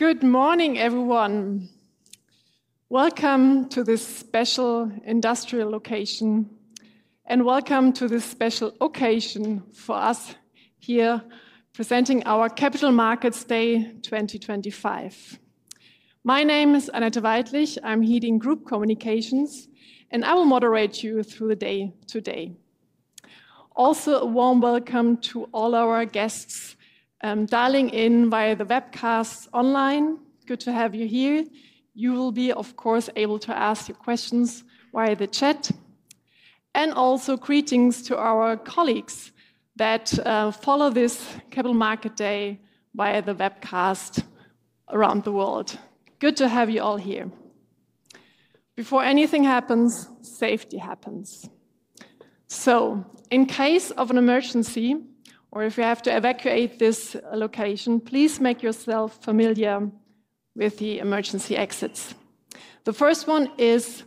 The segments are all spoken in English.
Good morning, everyone. Welcome to this special industrial location, and welcome to this special occasion for us here presenting our Capital Markets Day 2025. My name is Anette Weidlich. I'm heading Group Communications, and I will moderate you through the day today. Also, a warm welcome to all our guests dialing in via the webcast online. Good to have you here. You will be, of course, able to ask your questions via the chat. Also, greetings to our colleagues that follow this Capital Markets Day via the webcast around the world. Good to have you all here. Before anything happens, safety happens. In case of an emergency, or if you have to evacuate this location, please make yourself familiar with the emergency exits. The first one is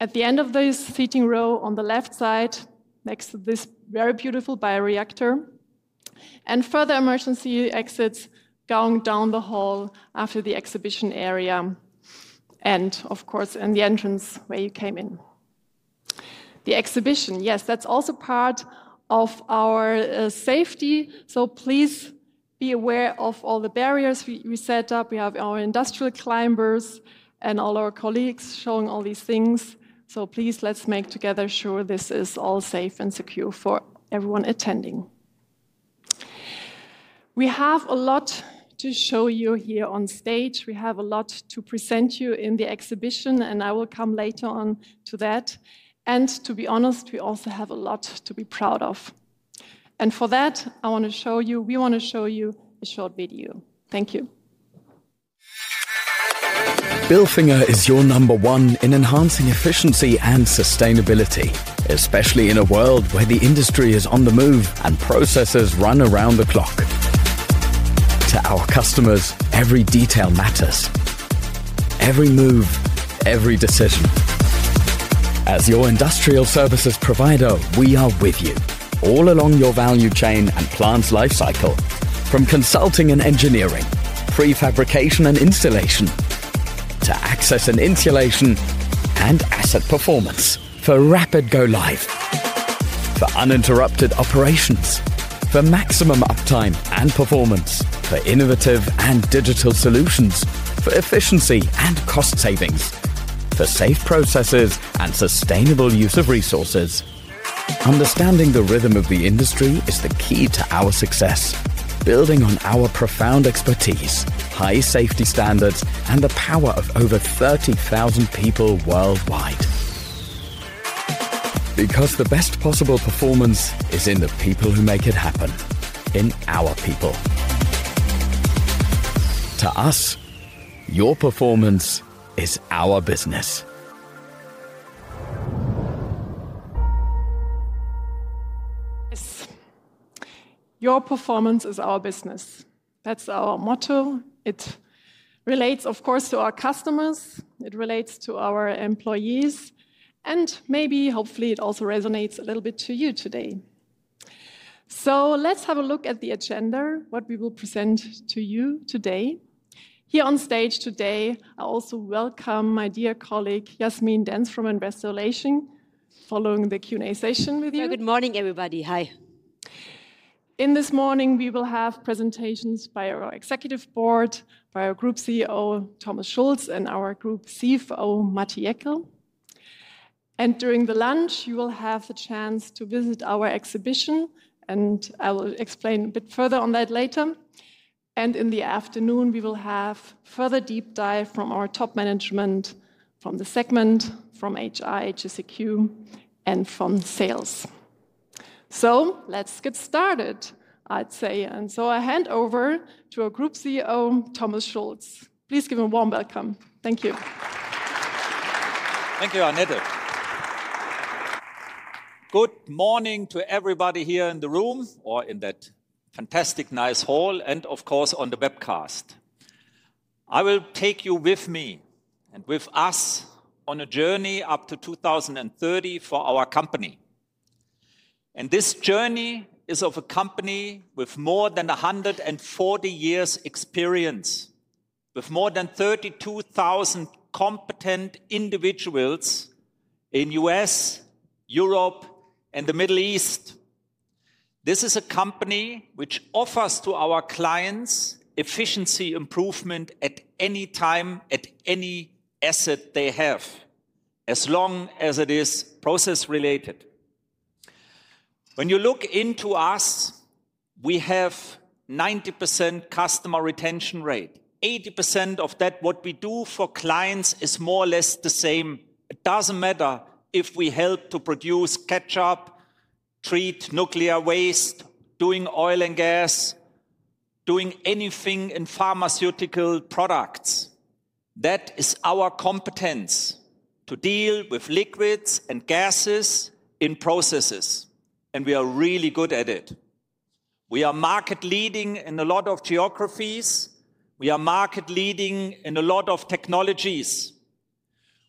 at the end of the seating row on the left side, next to this very beautiful bioreactor. Further emergency exits go down the hall after the exhibition area, and of course, in the entrance where you came in. The exhibition, yes, that's also part of our safety. Please be aware of all the barriers we set up. We have our industrial climbers and all our colleagues showing all these things. Please, let's make together sure this is all safe and secure for everyone attending. We have a lot to show you here on stage. We have a lot to present you in the exhibition, and I will come later on to that. To be honest, we also have a lot to be proud of. For that, I want to show you, we want to show you a short video. Thank you. Bilfinger is your number one in enhancing efficiency and sustainability, especially in a world where the industry is on the move and processes run around the clock. To our customers, every detail matters. Every move, every decision. As your Industrial Services provider, we are with you all along your value chain and plant's lifecycle, from consulting and engineering, prefabrication and installation, to access and insulation, and asset performance for rapid go-live, for uninterrupted operations, for maximum uptime and performance, for innovative and digital solutions, for efficiency and cost savings, for safe processes and sustainable use of resources. Understanding the rhythm of the industry is the key to our success, building on our profound expertise, high safety standards, and the power of over 30,000 people worldwide. Because the best possible performance is in the people who make it happen, in our people. To us, your performance is our business. Your performance is our business. That's our motto. It relates, of course, to our customers. It relates to our employees. Maybe, hopefully, it also resonates a little bit to you today. Let's have a look at the agenda, what we will present to you today. Here on stage today, I also welcome my dear colleague, Jasmin Dentz, from Investor Relations, following the Q&A session with you. Good morning, everybody. Hi. This morning, we will have presentations by our Executive Board, by our Group CEO, Thomas Schulz, and our Group CFO, Matti Jäkel. During the lunch, you will have the chance to visit our exhibition, and I will explain a bit further on that later. In the afternoon, we will have a further deep dive from our top management, from the segment, from HR, HSEQ, and from sales. Let's get started, I'd say. I hand over to our Group CEO, Thomas Schulz. Please give him a warm welcome. Thank you. Thank you, Anette. Good morning to everybody here in the room or in that fantastic nice hall and, of course, on the webcast. I will take you with me and with us on a journey up to 2030 for our company. This journey is of a company with more than 140 years' experience, with more than 32,000 competent individuals in the US, Europe, and the Middle East. This is a company which offers to our clients efficiency improvement at any time, at any asset they have, as long as it is process-related. When you look into us, we have a 90% customer retention rate. 80% of that, what we do for clients, is more or less the same. It does not matter if we help to produce, catch up, treat nuclear waste, doing Oil and Gas, doing anything in pharmaceutical products. That is our competence, to deal with liquids and gases in processes. We are really good at it. We are market-leading in a lot of geographies. We are market-leading in a lot of technologies.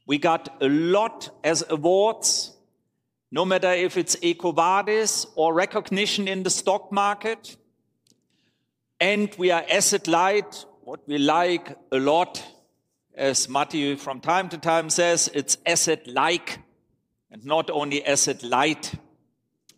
We got a lot as awards, no matter if it's EcoVadis or recognition in the stock market. We are asset-light, what we like a lot, as Matti from time to time says, it's asset-like and not only asset-light.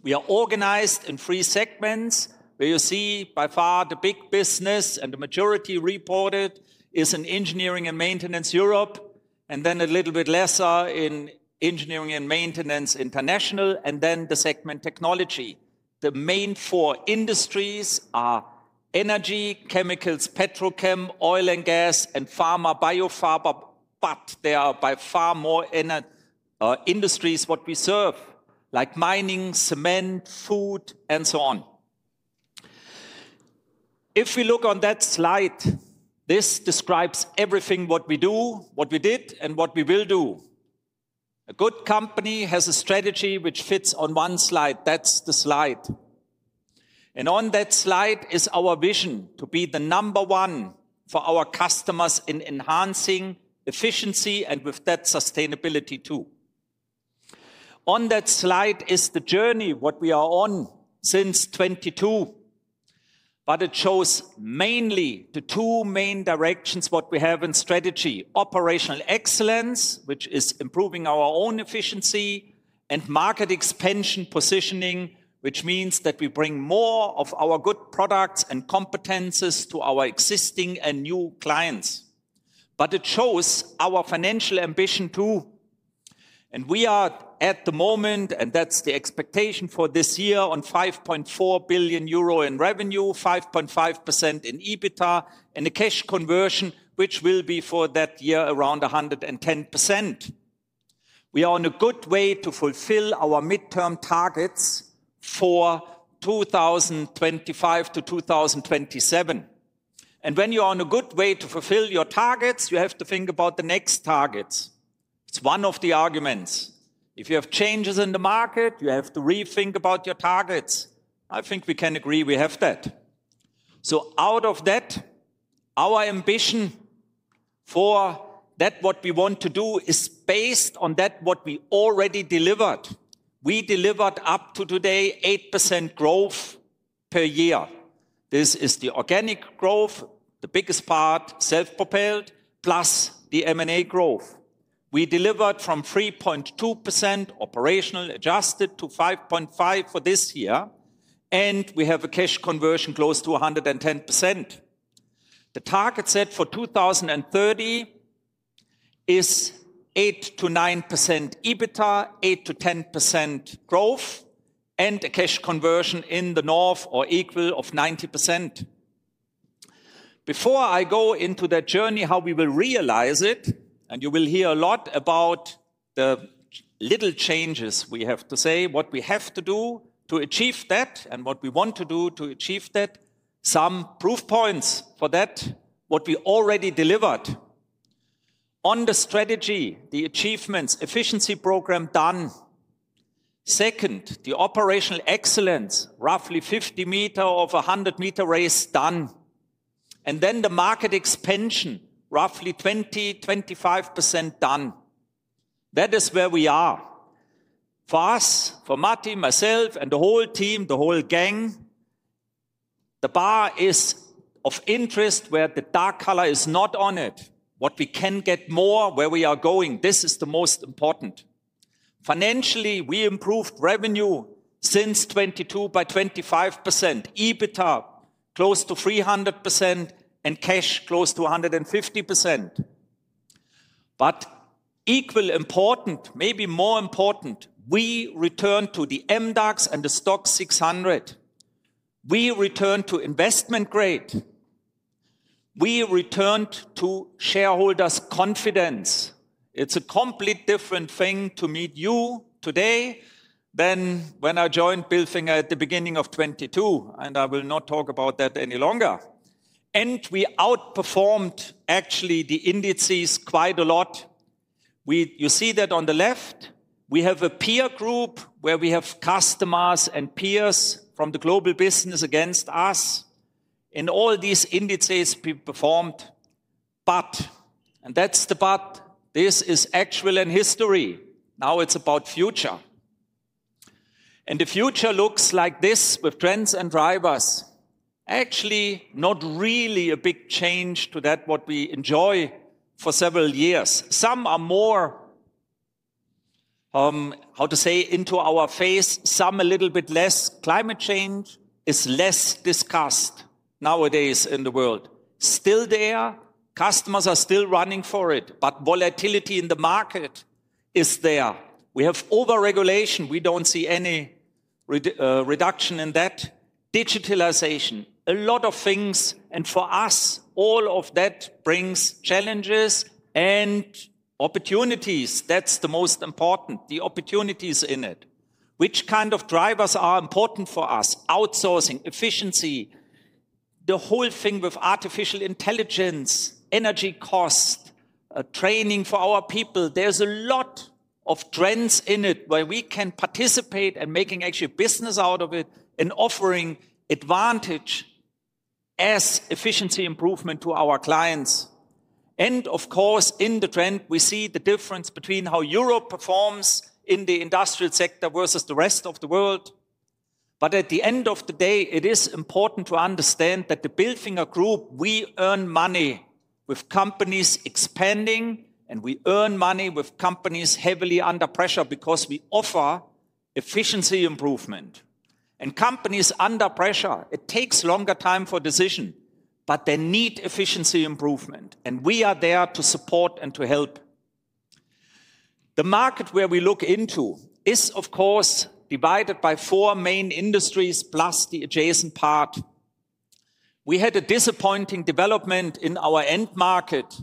We are organized in three segments where you see by far the big business, and the majority reported is in engineering and maintenance Europe, and then a little bit lesser in engineering and maintenance International, and then the segment Technology. The main four industries are energy, chemicals, petrochem, Oil and Gas, and pharma, Biopharma, but there are by far more industries what we serve, like mining, cement, food, and so on. If we look on that slide, this describes everything what we do, what we did, and what we will do. A good company has a strategy which fits on one slide. That is the slide. On that slide is our vision to be the number one for our customers in enhancing efficiency and with that sustainability too. On that slide is the journey what we are on since 2022, but it shows mainly the two main directions what we have in strategy, operational excellence, which is improving our own efficiency, and market expansion positioning, which means that we bring more of our good products and competencies to our existing and new clients. It shows our financial ambition too. We are at the moment, and that's the expectation for this year, on 5.4 billion euro in revenue, 5.5% in EBITDA, and a cash conversion, which will be for that year around 110%. We are on a good way to fulfill our midterm targets for 2025-2027. When you are on a good way to fulfill your targets, you have to think about the next targets. It's one of the arguments. If you have changes in the market, you have to rethink about your targets. I think we can agree we have that. Out of that, our ambition for that what we want to do is based on that what we already delivered. We delivered up to today 8% growth per year. This is the organic growth, the biggest part, self-propelled, plus the M&A growth. We delivered from 3.2% operational adjusted to 5.5% for this year, and we have a cash conversion close to 110%. The target set for 2030 is 8%-9% EBITDA, 8%-10% growth, and a cash conversion in the north or equal of 90%. Before I go into that journey, how we will realize it, and you will hear a lot about the little changes we have to say, what we have to do to achieve that, and what we want to do to achieve that, some proof points for that, what we already delivered. On the strategy, the achievements, efficiency program done. Second, the operational excellence, roughly 50 meters of 100-meter race done. And then the market expansion, roughly 20%, 25% done. That is where we are. For us, for Matti, myself, and the whole team, the whole gang, the bar is of interest where the dark color is not on it. What we can get more, where we are going, this is the most important. Financially, we improved revenue since 2022 by 25%, EBITDA close to 300%, and cash close to 150%. Equally important, maybe more important, we returned to the MDAX and the STOXX 600. We returned to investment grade. We returned to shareholders' confidence. It's a completely different thing to meet you today than when I joined Bilfinger at the beginning of 2022, and I will not talk about that any longer. We outperformed actually the indices quite a lot. You see that on the left. We have a peer group where we have customers and peers from the global business against us. All these indices performed. This is actual and history. Now it's about future. The future looks like this with trends and drivers. Actually, not really a big change to that what we enjoy for several years. Some are more, how to say, into our face, some a little bit less. Climate change is less discussed nowadays in the world. Still there, customers are still running for it, but volatility in the market is there. We have overregulation. We don't see any reduction in that. Digitalization, a lot of things. For us, all of that brings challenges and opportunities. That's the most important, the opportunities in it. Which kind of drivers are important for us? Outsourcing, efficiency, the whole thing with artificial intelligence, energy cost, training for our people. are a lot of trends in it where we can participate and make actual business out of it and offering advantage as efficiency improvement to our clients. Of course, in the trend, we see the difference between how Europe performs in the industrial sector versus the rest of the world. At the end of the day, it is important to understand that the Bilfinger group, we earn money with companies expanding, and we earn money with companies heavily under pressure because we offer efficiency improvement. Companies under pressure, it takes longer time for decision, but they need efficiency improvement. We are there to support and to help. The market where we look into is, of course, divided by four main industries plus the adjacent part. We had a disappointing development in our end market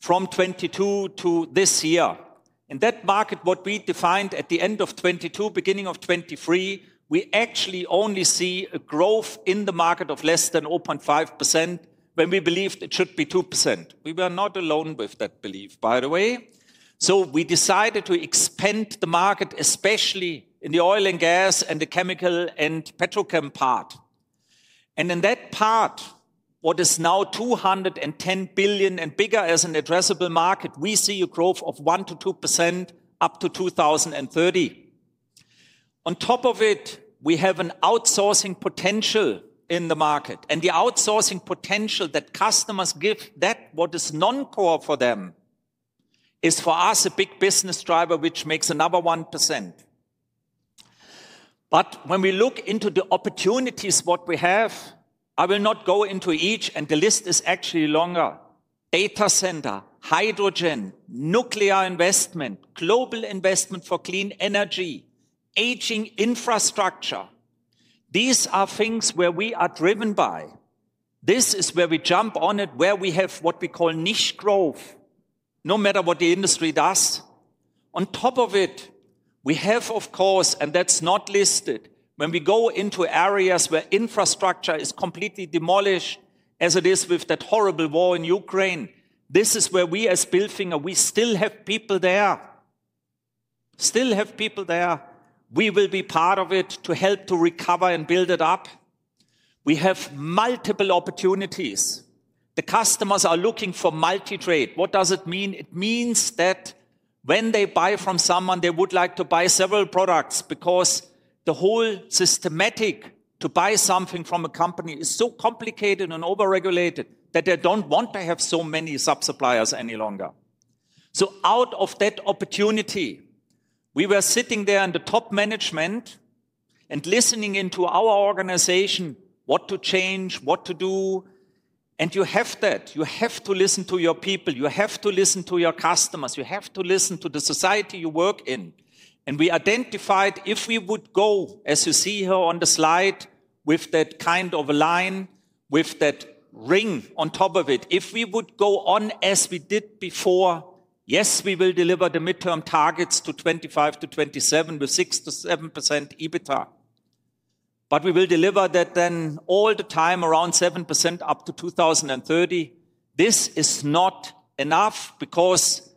from 2022 to this year. In that market, what we defined at the end of 2022, beginning of 2023, we actually only see a growth in the market of less than 0.5% when we believed it should be 2%. We were not alone with that belief, by the way. We decided to expand the market, especially in the Oil and Gas and the chemical and petrochem part. In that part, what is now 210 billion and bigger as an addressable market, we see a growth of 1%-2% up to 2030. On top of it, we have an outsourcing potential in the market. The outsourcing potential that customers give, that what is non-core for them, is for us a big business driver, which makes another 1%. When we look into the opportunities what we have, I will not go into each, and the list is actually longer. Data center, hydrogen, nuclear investment, global investment for clean energy, aging infrastructure. These are things where we are driven by. This is where we jump on it, where we have what we call niche growth, no matter what the industry does. On top of it, we have, of course, and that's not listed, when we go into areas where infrastructure is completely demolished, as it is with that horrible war in Ukraine, this is where we as Bilfinger, we still have people there, still have people there. We will be part of it to help to recover and build it up. We have multiple opportunities. The customers are looking for multi-trade. What does it mean? It means that when they buy from someone, they would like to buy several products because the whole systematic to buy something from a company is so complicated and overregulated that they do not want to have so many sub-suppliers any longer. Out of that opportunity, we were sitting there in the top management and listening into our organization, what to change, what to do. You have that. You have to listen to your people. You have to listen to your customers. You have to listen to the society you work in. We identified if we would go, as you see here on the slide, with that kind of a line, with that ring on top of it, if we would go on as we did before, yes, we will deliver the midterm targets to 2025-2027 with 6%-7% EBITDA. We will deliver that then all the time around 7% up to 2030. This is not enough because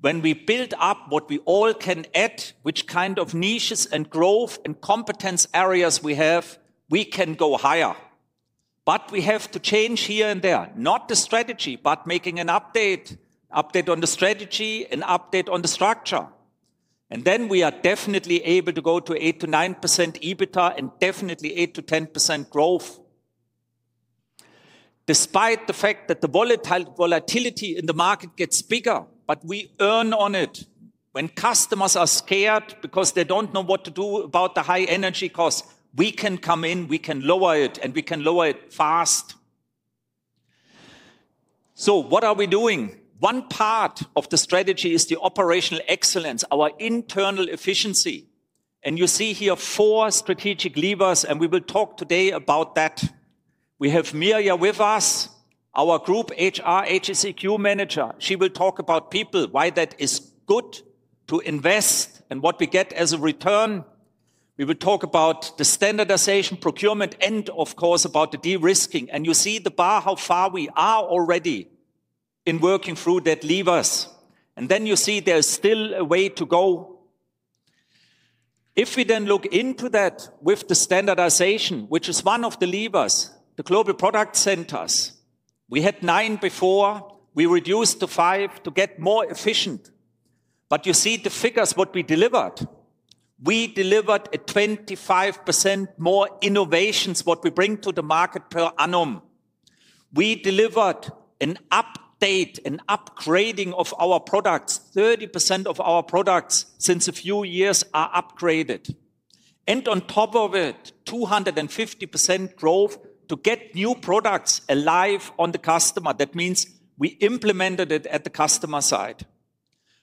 when we build up what we all can add, which kind of niches and growth and competence areas we have, we can go higher. We have to change here and there, not the strategy, but making an update, update on the strategy, an update on the structure. We are definitely able to go to 8%-9% EBITDA and definitely 8%-10% growth. Despite the fact that the volatility in the market gets bigger, we earn on it. When customers are scared because they do not know what to do about the high energy cost, we can come in, we can lower it, and we can lower it fast. What are we doing? One part of the strategy is the operational excellence, our internal efficiency. You see here four strategic levers, and we will talk today about that. We have Mirja with us, our Group HR, HSEQ manager. She will talk about people, why that is good to invest and what we get as a return. We will talk about the standardization procurement and, of course, about the de-risking. You see the bar how far we are already in working through that levers. You see there is still a way to go. If we then look into that with the standardization, which is one of the levers, the global product centers, we had nine before. We reduced to five to get more efficient. You see the figures what we delivered. We delivered a 25% more innovations what we bring to the market per annum. We delivered an update, an upgrading of our products, 30% of our products since a few years are upgraded. On top of it, 250% growth to get new products alive on the customer. That means we implemented it at the customer side.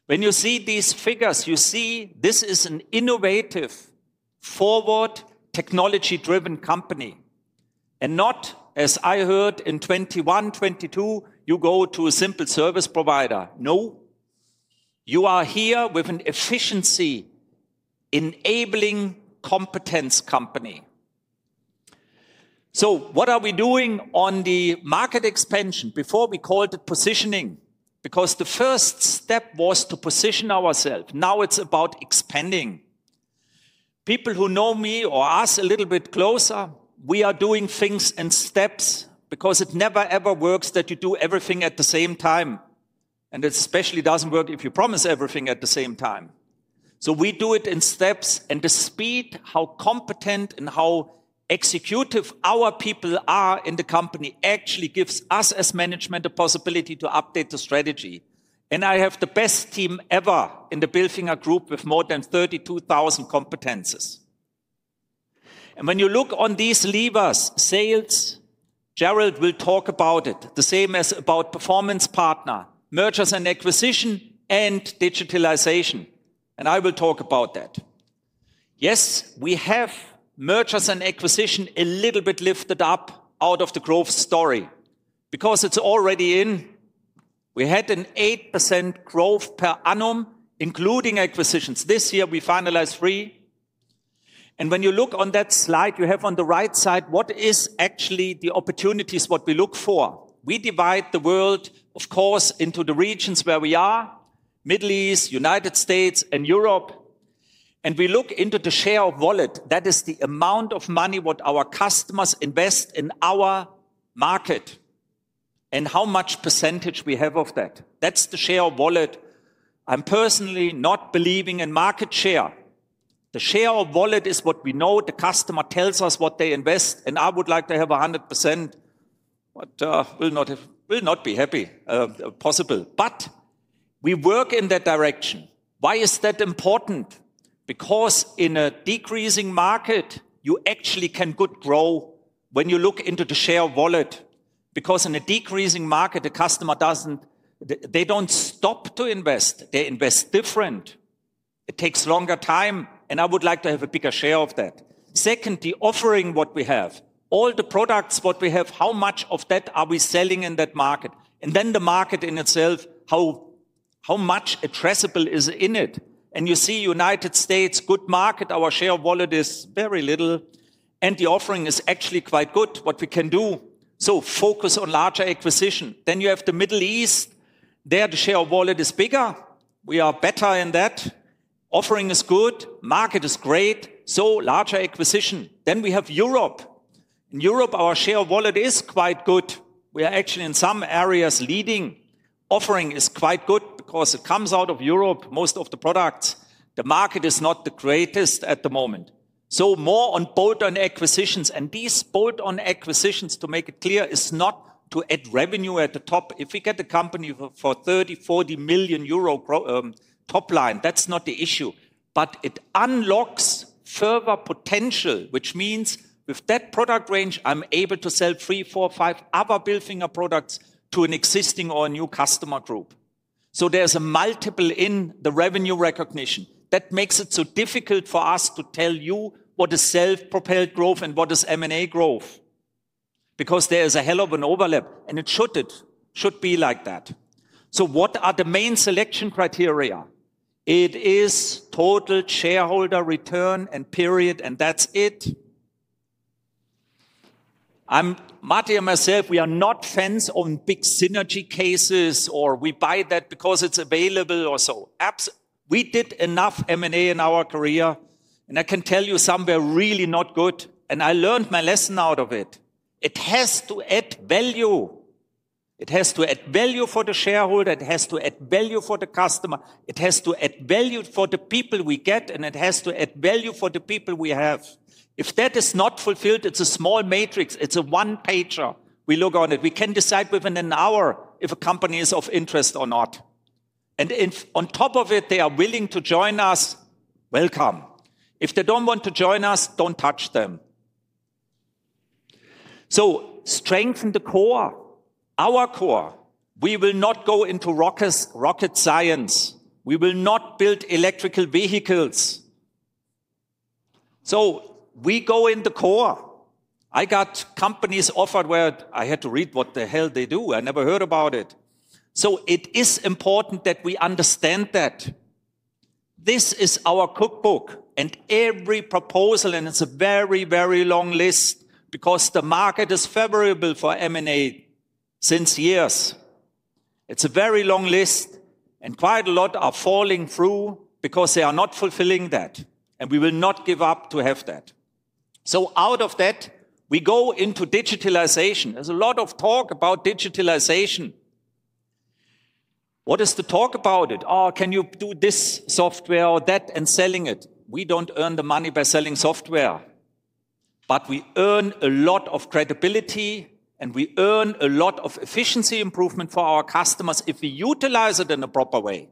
When you see these figures, you see this is an innovative forward technology-driven company. Not as I heard in 2021, 2022, you go to a simple service provider. No. You are here with an efficiency enabling competence company. What are we doing on the market expansion? Before we called it positioning, because the first step was to position ourselves, now it is about expanding. People who know me or us a little bit closer, we are doing things in steps because it never ever works that you do everything at the same time. It especially does not work if you promise everything at the same time. We do it in steps. The speed, how competent and how executive our people are in the company actually gives us as management a possibility to update the strategy. I have the best team ever in the Bilfinger group with more than 32,000 competences. When you look on these levers, sales, Industrial Service will talk about it, the same as about performance partner, mergers and acquisition, and digitalization. I will talk about that. Yes, we have mergers and acquisition a little bit lifted up out of the growth story because it's already in. We had an 8% growth per annum, including acquisitions. This year we finalized three. When you look on that slide, you have on the right side what is actually the opportunities what we look for. We divide the world, of course, into the regions where we are, Middle East, United States, and Europe. We look into the share of wallet. That is the amount of money what our customers invest in our market and how much % we have of that. That's the share of wallet. I'm personally not believing in market share. The share of wallet is what we know. The customer tells us what they invest. I would like to have 100%, but will not be happy possible. We work in that direction. Why is that important? Because in a decreasing market, you actually can good grow when you look into the share of wallet. Because in a decreasing market, the customer doesn't, they don't stop to invest. They invest different. It takes longer time. I would like to have a bigger share of that. Second, the offering what we have, all the products what we have, how much of that are we selling in that market? The market in itself, how much addressable is in it? You see United States, good market, our share of wallet is very little. The offering is actually quite good what we can do. Focus on larger acquisition. You have the Middle East. There, the share of wallet is bigger. We are better in that. Offering is good. Market is great. Larger acquisition. We have Europe. In Europe, our share of wallet is quite good. We are actually in some areas leading. Offering is quite good because it comes out of Europe, most of the products. The market is not the greatest at the moment. More on bolt-on acquisitions. These bolt-on acquisitions, to make it clear, are not to add revenue at the top. If we get a company for 30 million-40 million euro top line, that's not the issue. It unlocks further potential, which means with that product range, I'm able to sell three, four, five other Bilfinger products to an existing or a new customer group. There is a multiple in the revenue recognition. That makes it so difficult for us to tell you what is self-propelled growth and what is M&A growth, because there is a hell of an overlap, and it should be like that. What are the main selection criteria? It is total shareholder return and period, and that's it. Matti and myself, we are not fans of big synergy cases or we buy that because it's available or so. We did enough M&A in our career, and I can tell you some were really not good. I learned my lesson out of it. It has to add value. It has to add value for the shareholder. It has to add value for the customer. It has to add value for the people we get, and it has to add value for the people we have. If that is not fulfilled, it's a small matrix. It's a one-pager. We look on it. We can decide within an hour if a company is of interest or not. On top of it, they are willing to join us, welcome. If they don't want to join us, don't touch them. Strengthen the core, our core. We will not go into rocket science. We will not build electrical vehicles. We go in the core. I got companies offered where I had to read what the hell they do. I never heard about it. It is important that we understand that. This is our cookbook and every proposal, and it's a very, very long list because the market is favorable for M&A since years. It's a very long list, and quite a lot are falling through because they are not fulfilling that. We will not give up to have that. Out of that, we go into digitalization. There's a lot of talk about digitalization. What is the talk about it? Oh, can you do this software or that and selling it? We don't earn the money by selling software, but we earn a lot of credibility, and we earn a lot of efficiency improvement for our customers if we utilize it in a proper way.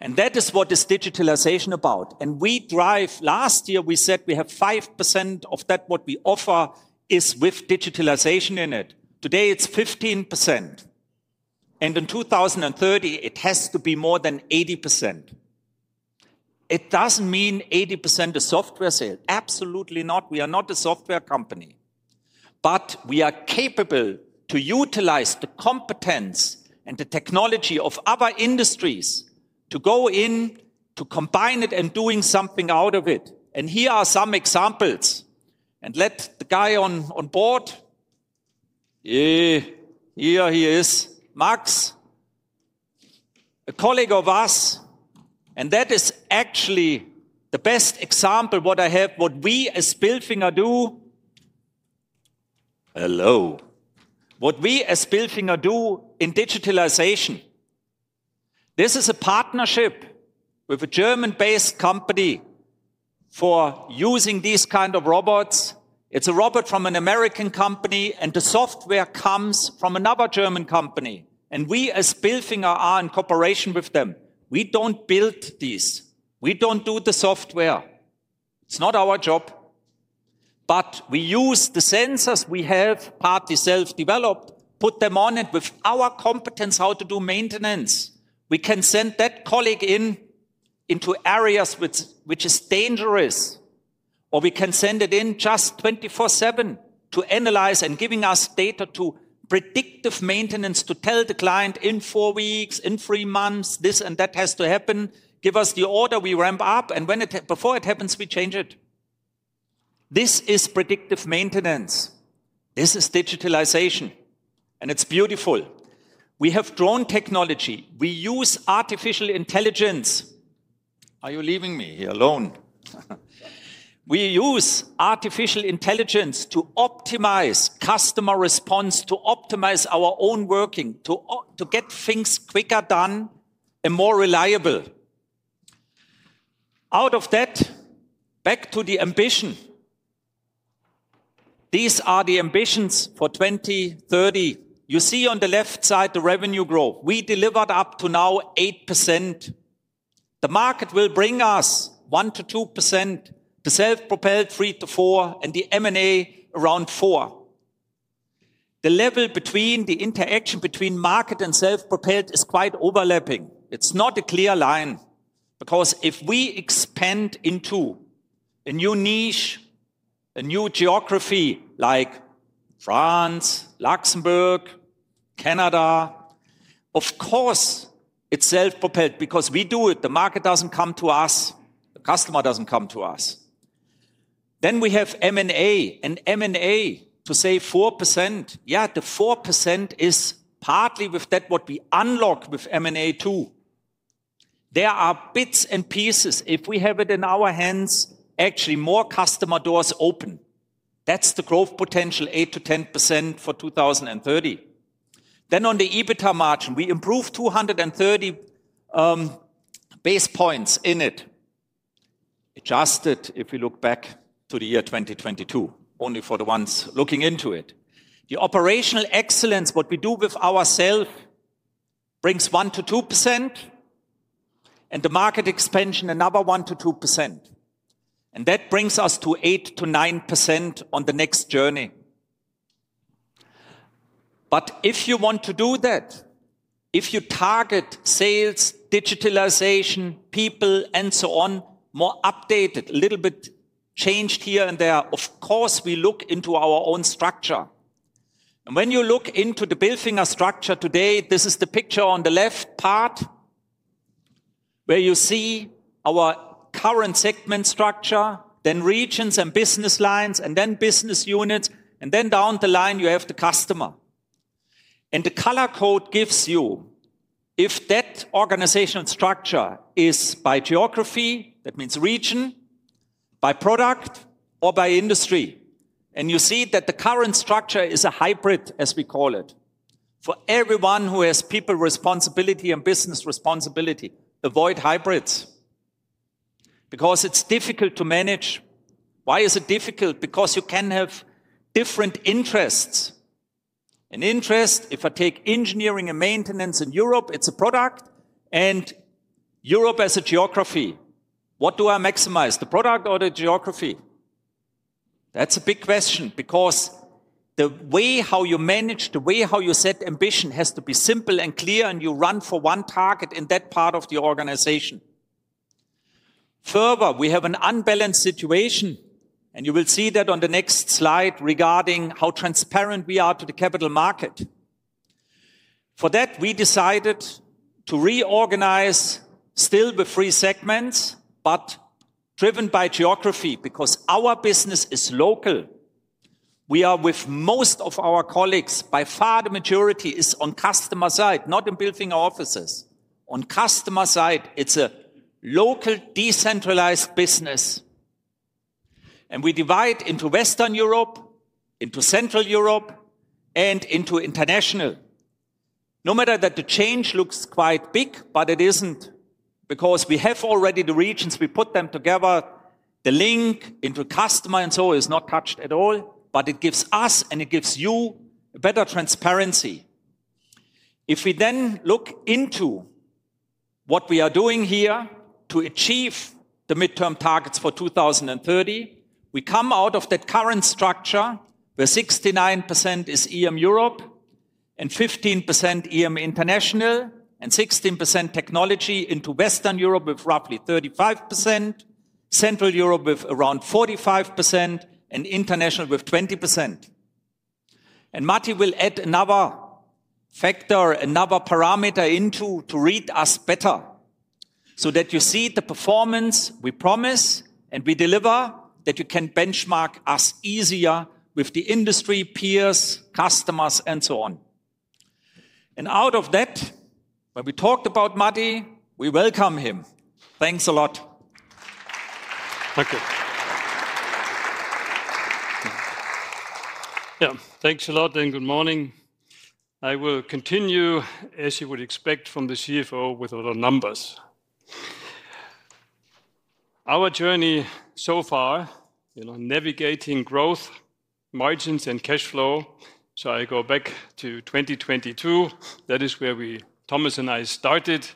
That is what is digitalization about. We drive, last year we said we have 5% of that what we offer is with digitalization in it. Today it's 15%. In 2030, it has to be more than 80%. It does not mean 80% of software sales. Absolutely not. We are not a software company. We are capable to utilize the competence and the technology of other industries to go in, to combine it and doing something out of it. Here are some examples. Let the guy on board. Yeah, here he is, Max. A colleague of us. That is actually the best example what I have, what we as Bilfinger do. Hello. What we as Bilfinger do in digitalization. This is a partnership with a German-based company for using these kind of robots. It is a robot from an American company, and the software comes from another German company. We as Bilfinger are in cooperation with them. We do not build these. We do not do the software. It is not our job. We use the sensors we have, partly self-developed, put them on it with our competence how to do maintenance. We can send that colleague in into areas which are dangerous, or we can send it in just 24/7 to analyze and giving us data to predictive maintenance to tell the client in four weeks, in three months, this and that has to happen, give us the order, we ramp up, and before it happens, we change it. This is predictive maintenance. This is digitalization. It is beautiful. We have drone technology. We use artificial intelligence. Are you leaving me here alone? We use artificial intelligence to optimize customer response, to optimize our own working, to get things quicker done and more reliable. Out of that, back to the ambition. These are the ambitions for 2030. You see on the left side the revenue growth. We delivered up to now 8%. The market will bring us 1%-2%, the self-propelled 3%-4%, and the M&A around 4%. The level between the interaction between market and self-propelled is quite overlapping. It's not a clear line because if we expand into a new niche, a new geography like France, Luxembourg, Canada, of course, it's self-propelled because we do it. The market doesn't come to us. The customer doesn't come to us. We have M&A and M&A to say 4%. Yeah, the 4% is partly with that what we unlock with M&A too. There are bits and pieces. If we have it in our hands, actually more customer doors open. That's the growth potential 8%-10% for 2030. On the EBITDA margin, we improved 230 basis points in it. Adjusted, if we look back to the year 2022, only for the ones looking into it. The operational excellence, what we do with ourself, brings 1%-2%. The market expansion, another 1%-2%. That brings us to 8%-9% on the next journey. If you want to do that, if you target sales, digitalization, people, and so on, more updated, a little bit changed here and there, of course, we look into our own structure. When you look into the Bilfinger structure today, this is the picture on the left part where you see our current segment structure, then regions and business lines, and then business units, and then down the line you have the customer. The color code gives you if that organizational structure is by geography, that means region, by product, or by industry. You see that the current structure is a hybrid, as we call it, for everyone who has people responsibility and business responsibility. Avoid hybrids because it's difficult to manage. Why is it difficult? Because you can have different interests. An interest, if I take engineering and maintenance in Europe, it's a product and Europe as a geography. What do I maximize? The product or the geography? That's a big question because the way how you manage, the way how you set ambition has to be simple and clear, and you run for one target in that part of the organization. Further, we have an unbalanced situation, and you will see that on the next slide regarding how transparent we are to the capital market. For that, we decided to reorganize still with three segments, but driven by geography because our business is local. We are with most of our colleagues, by far the majority is on customer side, not in Bilfinger offices. On customer side, it is a local decentralized business. We divide into Western Europe, into Central Europe, and into International. No matter that the change looks quite big, it is not because we have already the regions, we put them together. The link into customer and so on is not touched at all, but it gives us and it gives you better transparency. If we then look into what we are doing here to achieve the midterm targets for 2030, we come out of that current structure where 69% is EM Europe and 15% EM international and 16% technology into Western Europe with roughly 35%, Central Europe with around 45%, and international with 20%. Marty will add another factor, another parameter into to read us better so that you see the performance we promise and we deliver that you can benchmark us easier with the industry peers, customers, and so on. Out of that, when we talked about Marty, we welcome him. Thanks a lot. Thank you. Yeah, thanks a lot and good morning. I will continue, as you would expect from the CFO, with other numbers. Our journey so far, navigating growth, margins, and cash flow. I go back to 2022. That is where Thomas and I started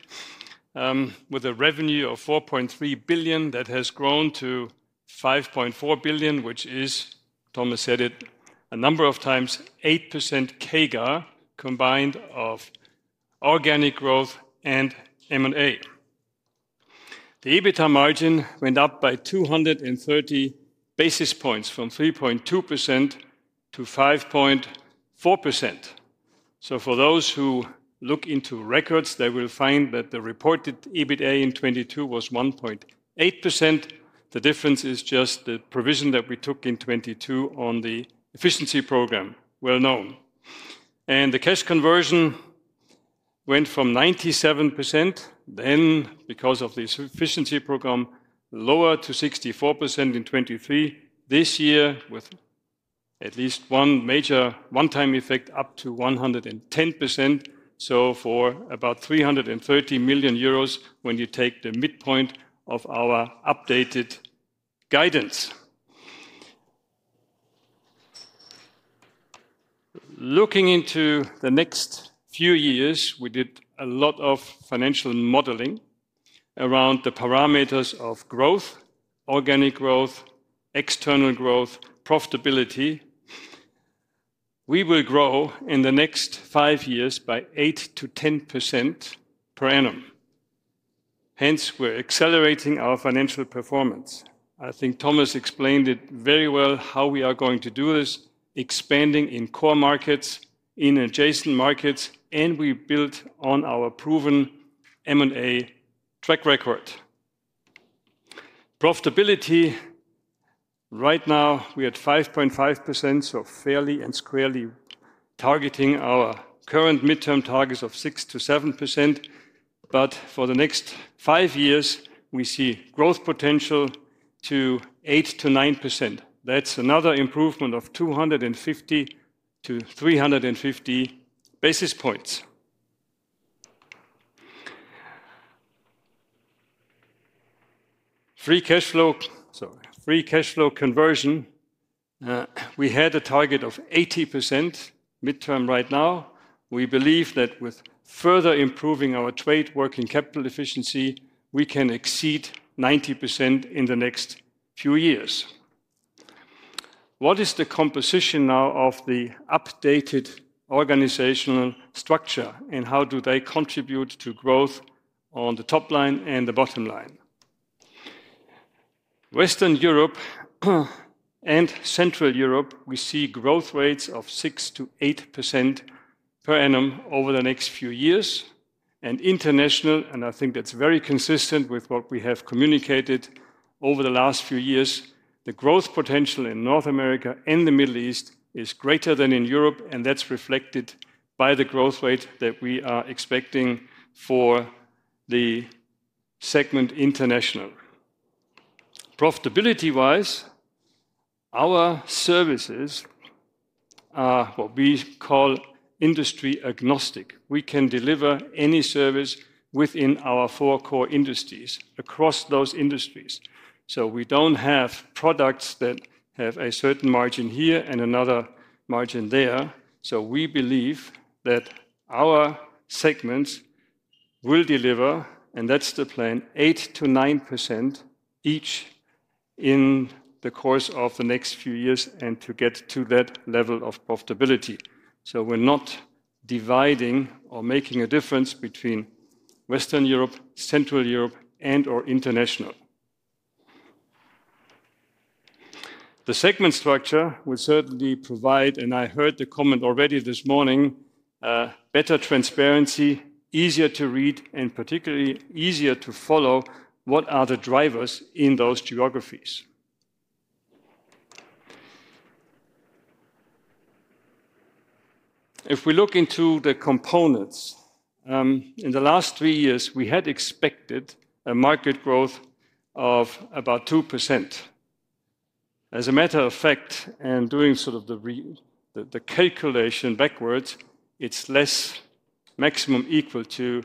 with a revenue of 4.3 billion that has grown to 5.4 billion, which is, Thomas said it a number of times, 8% CAGR combined of organic growth and M&A. The EBITDA margin went up by 230 basis points from 3.2% to 5.4%. For those who look into records, they will find that the reported EBITDA in 2022 was 1.8%. The difference is just the provision that we took in 2022 on the efficiency program, well known. The cash conversion went from 97%, then because of the efficiency program, lower to 64% in 2023 this year with at least one major one-time effect up to 110%. For about 330 million euros when you take the midpoint of our updated guidance. Looking into the next few years, we did a lot of financial modeling around the parameters of growth, organic growth, external growth, profitability. We will grow in the next five years by 8%-10% per annum. Hence, we're accelerating our financial performance. I think Thomas explained it very well how we are going to do this, expanding in core markets, in adjacent markets, and we built on our proven M&A track record. Profitability right now, we are at 5.5%, so fairly and squarely targeting our current midterm targets of 6%-7%. For the next five years, we see growth potential to 8%-9%. That's another improvement of 250-350 basis points. Free cash flow, sorry, free cash flow conversion. We had a target of 80% midterm right now. We believe that with further improving our trade working capital efficiency, we can exceed 90% in the next few years. What is the composition now of the updated organizational structure and how do they contribute to growth on the top line and the bottom line? Western Europe and Central Europe, we see growth rates of 6%-8% per annum over the next few years. International, and I think that's very consistent with what we have communicated over the last few years, the growth potential in North America and the Middle East is greater than in Europe, and that's reflected by the growth rate that we are expecting for the segment International. Profitability-wise, our services are what we call industry agnostic. We can deliver any service within our four core industries across those industries. We don't have products that have a certain margin here and another margin there. We believe that our segments will deliver, and that's the plan, 8%-9% each in the course of the next few years and to get to that level of profitability. We're not dividing or making a difference between Western Europe, Central Europe, and/or International. The segment structure will certainly provide, and I heard the comment already this morning, better transparency, easier to read, and particularly easier to follow what are the drivers in those geographies. If we look into the components, in the last three years, we had expected a market growth of about 2%. As a matter of fact, and doing sort of the calculation backwards, it's less, maximum equal to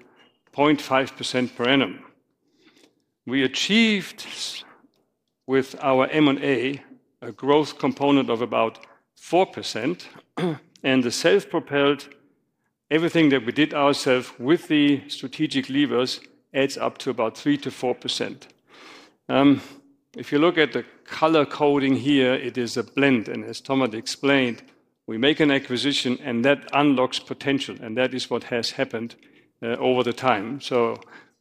0.5% per annum. We achieved with our M&A a growth component of about 4%, and the self-propelled, everything that we did ourselves with the strategic levers adds up to about 3%-4%. If you look at the color coding here, it is a blend, and as Thomas explained, we make an acquisition and that unlocks potential, and that is what has happened over the time.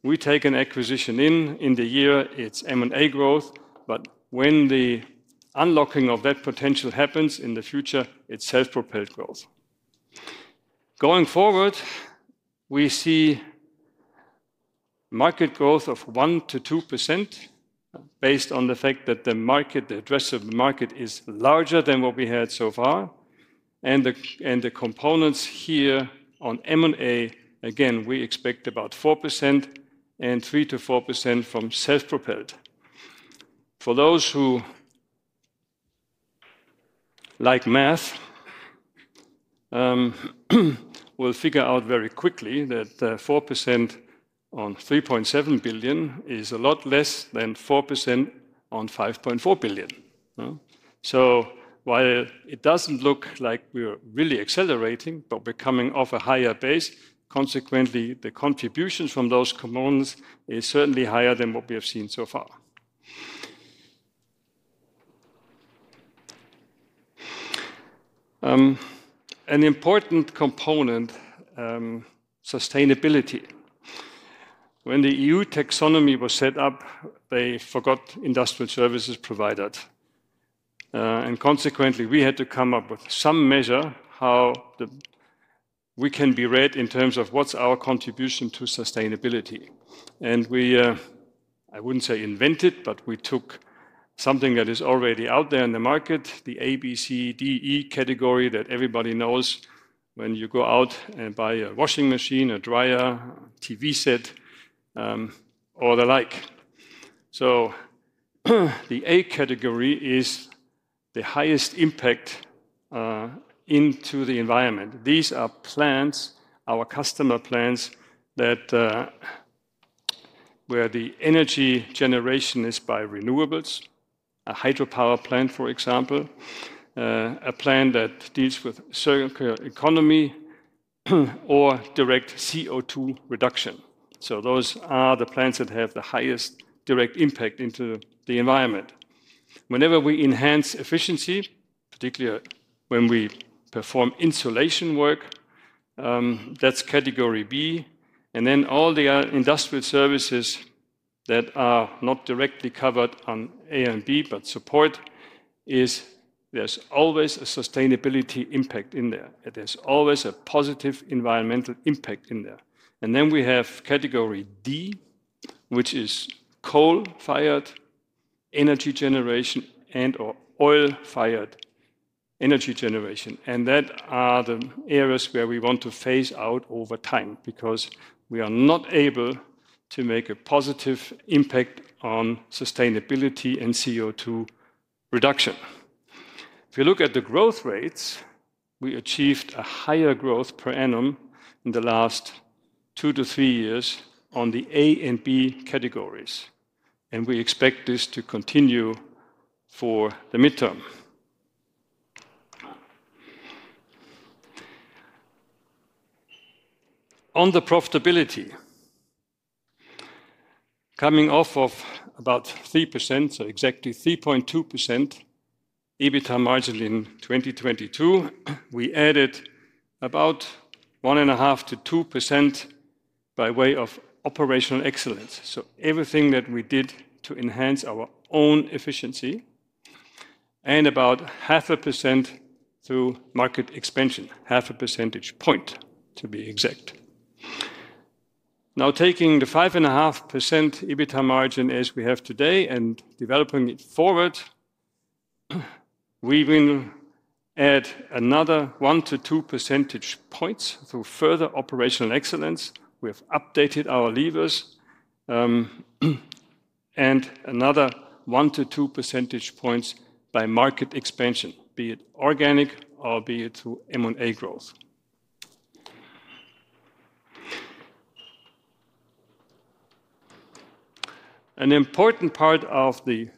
We take an acquisition in in the year, it's M&A growth, but when the unlocking of that potential happens in the future, it's self-propelled growth. Going forward, we see market growth of 1%-2% based on the fact that the market, the address of the market is larger than what we had so far. The components here on M&A, again, we expect about 4% and 3%-4% from self-propelled. For those who like math, we'll figure out very quickly that 4% on 3.7 billion is a lot less than 4% on 5.4 billion. While it does not look like we are really accelerating, we are coming off a higher base. Consequently, the contributions from those components are certainly higher than what we have seen so far. An important component is sustainability. When the EU taxonomy was set up, they forgot Industrial Services provided. Consequently, we had to come up with some measure of how we can be read in terms of what is our contribution to sustainability. I would not say invented, but we took something that is already out there in the market, the ABCDE category that everybody knows when you go out and buy a washing machine, a dryer, a TV set, or the like. The A category is the highest impact into the environment. These are plants, our customer plants that where the energy generation is by renewables, a hydropower plant, for example, a plant that deals with circular economy or direct CO2 reduction. Those are the plants that have the highest direct impact into the environment. Whenever we enhance efficiency, particularly when we perform insulation work, that's category B. All the Industrial Services that are not directly covered on A and B, but support, there's always a sustainability impact in there. There's always a positive environmental impact in there. We have category D, which is coal-fired energy generation and/or oil-fired energy generation. That are the areas where we want to phase out over time because we are not able to make a positive impact on sustainability and CO2 reduction. If you look at the growth rates, we achieved a higher growth per annum in the last two to three years on the A and B categories. We expect this to continue for the midterm. On the profitability, coming off of about 3%, so exactly 3.2% EBITDA margin in 2022, we added about 1.5%-2% by way of operational excellence. Everything that we did to enhance our own efficiency and about half a percent through market expansion, half a percentage point to be exact. Now, taking the 5.5% EBITDA margin as we have today and developing it forward, we will add another 1%-2% points through further operational excellence. We have updated our levers and another 1%-2% points by market expansion, be it organic or be it through M&A growth. An important part of the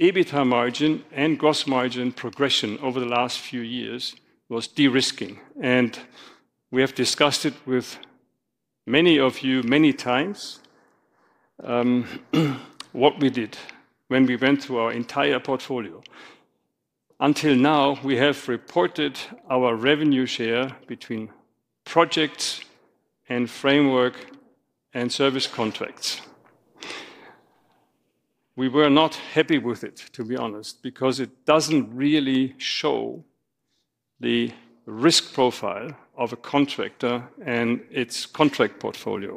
EBITDA margin and gross margin progression over the last few years was de-risking. We have discussed it with many of you many times, what we did when we went through our entire portfolio. Until now, we have reported our revenue share between projects and framework and service contracts. We were not happy with it, to be honest, because it does not really show the risk profile of a contractor and its contract portfolio.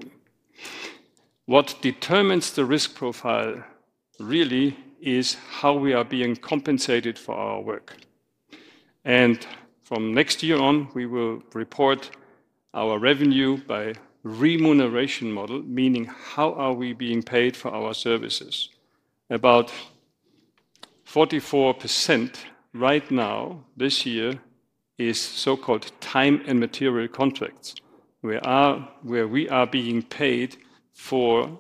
What determines the risk profile really is how we are being compensated for our work. From next year on, we will report our revenue by remuneration model, meaning how are we being paid for our services. About 44% right now, this year, is so-called time and material contracts. We are where we are being paid for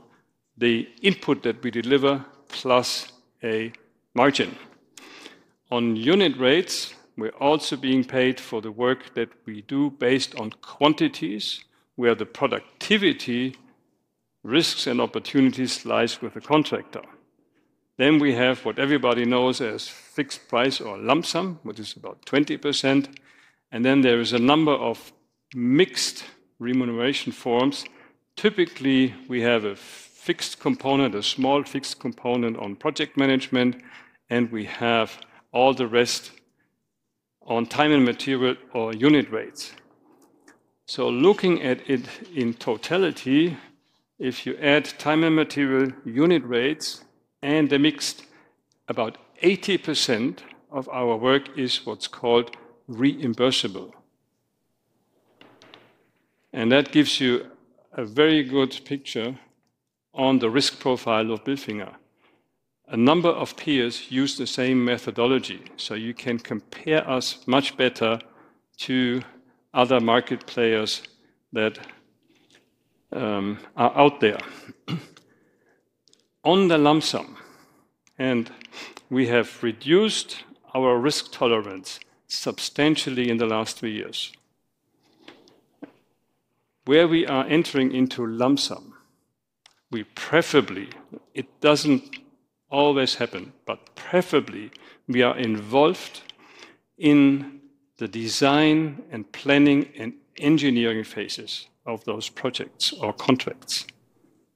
the input that we deliver plus a margin. On unit rates, we're also being paid for the work that we do based on quantities where the productivity, risks, and opportunities lie with the contractor. Then we have what everybody knows as fixed price or lump sum, which is about 20%. There is a number of mixed remuneration forms. Typically, we have a fixed component, a small fixed component on project management, and we have all the rest on time and material or unit rates. Looking at it in totality, if you add time and material, unit rates, and the mixed, about 80% of our work is what's called reimbursable. That gives you a very good picture on the risk profile of Bilfinger. A number of peers use the same methodology, so you can compare us much better to other market players that are out there. On the lump sum, we have reduced our risk tolerance substantially in the last three years. Where we are entering into lump sum, preferably, it does not always happen, but preferably we are involved in the design and planning and engineering phases of those projects or contracts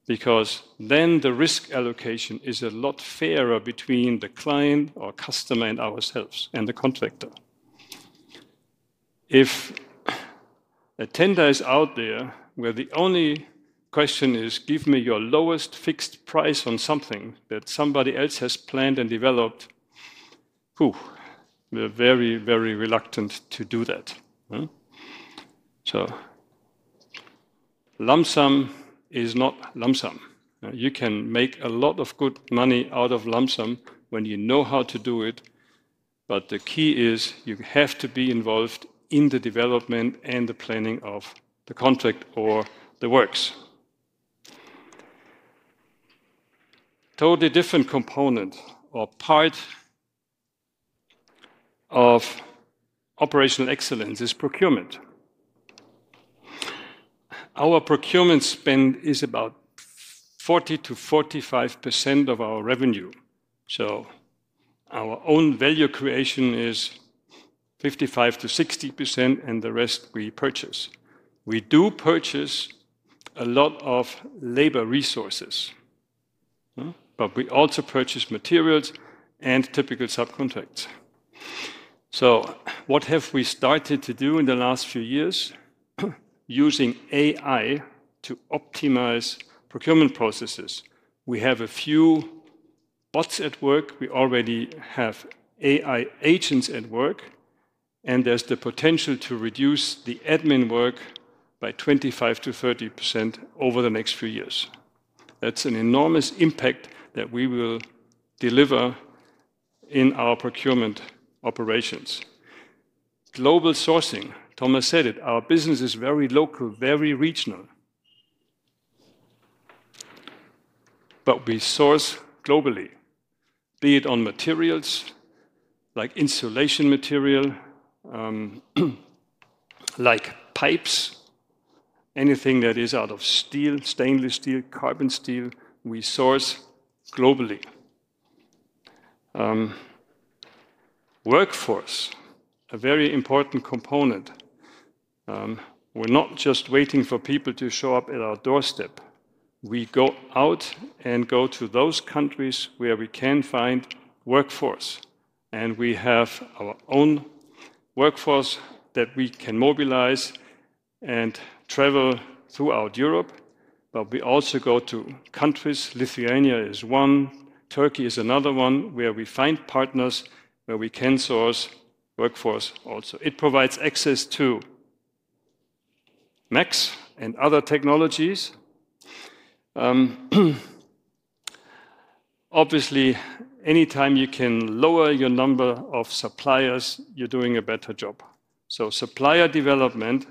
because then the risk allocation is a lot fairer between the client or customer and ourselves and the contractor. If a tender is out there where the only question is, "Give me your lowest fixed price on something that somebody else has planned and developed," we are very, very reluctant to do that. Lump sum is not lump sum. You can make a lot of good money out of lump sum when you know how to do it, but the key is you have to be involved in the development and the planning of the contract or the works. Totally different component or part of operational excellence is procurement. Our procurement spend is about 40%-45% of our revenue. Our own value creation is 55%-60%, and the rest we purchase. We do purchase a lot of labor resources, but we also purchase materials and typical subcontracts. What have we started to do in the last few years? Using AI to optimize procurement processes. We have a few bots at work. We already have AI agents at work, and there's the potential to reduce the admin work by 25%-30% over the next few years. That's an enormous impact that we will deliver in our procurement operations. Global sourcing, Thomas said it, our business is very local, very regional, but we source globally, be it on materials like insulation material, like pipes, anything that is out of steel, stainless steel, carbon steel, we source globally. Workforce, a very important component. We're not just waiting for people to show up at our doorstep. We go out and go to those countries where we can find workforce, and we have our own workforce that we can mobilize and travel throughout Europe, but we also go to countries. Lithuania is one. Turkey is another one where we find partners where we can source workforce also. It provides access to Max and other technologies. Obviously, anytime you can lower your number of suppliers, you're doing a better job. Supplier development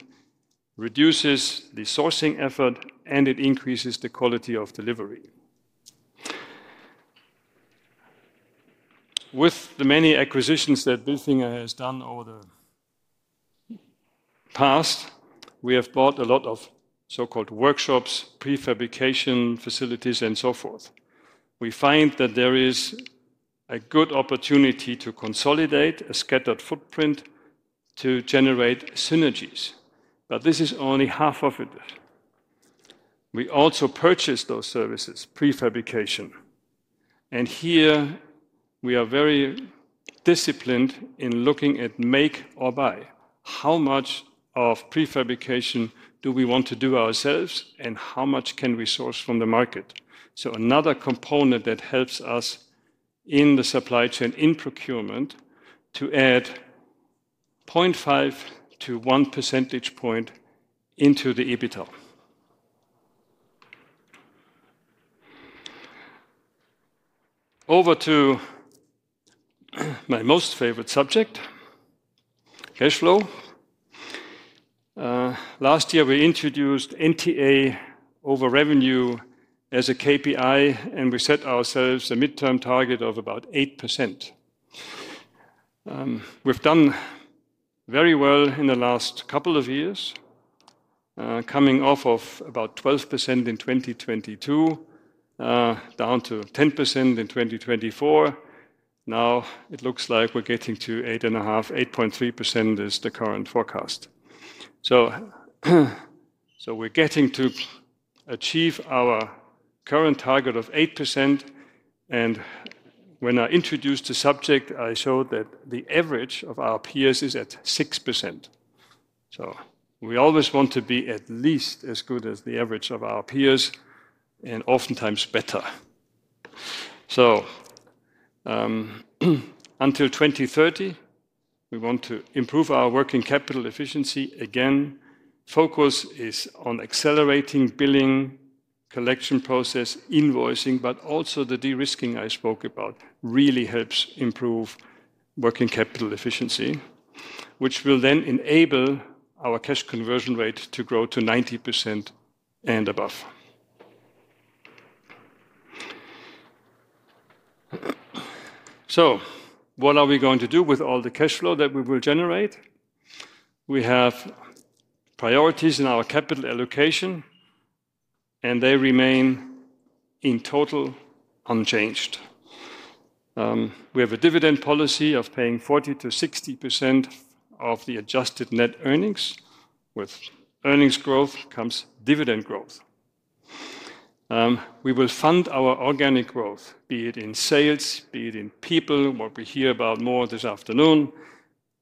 reduces the sourcing effort, and it increases the quality of delivery. With the many acquisitions that Bilfinger has done over the past, we have bought a lot of so-called workshops, prefabrication facilities, and so forth. We find that there is a good opportunity to consolidate a scattered footprint to generate synergies. This is only half of it. We also purchase those services, prefabrication. Here, we are very disciplined in looking at make or buy. How much of prefabrication do we want to do ourselves, and how much can we source from the market? Another component that helps us in the supply chain in procurement to add 0.5%-1 percentage point into the EBITDA. Over to my most favorite subject, cash flow. Last year, we introduced NTA over revenue as a KPI, and we set ourselves a midterm target of about 8%. We've done very well in the last couple of years, coming off of about 12% in 2022, down to 10% in 2024. Now, it looks like we're getting to 8.5%, 8.3% is the current forecast. We are getting to achieve our current target of 8%. When I introduced the subject, I showed that the average of our peers is at 6%. We always want to be at least as good as the average of our peers and oftentimes better. Until 2030, we want to improve our working capital efficiency. Again, focus is on accelerating billing, collection process, invoicing, but also the de-risking I spoke about really helps improve working capital efficiency, which will then enable our cash conversion rate to grow to 90% and above. What are we going to do with all the cash flow that we will generate? We have priorities in our capital allocation, and they remain in total unchanged. We have a dividend policy of paying 40%-60% of the adjusted net earnings. With earnings growth comes dividend growth. We will fund our organic growth, be it in sales, be it in people, what we hear about more this afternoon.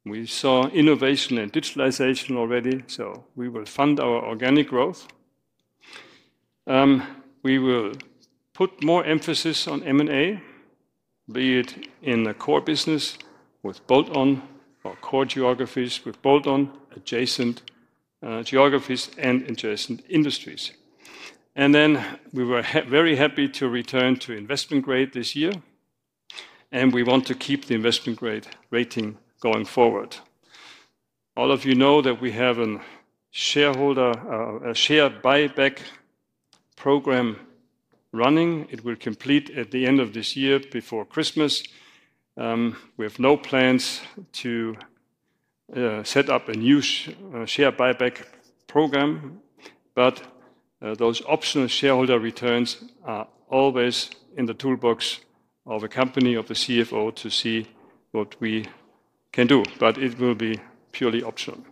We saw innovation and digitalization already, so we will fund our organic growth. We will put more emphasis on M&A, be it in the core business with bolt-on or core geographies with bolt-on, adjacent geographies, and adjacent industries. We were very happy to return to investment grade this year, and we want to keep the investment grade rating going forward. All of you know that we have a shareholder share buyback program running. It will complete at the end of this year before Christmas. We have no plans to set up a new share buyback program, but those optional shareholder returns are always in the toolbox of a company of the CFO to see what we can do, but it will be purely optional.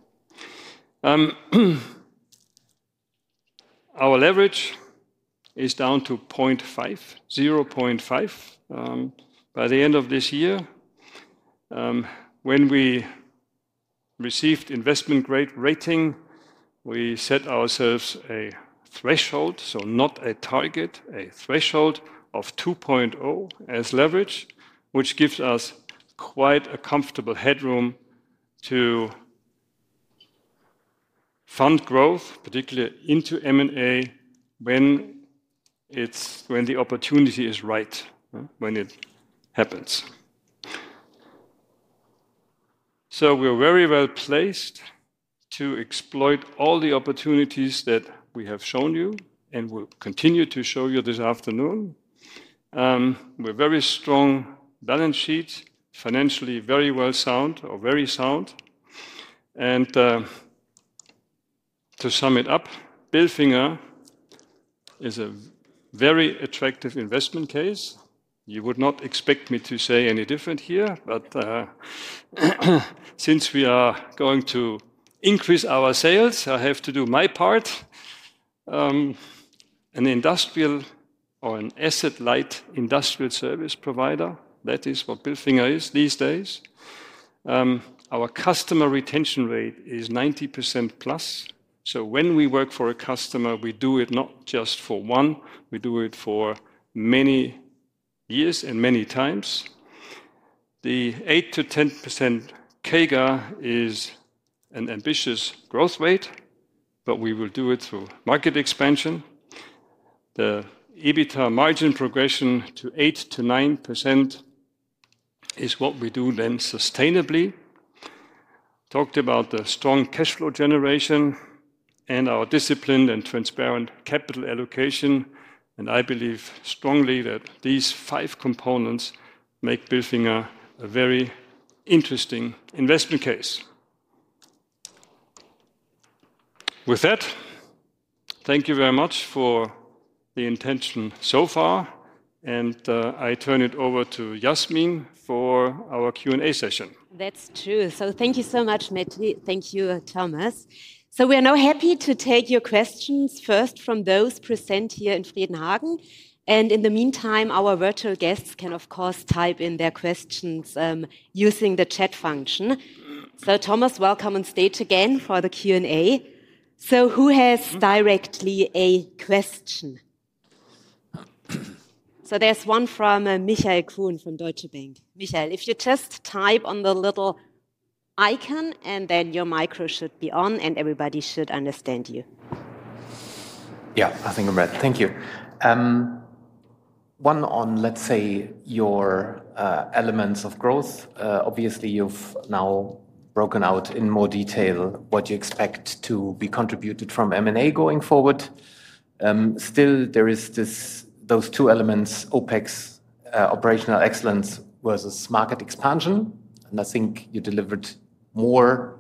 Our leverage is down to 0.5% by the end of this year. When we received investment grade rating, we set ourselves a threshold, not a target, a threshold of 2.0% as leverage, which gives us quite a comfortable headroom to fund growth, particularly into M&A when the opportunity is right, when it happens. We are very well placed to exploit all the opportunities that we have shown you and will continue to show you this afternoon. We have very strong balance sheets, financially very well sound or very sound. To sum it up, Bilfinger is a very attractive investment case. You would not expect me to say any different here, but since we are going to increase our sales, I have to do my part. An industrial or an asset-light Industrial Service provider, that is what Bilfinger is these days. Our customer retention rate is 90% plus. When we work for a customer, we do it not just for one, we do it for many years and many times. The 8%-10% CAGR is an ambitious growth rate, but we will do it through market expansion. The EBITDA margin progression to 8%-9% is what we do then sustainably. Talked about the strong cash flow generation and our disciplined and transparent capital allocation, and I believe strongly that these five components make Bilfinger a very interesting investment case. With that, thank you very much for the intention so far, and I turn it over to Jasmin for our Q&A session. That's true. Thank you so much, Matti. Thank you, Thomas. We are now happy to take your questions first from those present here in Fredenhagen. In the meantime, our virtual guests can, of course, type in their questions using the chat function. Thomas, welcome on stage again for the Q&A. Who has directly a question? There's one from Michael Kuhn from Deutsche Bank. Michael, if you just type on the little icon, then your micro should be on, and everybody should understand you. Yeah, I think I'm ready. Thank you. One on, let's say, your elements of growth. Obviously, you've now broken out in more detail what you expect to be contributed from M&A going forward. Still, there are those two elements, OpEx, operational excellence versus market expansion. I think you delivered more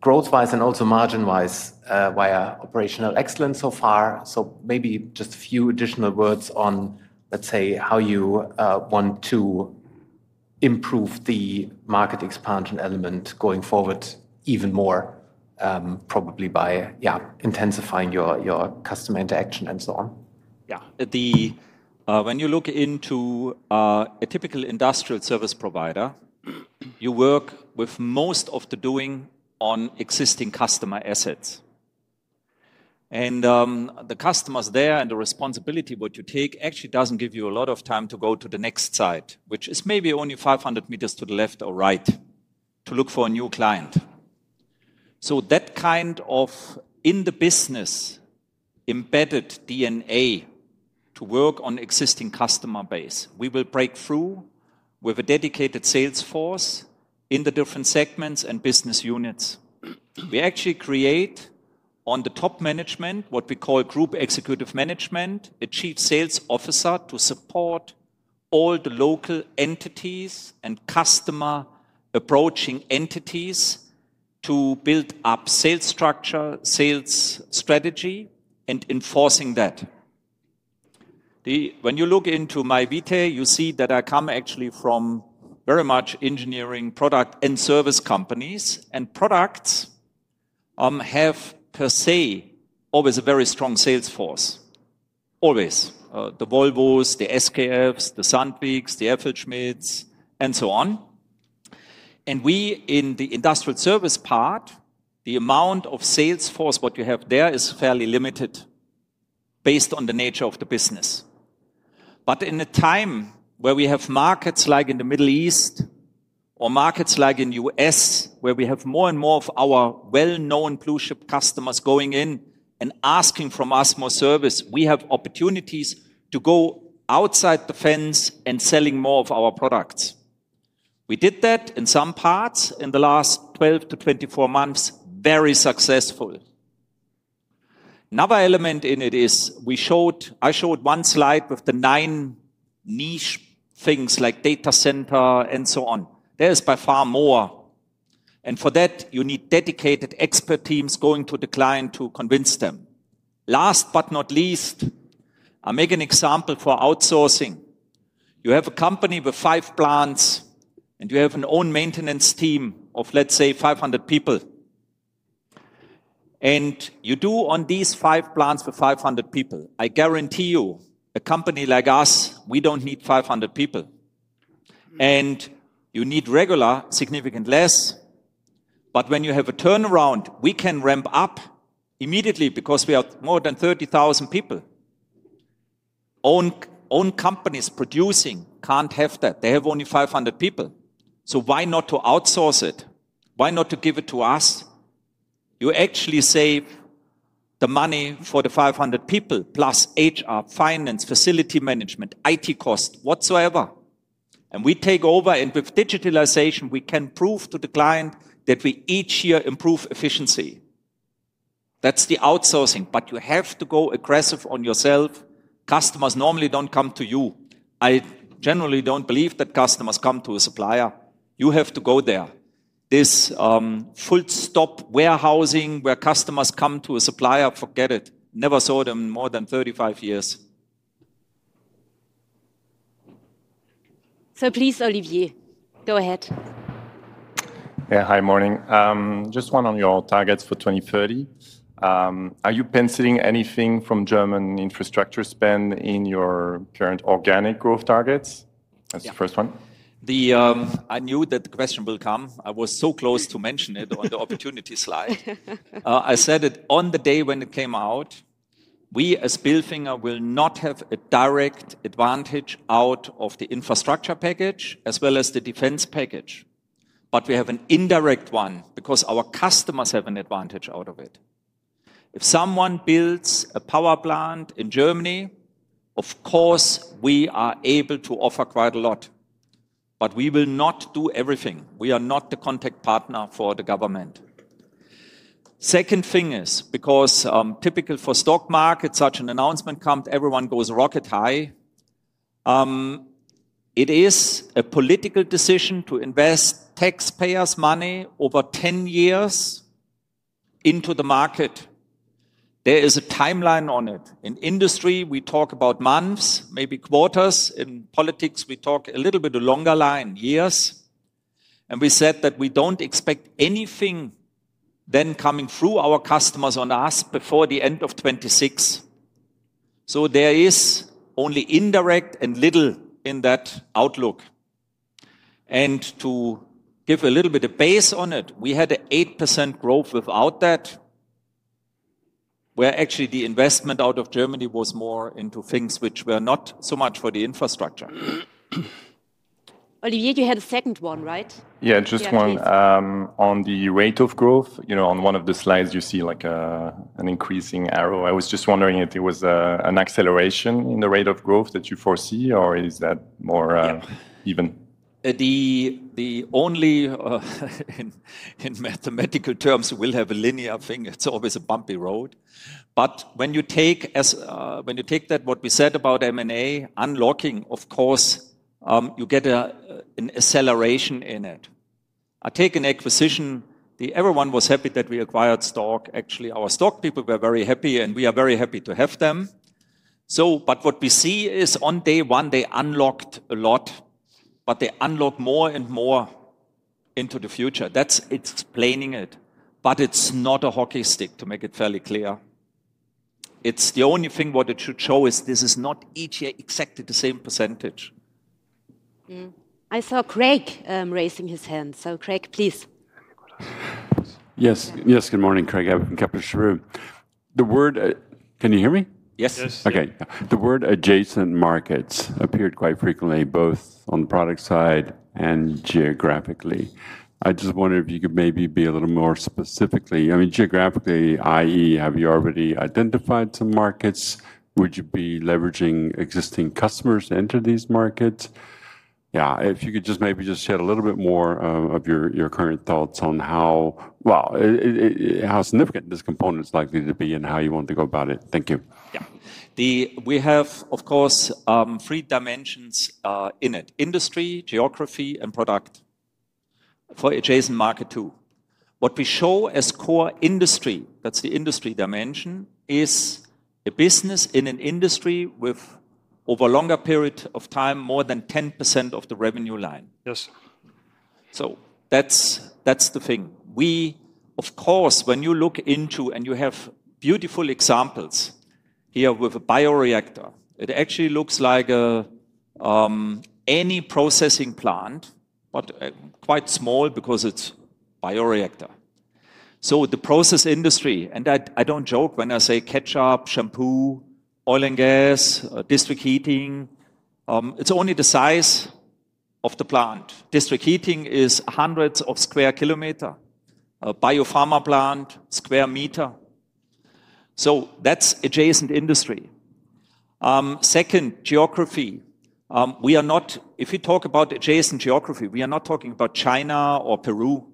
growth-wise and also margin-wise via operational excellence so far. Maybe just a few additional words on, let's say, how you want to improve the market expansion element going forward even more, probably by intensifying your customer interaction and so on. Yeah, when you look into a typical Industrial Service provider, you work with most of the doing on existing customer assets. The customers there and the responsibility what you take actually does not give you a lot of time to go to the next site, which is maybe only 500 meters to the left or right to look for a new client. That kind of in-the-business embedded DNA to work on existing customer base, we will break through with a dedicated sales force in the different segments and business units. We actually create on the top management, what we call group executive management, a Chief Sales Officer to support all the local entities and customer approaching entities to build up sales structure, sales strategy, and enforcing that. When you look into my VTE, you see that I come actually from very much engineering product and service companies, and products have per se always a very strong sales force. Always the Volvos, the SKFs, the Sandviks, the FLSmidths, and so on. And we in the Industrial Service part, the amount of sales force what you have there is fairly limited based on the nature of the business. In a time where we have markets like in the Middle East or markets like in the US, where we have more and more of our well-known blue-chip customers going in and asking from us more service, we have opportunities to go outside the fence and selling more of our products. We did that in some parts in the last 12-24 months, very successful. Another element in it is I showed one slide with the nine niche things like data center and so on. There is by far more. For that, you need dedicated expert teams going to the client to convince them. Last but not least, I'll make an example for outsourcing. You have a company with five plants, and you have an own maintenance team of, let's say, 500 people. You do on these five plants with 500 people. I guarantee you, a company like us, we don't need 500 people. You need regularly significantly less. When you have a turnaround, we can ramp up immediately because we have more than 30,000 people. Own companies producing can't have that. They have only 500 people. Why not outsource it? Why not give it to us? You actually save the money for the 500 people plus HR, finance, facility management, IT cost, whatsoever. We take over, and with digitalization, we can prove to the client that we each year improve efficiency. That's the outsourcing, but you have to go aggressive on yourself. Customers normally don't come to you. I generally don't believe that customers come to a supplier. You have to go there. This full stop warehousing where customers come to a supplier, forget it. Never saw them in more than 35 years. Please, Olivier, go ahead. Yeah, hi, morning. Just one on your targets for 2030. Are you penciling anything from German infrastructure spend in your current organic growth targets? That's the first one. I knew that the question would come. I was so close to mention it on the opportunity slide. I said it on the day when it came out. We as Bilfinger will not have a direct advantage out of the infrastructure package as well as the defense package, but we have an indirect one because our customers have an advantage out of it. If someone builds a power plant in Germany, of course, we are able to offer quite a lot, but we will not do everything. We are not the contact partner for the government. The second thing is, because typical for stock market, such an announcement comes, everyone goes rocket high. It is a political decision to invest taxpayers' money over 10 years into the market. There is a timeline on it. In industry, we talk about months, maybe quarters. In politics, we talk a little bit of longer line, years. We said that we do not expect anything then coming through our customers on us before the end of 2026. There is only indirect and little in that outlook. To give a little bit of base on it, we had an 8% growth without that, where actually the investment out of Germany was more into things which were not so much for the infrastructure. Olivier, you had a second one, right? Yeah, just one on the rate of growth. On one of the slides, you see an increasing arrow. I was just wondering if there was an acceleration in the rate of growth that you foresee, or is that more even? The only in mathematical terms, we'll have a linear thing. It's always a bumpy road. When you take that, what we said about M&A, unlocking, of course, you get an acceleration in it. I take an acquisition. Everyone was happy that we acquired Stork. Actually, our Stork people were very happy, and we are very happy to have them. What we see is on day one, they unlocked a lot, but they unlock more and more into the future. That's explaining it. It's not a hockey stick, to make it fairly clear. The only thing what it should show is this is not each year exactly the same percentage. I saw Craig raising his hand. Craig, please. Yes, yes, good morning, Craig. I can capture the room. Can you hear me? Yes. Okay. The word adjacent markets appeared quite frequently, both on the product side and geographically. I just wondered if you could maybe be a little more specifically. I mean, geographically, i.e., have you already identified some markets? Would you be leveraging existing customers to enter these markets? Yeah, if you could just maybe just share a little bit more of your current thoughts on how significant this component is likely to be and how you want to go about it. Thank you. Yeah, we have, of course, three dimensions in it: industry, geography, and product for adjacent market too. What we show as core industry, that's the industry dimension, is a business in an industry with, over a longer period of time, more than 10% of the revenue line. So that's the thing. We, of course, when you look into and you have beautiful examples here with a bioreactor, it actually looks like any processing plant, but quite small because it's a bioreactor. The process industry, and I don't joke when I say ketchup, shampoo, Oil and Gas, district heating, it's only the size of the plant. District heating is hundreds of square kilometers. Biopharma plant, square meter. That's adjacent industry. Second, geography. If we talk about adjacent geography, we are not talking about China or Peru,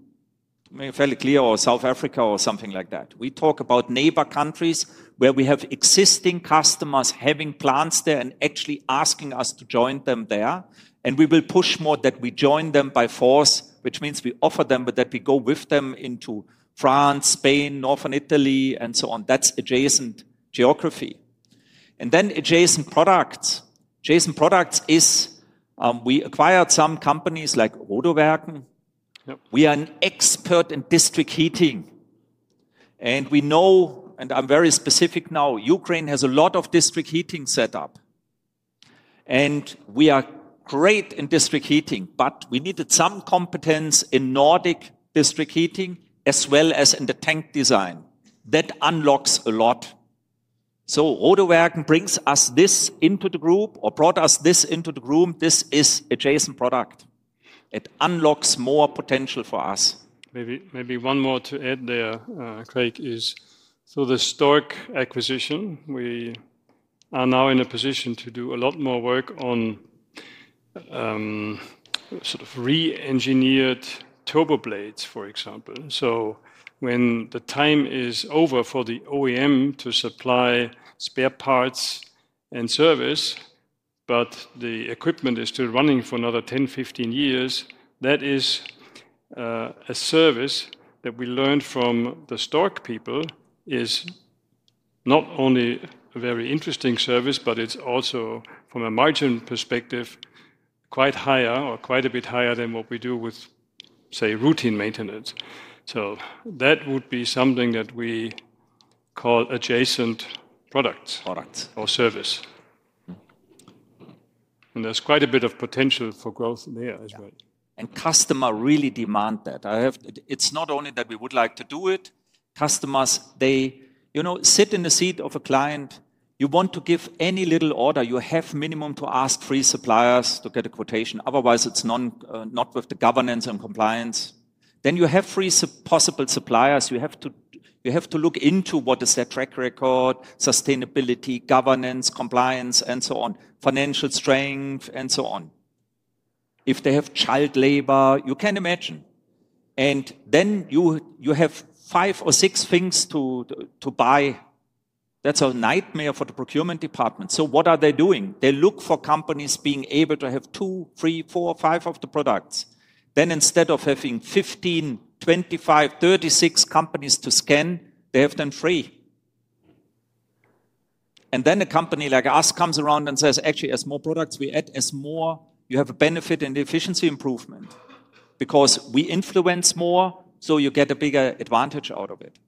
fairly clear, or South Africa or something like that. We talk about neighbor countries where we have existing customers having plants there and actually asking us to join them there. We will push more that we join them by force, which means we offer them, but that we go with them into France, Spain, northern Italy, and so on. That's adjacent geography. Adjacent products is we acquired some companies like Rörverket. We are an expert in district heating. I am very specific now, Ukraine has a lot of district heating set up. We are great in district heating, but we needed some competence in Nordic district heating as well as in the tank design. That unlocks a lot. Rörverket brings us this into the group or brought us this into the group. This is adjacent product. It unlocks more potential for us. Maybe one more to add there, Craig, is for the Stork acquisition, we are now in a position to do a lot more work on sort of re-engineered turbo blades, for example. When the time is over for the OEM to supply spare parts and service, but the equipment is still running for another 10-15 years, that is a service that we learned from the Stork people is not only a very interesting service, but it's also from a margin perspective, quite higher or quite a bit higher than what we do with, say, routine maintenance. That would be something that we call adjacent products or service. There's quite a bit of potential for growth there as well. Customers really demand that. It's not only that we would like to do it. Customers, they sit in the seat of a client. You want to give any little order, you have minimum to ask three suppliers to get a quotation. Otherwise, it's not with the governance and compliance. You have three possible suppliers. You have to look into what is their track record, sustainability, governance, compliance, and so on, financial strength, and so on. If they have child labor, you can imagine. Then you have five or six things to buy. That is a nightmare for the procurement department. What are they doing? They look for companies being able to have two, three, four, five of the products. Instead of having 15, 25, 36 companies to scan, they have them free. A company like us comes around and says, actually, as more products we add, as more you have a benefit and efficiency improvement because we influence more, so you get a bigger advantage out of it.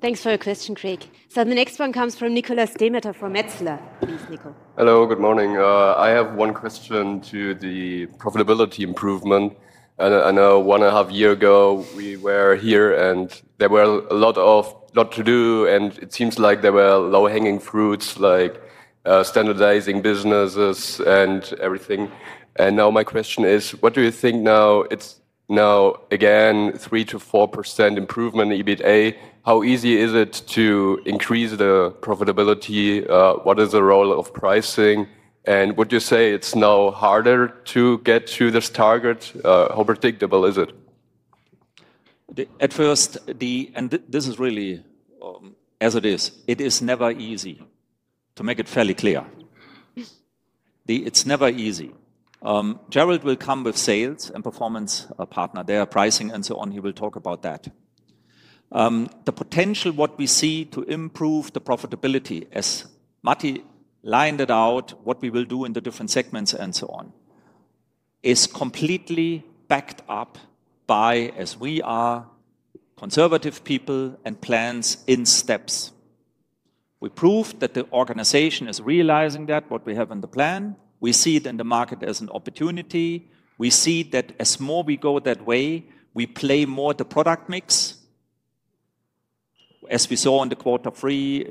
Thanks for your question, Craig. The next one comes from Nikolas Demeter from Metzler. Please, Nikolas. Hello, good morning. I have one question to the profitability improvement. I know one and a half years ago, we were here and there were a lot to do, and it seems like there were low-hanging fruits like standardizing businesses and everything. Now my question is, what do you think now? It's now, again, 3-4% improvement, EBITA. How easy is it to increase the profitability? What is the role of pricing? Would you say it's now harder to get to this target? How predictable is it? At first, and this is really as it is, it is never easy to make it fairly clear. It's never easy. Gerald will come with sales and performance partner. They are pricing and so on. He will talk about that. The potential what we see to improve the profitability as Matti lined it out, what we will do in the different segments and so on, is completely backed up by, as we are, conservative people and plans in steps. We proved that the organization is realizing that what we have in the plan. We see it in the market as an opportunity. We see that as more we go that way, we play more the product mix. As we saw in the quarter three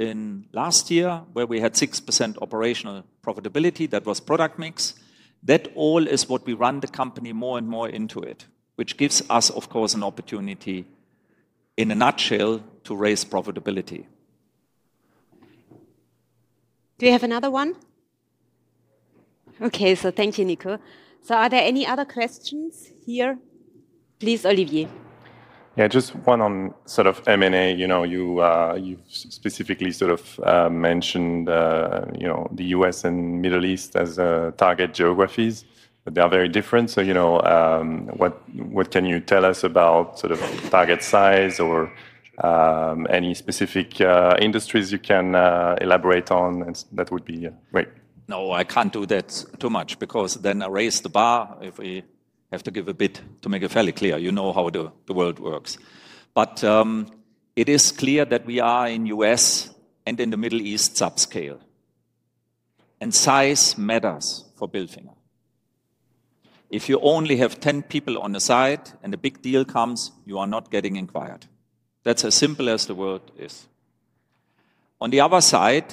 last year, where we had 6% operational profitability, that was product mix. That all is what we run the company more and more into it, which gives us, of course, an opportunity in a nutshell to raise profitability. Do we have another one? Okay, thank you, Niko. Are there any other questions here? Please, Olivier. Yeah, just one on sort of M&A. You specifically sort of mentioned the U.S. and Middle East as target geographies, but they are very different. What can you tell us about sort of target size or any specific industries you can elaborate on? That would be great. No, I can't do that too much because then I raise the bar. If we have to give a bit to make it fairly clear, you know how the world works. It is clear that we are in the U.S. and in the Middle East subscale. Size matters for Bilfinger. If you only have 10 people on the side and a big deal comes, you are not getting inquired. That's as simple as the world is. On the other side,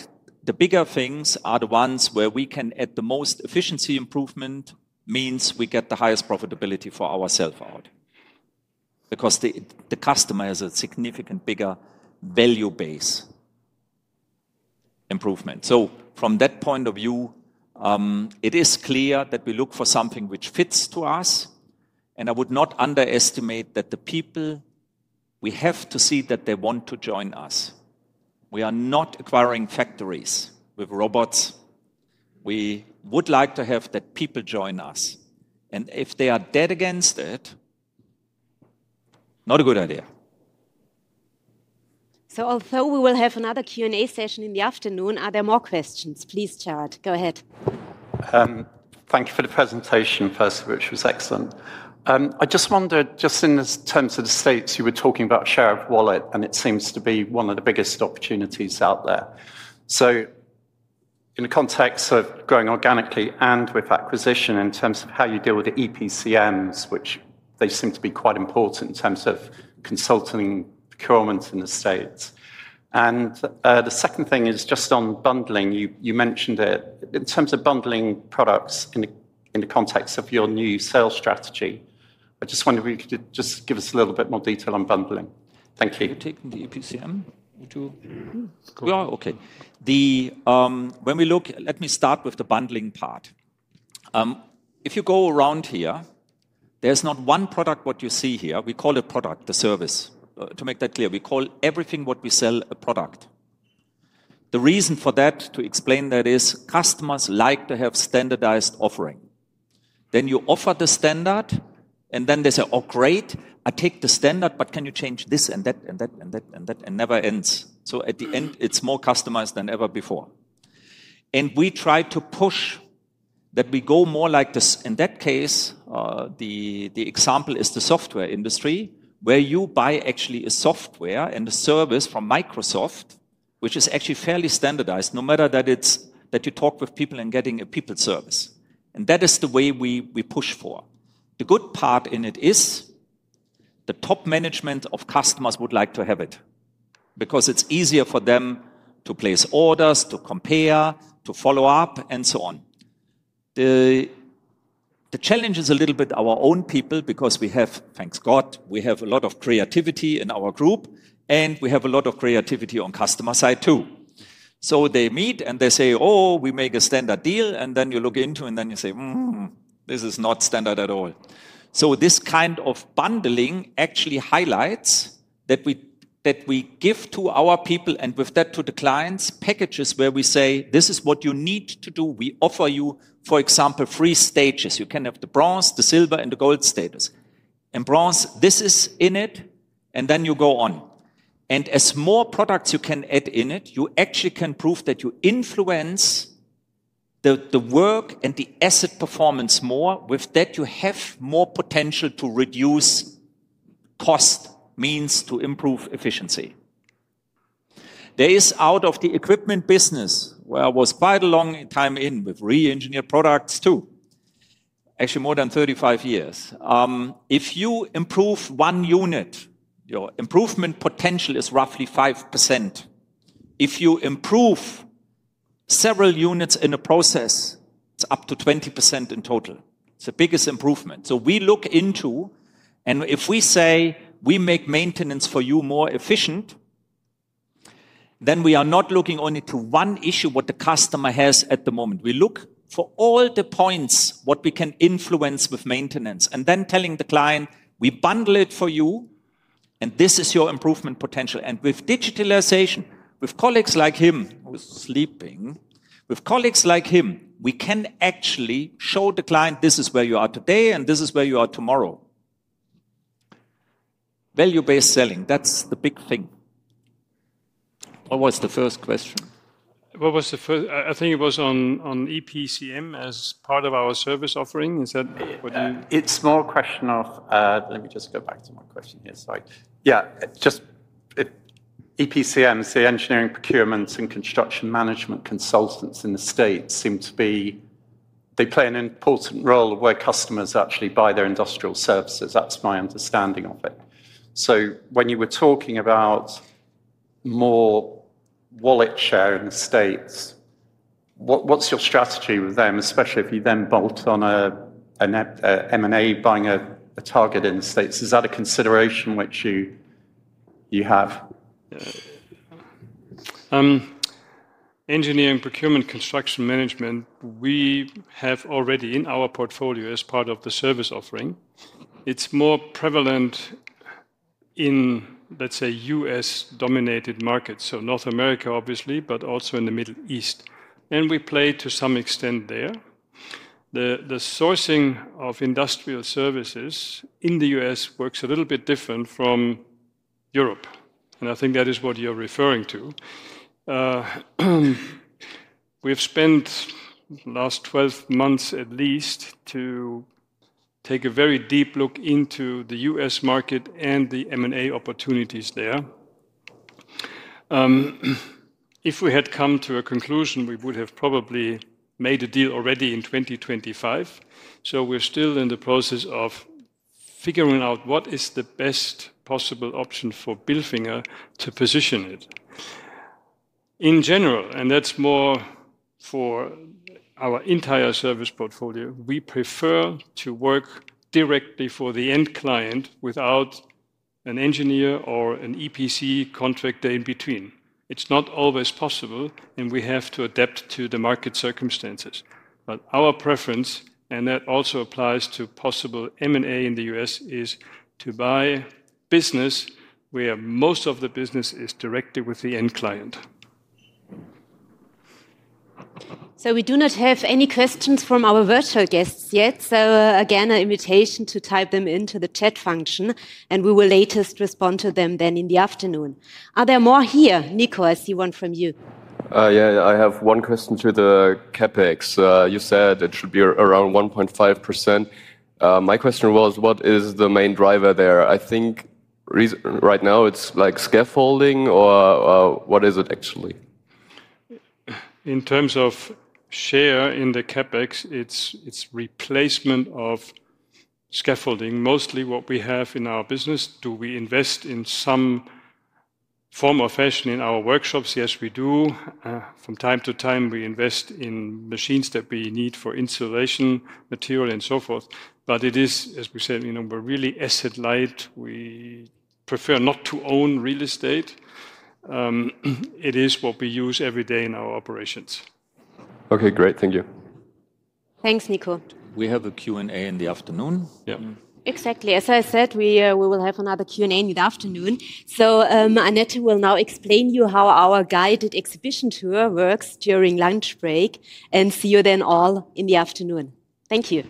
the bigger things are the ones where we can add the most efficiency improvement means we get the highest profitability for ourself out because the customer has a significant bigger value-based improvement. From that point of view, it is clear that we look for something which fits to us. I would not underestimate that the people, we have to see that they want to join us. We are not acquiring factories with robots. We would like to have that people join us. If they are dead against it, not a good idea. Although we will have another Q&A session in the afternoon, are there more questions? Please, Jarrod. Go ahead. Thank you for the presentation, first of which was excellent. I just wondered, just in terms of the states, you were talking about share of wallet, and it seems to be one of the biggest opportunities out there. In the context of growing organically and with acquisition in terms of how you deal with the EPCMs, which they seem to be quite important in terms of consulting procurement in the states. The second thing is just on bundling, you mentioned it. In terms of bundling products in the context of your new sales strategy, I just wonder if you could just give us a little bit more detail on bundling. Thank you. You're taking the EPCM? We are okay. When we look, let me start with the bundling part. If you go around here, there's not one product what you see here. We call it product, the service. To make that clear, we call everything what we sell a product. The reason for that to explain that is customers like to have standardized offering. You offer the standard, and they say, "Oh, great, I take the standard, but can you change this and that and that and that and that?" It never ends. At the end, it's more customized than ever before. We try to push that we go more like this. In that case, the example is the software industry where you buy actually a software and a service from Microsoft, which is actually fairly standardized, no matter that you talk with people and getting a people service. That is the way we push for. The good part in it is the top management of customers would like to have it because it's easier for them to place orders, to compare, to follow up, and so on. The challenge is a little bit our own people because we have, thank God, we have a lot of creativity in our group, and we have a lot of creativity on customer side too. They meet and they say, "Oh, we make a standard deal," and then you look into and then you say, "This is not standard at all." This kind of bundling actually highlights that we give to our people and with that to the clients packages where we say, "This is what you need to do. We offer you, for example, three stages. You can have the bronze, the silver, and the gold status. In bronze, this is in it, and then you go on. As more products you can add in it, you actually can prove that you influence the work and the asset performance more. With that, you have more potential to reduce cost, means to improve efficiency. There is out of the equipment business where I was quite a long time in with re-engineered products too, actually more than 35 years. If you improve one unit, your improvement potential is roughly 5%. If you improve several units in a process, it's up to 20% in total. It's the biggest improvement. We look into, and if we say we make maintenance for you more efficient, then we are not looking only to one issue what the customer has at the moment. We look for all the points what we can influence with maintenance and then telling the client, "We bundle it for you, and this is your improvement potential." With digitalization, with colleagues like him who's sleeping, with colleagues like him, we can actually show the client, "This is where you are today, and this is where you are tomorrow." Value-based selling, that's the big thing. What was the first question? What was the first? I think it was on EPCM as part of our service offering. Is that what you? It's more a question of, let me just go back to my question here. Sorry. Yeah, just EPCM, so Engineering, Procurements, and Construction Management consultants in the states seem to be, they play an important role where customers actually buy their Industrial Services. That's my understanding of it. When you were talking about more wallet share in the states, what's your strategy with them, especially if you then bolt on an M&A buying a target in the states? Is that a consideration which you have? Engineering procurement construction management, we have already in our portfolio as part of the service offering. It's more prevalent in, let's say, U.S.-dominated markets, so North America, obviously, but also in the Middle East. We play to some extent there. The sourcing of Industrial Services in the U.S. works a little bit different from Europe. I think that is what you're referring to. We have spent the last 12 months at least to take a very deep look into the US market and the M&A opportunities there. If we had come to a conclusion, we would have probably made a deal already in 2025. We're still in the process of figuring out what is the best possible option for Bilfinger to position it. In general, and that's more for our entire service portfolio, we prefer to work directly for the end client without an engineer or an EPC contract day in between. It's not always possible, and we have to adapt to the market circumstances. Our preference, and that also applies to possible M&A in the U.S., is to buy business where most of the business is directly with the end client. We do not have any questions from our virtual guests yet. Again, an invitation to type them into the chat function, and we will latest respond to them then in the afternoon. Are there more here? Niko, I see one from you. Yeah, I have one question to the CapEx. You said it should be around 1.5%. My question was, what is the main driver there? I think right now it's like scaffolding or what is it actually? In terms of share in the CapEx, it's replacement of scaffolding. Mostly what we have in our business, do we invest in some form or fashion in our workshops? Yes, we do. From time to time, we invest in machines that we need for insulation material and so forth. But it is, as we said, we're really asset-light. We prefer not to own real estate. It is what we use every day in our operations. Okay, great. Thank you. Thanks, Niko. We have a Q&A in the afternoon. Yeah. Exactly. As I said, we will have another Q&A in the afternoon. Anette will now explain to you how our guided exhibition tour works during lunch break and see you then all in the afternoon. Thank you.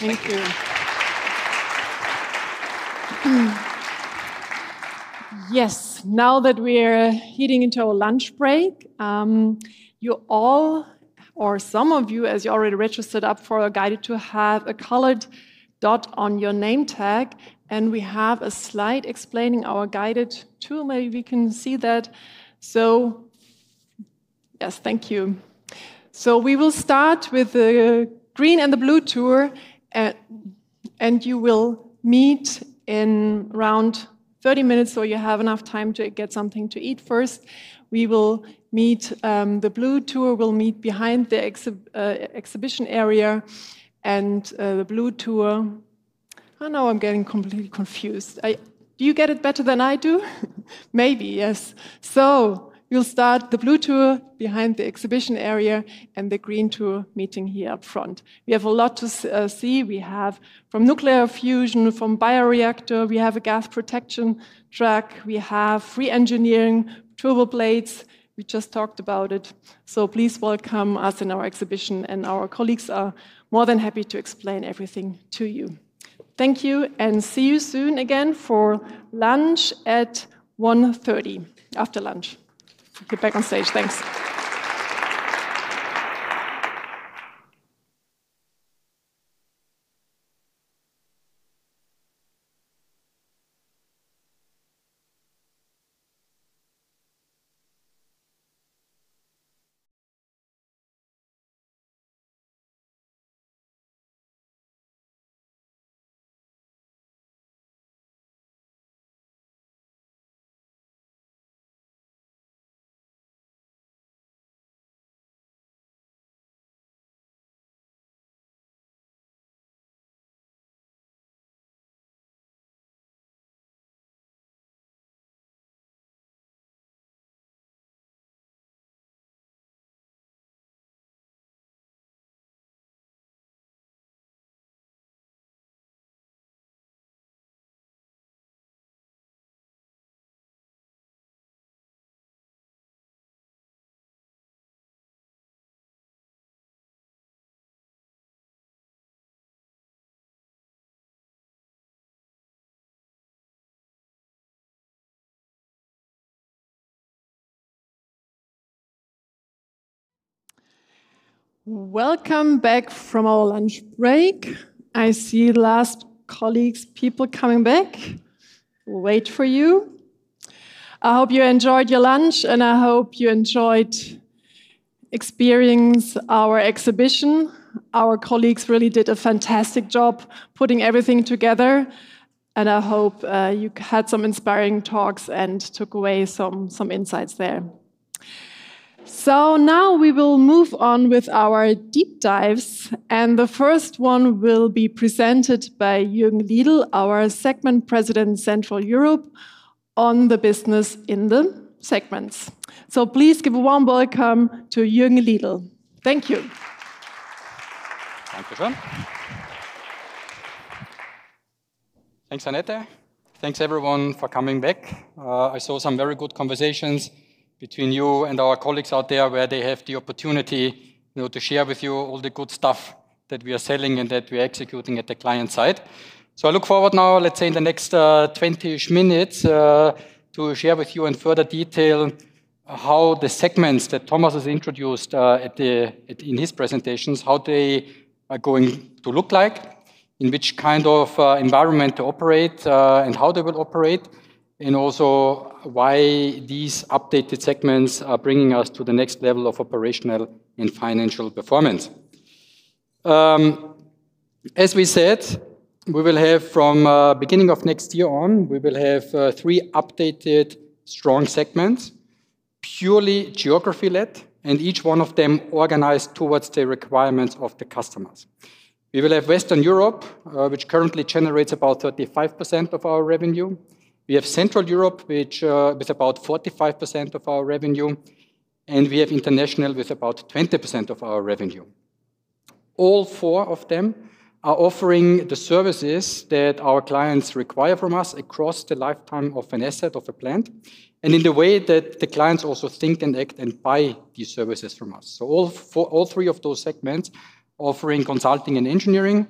Thank you. Yes, now that we're heading into our lunch break, you all, or some of you, as you already registered up for a guided tour, have a colored dot on your name tag. We have a slide explaining our guided tour. Maybe we can see that. Yes, thank you. We will start with the green and the blue tour. You will meet in around 30 minutes, so you have enough time to get something to eat first. The blue tour will meet behind the exhibition area. The blue tour, I know I'm getting completely confused. Do you get it better than I do? Maybe, yes. We will start the blue tour behind the exhibition area and the green tour meeting here up front. We have a lot to see. We have from nuclear fusion, from bioreactor, we have a gas protection truck, we have re-engineering turbo blades. We just talked about it. Please welcome us in our exhibition, and our colleagues are more than happy to explain everything to you. Thank you, and see you soon again for lunch at 1:30 P.M. After lunch, get back on stage. Thanks. Welcome back from our lunch break. I see last colleagues, people coming back. We'll wait for you. I hope you enjoyed your lunch, and I hope you enjoyed experiencing our exhibition. Our colleagues really did a fantastic job putting everything together, and I hope you had some inspiring talks and took away some insights there. Now we will move on with our deep dives, and the first one will be presented by Jürgen Liedl, our Segment President, Central Europe, on the business in the segments. Please give a warm welcome to Jürgen Liedl. Thank you. Thanks, Anette. Thanks, everyone, for coming back. I saw some very good conversations between you and our colleagues out there where they have the opportunity to share with you all the good stuff that we are selling and that we are executing at the client side. I look forward now, let's say in the next 20 minutes, to share with you in further detail how the segments that Thomas has introduced in his presentations, how they are going to look like, in which kind of environment to operate, and how they will operate, and also why these updated segments are bringing us to the next level of operational and financial performance. As we said, we will have from the beginning of next year on, we will have three updated strong segments, purely geography-led, and each one of them organized towards the requirements of the customers. We will have Western Europe, which currently generates about 35% of our revenue. We have Central Europe, which is about 45% of our revenue, and we have International with about 20% of our revenue. All three of them are offering the services that our clients require from us across the lifetime of an asset or a plant and in the way that the clients also think and act and buy these services from us. All three of those segments are offering consulting and engineering,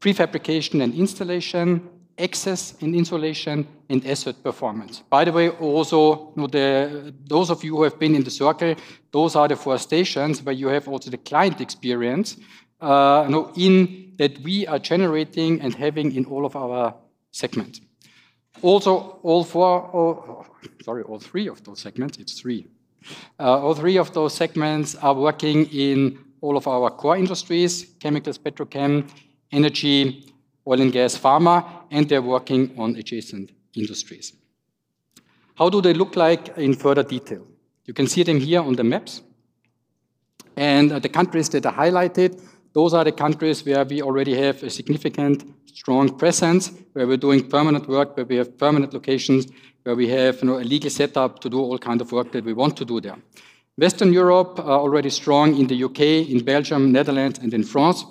prefabrication and installation, access and insulation, and asset performance. By the way, also those of you who have been in the circle. Those are the four stations where you have also the client experience in that we are generating and having in all of our segments. Also, all four, sorry, all three of those segments, it's three. All three of those segments are working in all of our core industries, chemicals, petrochem, energy, Oil and Gas, pharma, and they're working on adjacent industries. How do they look like in further detail? You can see them here on the maps. The countries that are highlighted, those are the countries where we already have a significant strong presence, where we're doing permanent work, where we have permanent locations, where we have a legal setup to do all kinds of work that we want to do there. Western Europe are already strong in the U.K., in Belgium, Netherlands, and in France.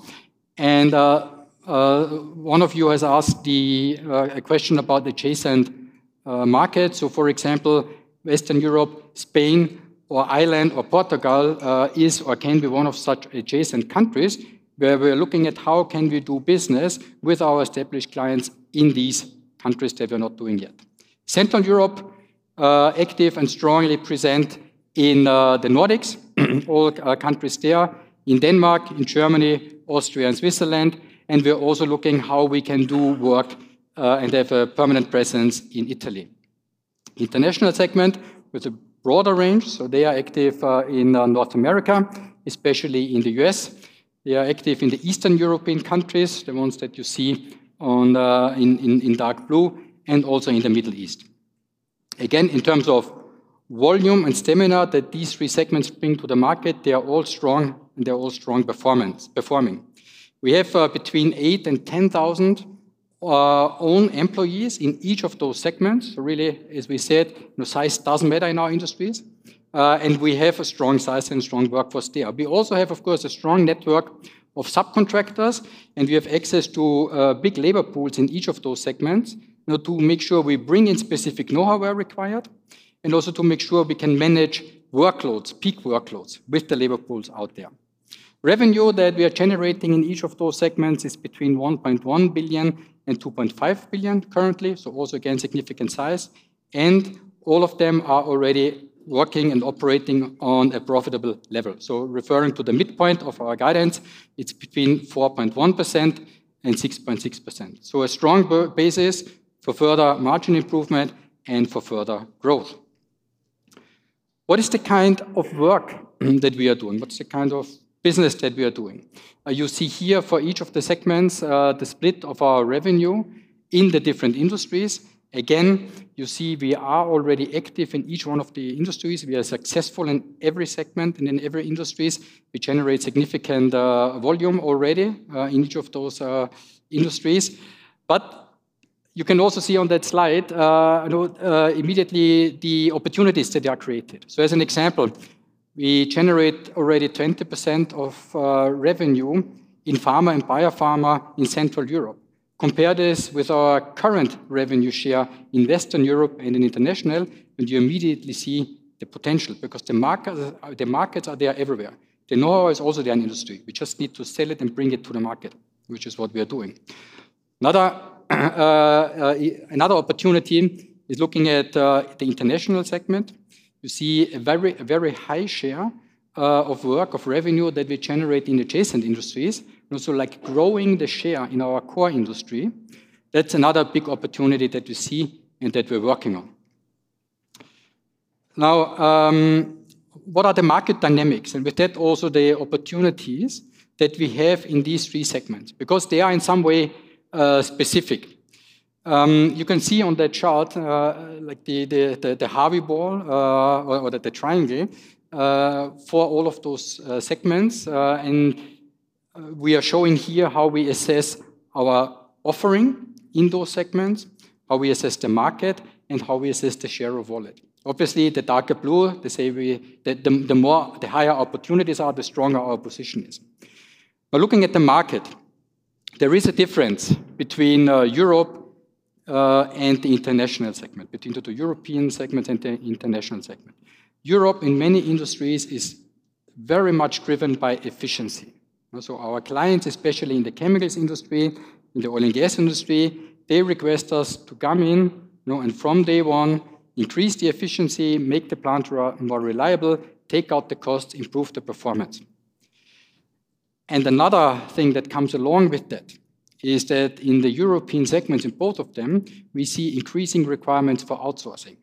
One of you has asked a question about the adjacent market. For example, Western Europe, Spain, or Ireland, or Portugal is or can be one of such adjacent countries where we're looking at how can we do business with our established clients in these countries that we're not doing yet. Central Europe is active and strongly present in the Nordics, all countries there, in Denmark, in Germany, Austria, and Switzerland. We're also looking at how we can do work and have a permanent presence in Italy. International segment with a broader range. They are active in North America, especially in the US. They are active in the Eastern European countries, the ones that you see in dark blue, and also in the Middle East. Again, in terms of volume and stamina that these three segments bring to the market, they are all strong and they're all strong performing. We have between 8,000 and 10,000 own employees in each of those segments. Really, as we said, size doesn't matter in our industries. We have a strong size and strong workforce there. We also have, of course, a strong network of subcontractors, and we have access to big labor pools in each of those segments to make sure we bring in specific know-how where required and also to make sure we can manage workloads, peak workloads with the labor pools out there. Revenue that we are generating in each of those segments is between 1.1 billion and 2.5 billion currently, so also again, significant size. All of them are already working and operating on a profitable level. Referring to the midpoint of our guidance, it's between 4.1% and 6.6%. A strong basis for further margin improvement and for further growth. What is the kind of work that we are doing? What's the kind of business that we are doing? You see here for each of the segments, the split of our revenue in the different industries. Again, you see we are already active in each one of the industries. We are successful in every segment and in every industry. We generate significant volume already in each of those industries. You can also see on that slide immediately the opportunities that are created. As an example, we generate already 20% of revenue in pharma and Biopharma in Central Europe. Compare this with our current revenue share in Western Europe and in International, and you immediately see the potential because the markets are there everywhere. The know-how is also there in industry. We just need to sell it and bring it to the market, which is what we are doing. Another opportunity is looking at the international segment. You see a very high share of work, of revenue that we generate in adjacent industries, also like growing the share in our core industry. That's another big opportunity that we see and that we're working on. Now, what are the market dynamics? With that, also the opportunities that we have in these three segments because they are in some way specific. You can see on that chart like the Harvey ball or the triangle for all of those segments. We are showing here how we assess our offering in those segments, how we assess the market, and how we assess the share of wallet. Obviously, the darker blue, the higher opportunities are, the stronger our position is. Looking at the market, there is a difference between Europe and the international segment, between the European segment and the international segment. Europe, in many industries, is very much driven by efficiency. Our clients, especially in the chemicals industry, in the Oil and Gas industry, request us to come in and from day one, increase the efficiency, make the plant more reliable, take out the costs, improve the performance. Another thing that comes along with that is that in the European segments, in both of them, we see increasing requirements for outsourcing.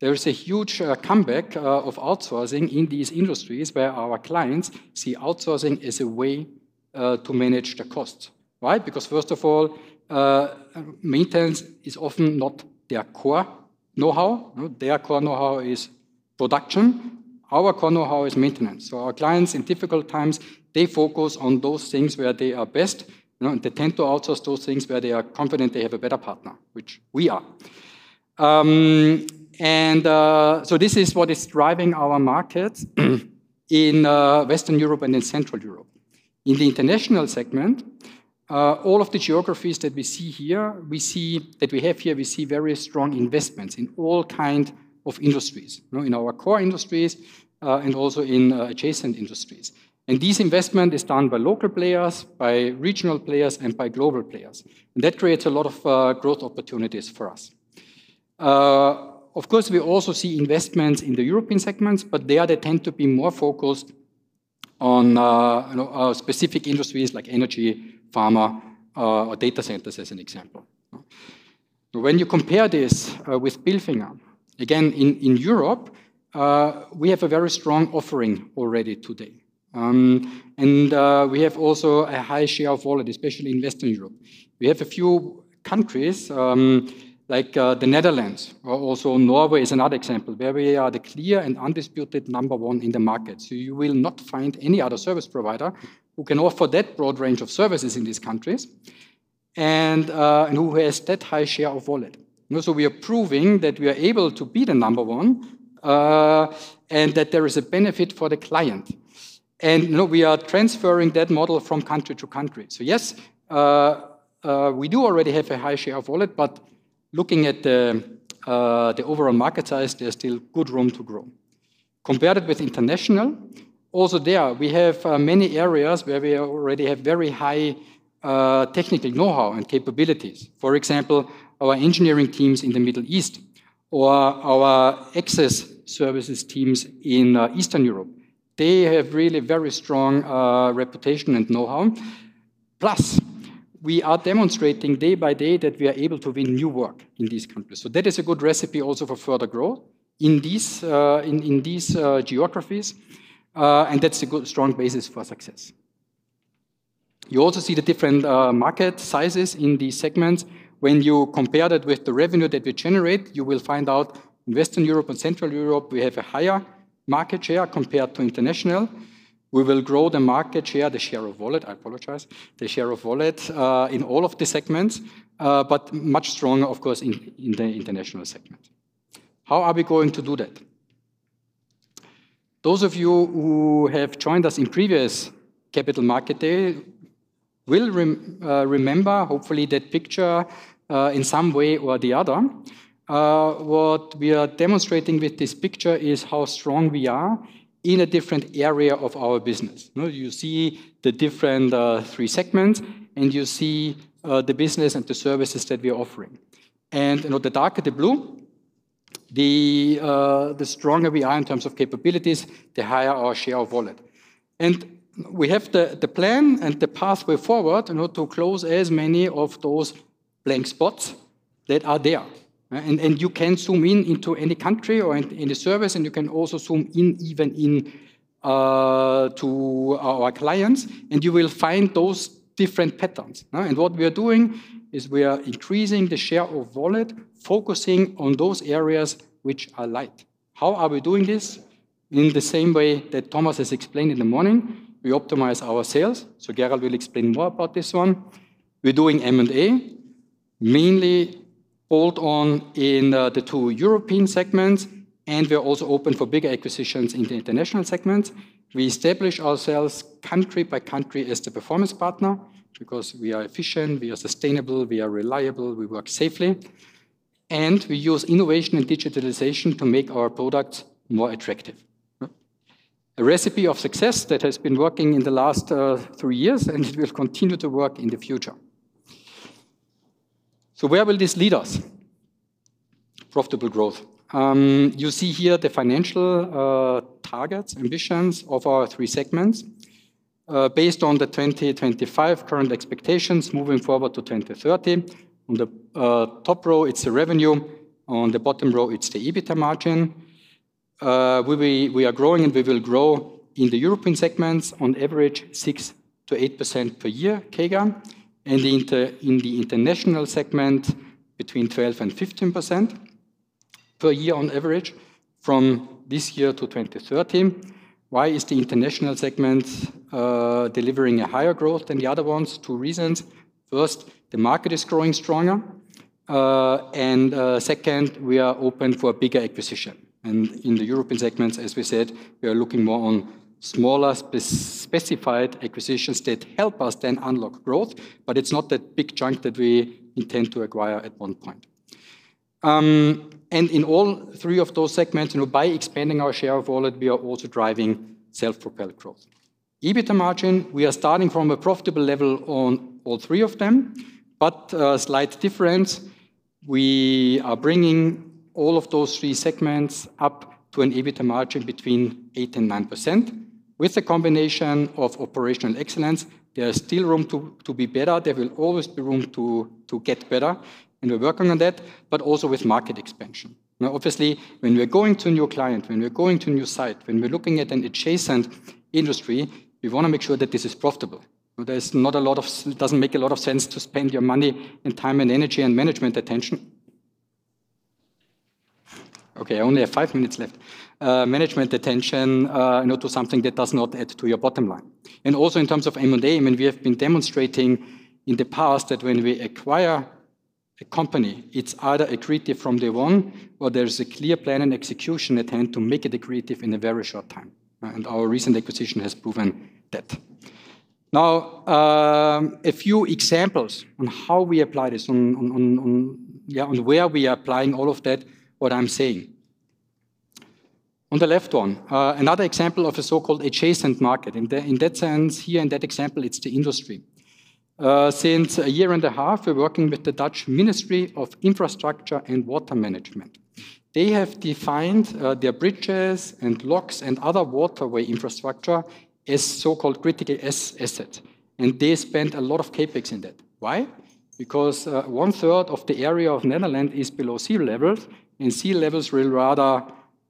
There is a huge comeback of outsourcing in these industries where our clients see outsourcing as a way to manage the costs. Why? Because first of all, maintenance is often not their core know-how. Their core know-how is production. Our core know-how is maintenance. Our clients, in difficult times, focus on those things where they are best, and they tend to outsource those things where they are confident they have a better partner, which we are. This is what is driving our market in Western Europe and in Central Europe. In the international segment, all of the geographies that we see here, we see very strong investments in all kinds of industries, in our core industries and also in adjacent industries. This investment is done by local players, by regional players, and by global players. That creates a lot of growth opportunities for us. Of course, we also see investments in the European segments, but there they tend to be more focused on specific industries like energy, pharma, or data centers as an example. When you compare this with Bilfinger, again, in Europe, we have a very strong offering already today. We have also a high share of wallet, especially in Western Europe. We have a few countries like the Netherlands, also Norway is another example where we are the clear and undisputed number one in the market. You will not find any other service provider who can offer that broad range of services in these countries and who has that high share of wallet. We are proving that we are able to be the number one and that there is a benefit for the client. We are transferring that model from country to country. Yes, we do already have a high share of wallet, but looking at the overall market size, there is still good room to grow. Compared it with International, also there we have many areas where we already have very high technical know-how and capabilities. For example, our engineering teams in the Middle East or our access services teams in Eastern Europe. They have really very strong reputation and know-how. Plus, we are demonstrating day by day that we are able to win new work in these countries. That is a good recipe also for further growth in these geographies, and that's a good strong basis for success. You also see the different market sizes in these segments. When you compare that with the revenue that we generate, you will find out in Western Europe and Central Europe, we have a higher market share compared to International. We will grow the market share, the share of wallet, I apologize, the share of wallet in all of the segments, but much stronger, of course, in the international segment. How are we going to do that? Those of you who have joined us in previous Capital Markets Day will remember, hopefully, that picture in some way or the other. What we are demonstrating with this picture is how strong we are in a different area of our business. You see the different three segments, and you see the business and the services that we are offering. The darker the blue, the stronger we are in terms of capabilities, the higher our share of wallet. We have the plan and the pathway forward to close as many of those blank spots that are there. You can zoom in into any country or any service, and you can also zoom in even to our clients, and you will find those different patterns. What we are doing is we are increasing the share of wallet, focusing on those areas which are light. How are we doing this? In the same way that Thomas has explained in the morning, we optimize our sales. Gerald will explain more about this one. We are doing M&A, mainly bolt-on in the two European segments, and we are also open for bigger acquisitions in the international segments. We establish ourselves country by country as the performance partner because we are efficient, we are sustainable, we are reliable, we work safely, and we use innovation and digitalization to make our products more attractive. A recipe of success that has been working in the last three years and will continue to work in the future. Where will this lead us? Profitable growth. You see here the financial targets, ambitions of our three segments based on the 2025 current expectations moving forward to 2030. On the top row, it's the revenue. On the bottom row, it's the EBITDA margin. We are growing, and we will grow in the European segments on average 6-8% per year, CAGR, and in the international segment between 12-15% per year on average from this year to 2030. Why is the international segment delivering a higher growth than the other ones? Two reasons. First, the market is growing stronger. Second, we are open for a bigger acquisition. In the European segments, as we said, we are looking more on smaller specified acquisitions that help us then unlock growth, but it's not that big chunk that we intend to acquire at one point. In all three of those segments, by expanding our share of wallet, we are also driving self-propelled growth. EBITDA margin, we are starting from a profitable level on all three of them, but a slight difference. We are bringing all of those three segments up to an EBITDA margin between 8-9%. With the combination of operational excellence, there is still room to be better. There will always be room to get better, and we're working on that, but also with market expansion. Now, obviously, when we're going to a new client, when we're going to a new site, when we're looking at an adjacent industry, we want to make sure that this is profitable. There's not a lot of, doesn't make a lot of sense to spend your money and time and energy and management attention. Okay, I only have five minutes left. Management attention to something that does not add to your bottom line. Also in terms of M&A, I mean, we have been demonstrating in the past that when we acquire a company, it's either accretive from day one or there's a clear plan and execution attempt to make it accretive in a very short time. Our recent acquisition has proven that. Now, a few examples on how we apply this and where we are applying all of that, what I'm saying. On the left one, another example of a so-called adjacent market. In that sense, here in that example, it's the industry. Since a year and a half, we're working with the Dutch Ministry of Infrastructure and Water Management. They have defined their bridges and locks and other waterway infrastructure as so-called critical assets. They spent a lot of CapEx in that. Why? Because one-third of the area of Netherlands is below sea level, and sea levels will rather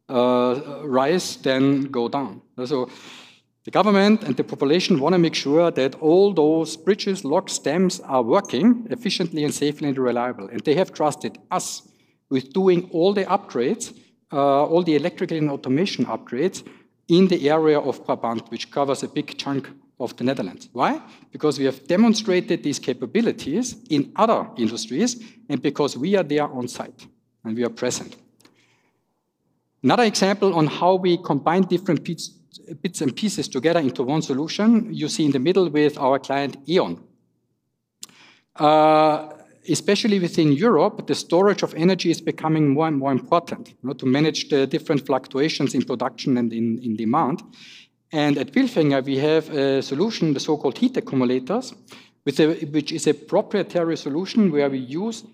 rise than go down. The government and the population want to make sure that all those bridges, locks, dams are working efficiently and safely and reliable. They have trusted us with doing all the upgrades, all the electrical and automation upgrades in the area of Brabant, which covers a big chunk of the Netherlands. Why? Because we have demonstrated these capabilities in other industries and because we are there on site and we are present. Another example on how we combine different bits and pieces together into one solution, you see in the middle with our client E.ON. Especially within Europe, the storage of energy is becoming more and more important to manage the different fluctuations in production and in demand. At Bilfinger, we have a solution, the so-called heat accumulators, which is a proprietary solution where we use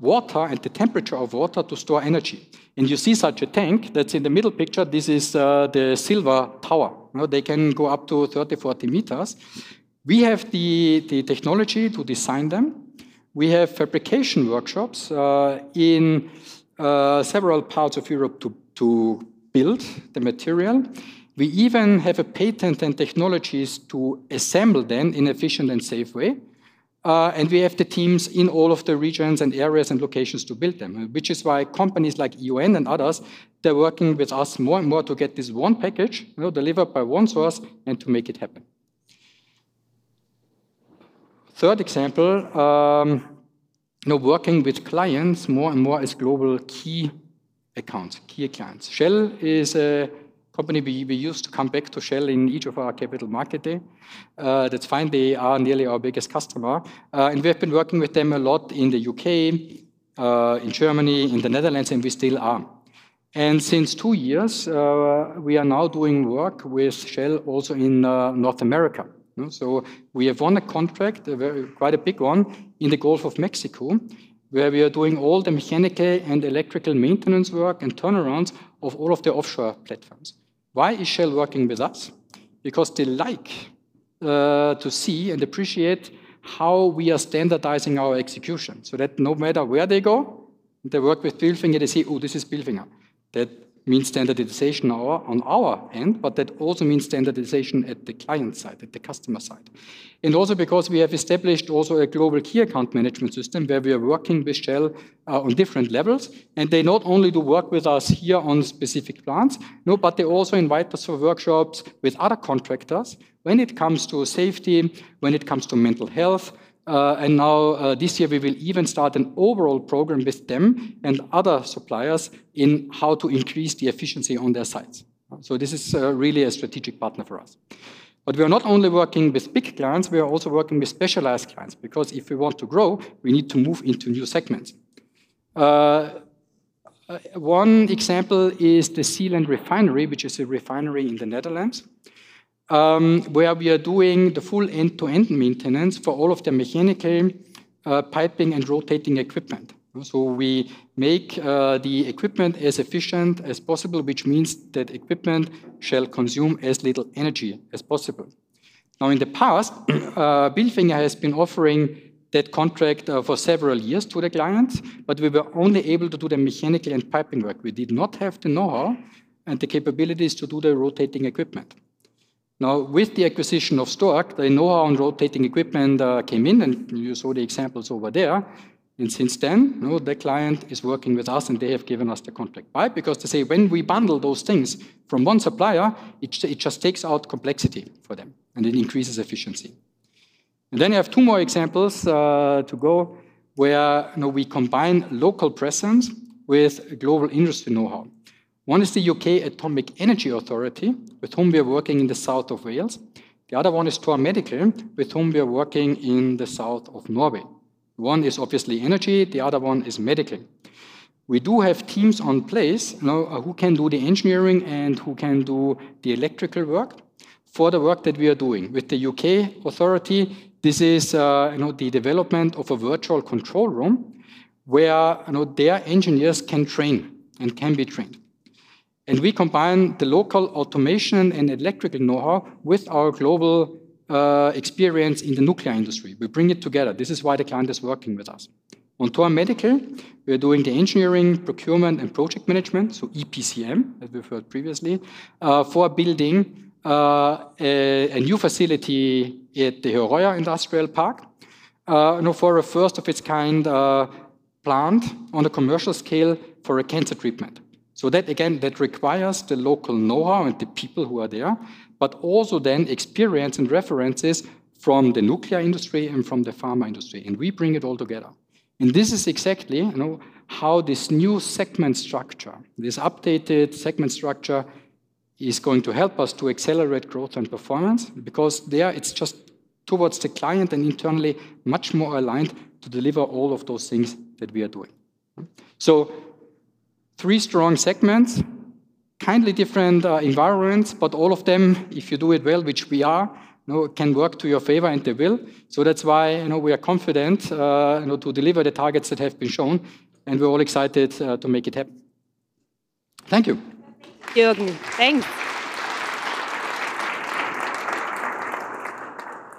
water and the temperature of water to store energy. You see such a tank that is in the middle picture. This is the silver tower. They can go up to 30-40 meters. We have the technology to design them. We have fabrication workshops in several parts of Europe to build the material. We even have a patent and technologies to assemble them in an efficient and safe way. We have the teams in all of the regions and areas and locations to build them, which is why companies like E.ON and others, they're working with us more and more to get this one package delivered by one source to make it happen. Third example, working with clients more and more as global key accounts, key accounts. Shell is a company we used to come back to Shell in each of our Capital Markets Day. That's fine. They are nearly our biggest customer. We have been working with them a lot in the U.K., in Germany, in the Netherlands, and we still are. Since two years, we are now doing work with Shell also in North America. We have won a contract, quite a big one, in the Gulf of Mexico, where we are doing all the mechanical and electrical maintenance work and turnarounds of all of the offshore platforms. Why is Shell working with us? Because they like to see and appreciate how we are standardizing our execution. That means no matter where they go, they work with Bilfinger and they say, "Oh, this is Bilfinger." That means standardization on our end, but that also means standardization at the client side, at the customer side. Also, we have established a global key account management system where we are working with Shell on different levels. They not only do work with us here on specific plants, but they also invite us for workshops with other contractors when it comes to safety, when it comes to mental health. Now this year, we will even start an overall program with them and other suppliers in how to increase the efficiency on their sites. This is really a strategic partner for us. We are not only working with big clients, we are also working with specialized clients because if we want to grow, we need to move into new segments. One example is the Zeeland Refinery, which is a refinery in the Netherlands where we are doing the full end-to-end maintenance for all of the mechanical piping and rotating equipment. We make the equipment as efficient as possible, which means that equipment shall consume as little energy as possible. In the past, Bilfinger has been offering that contract for several years to the clients, but we were only able to do the mechanical and piping work. We did not have the know-how and the capabilities to do the rotating equipment. Now, with the acquisition of Stork, the know-how on rotating equipment came in, and you saw the examples over there. Since then, the client is working with us, and they have given us the contract. Why? Because they say when we bundle those things from one supplier, it just takes out complexity for them, and it increases efficiency. You have two more examples to go where we combine local presence with global industry know-how. One is the UK Atomic Energy Authority, with whom we are working in the south of Wales. The other one is Thor Medical, with whom we are working in the south of Norway. One is obviously energy. The other one is medical. We do have teams on place who can do the engineering and who can do the electrical work for the work that we are doing. With the U.K. Atomic Energy Authority, this is the development of a Virtual Control Room where their engineers can train and can be trained. We combine the local automation and electrical know-how with our global experience in the nuclear industry. We bring it together. This is why the client is working with us. On Thor Medical, we are doing the engineering, procurement, and project management, so EPCM, as we've heard previously, for building a new facility at the Herøya Industrial Park for a first-of-its-kind plant on a commercial scale for a cancer treatment. That, again, requires the local know-how and the people who are there, but also then experience and references from the nuclear industry and from the pharma industry. We bring it all together. This is exactly how this new segment structure, this updated segment structure, is going to help us to accelerate growth and performance because there, it's just towards the client and internally much more aligned to deliver all of those things that we are doing. Three strong segments, kindly different environments, but all of them, if you do it well, which we are, can work to your favor, and they will. That's why we are confident to deliver the targets that have been shown, and we're all excited to make it happen. Thank you. Thank you, Jürgen. Thanks.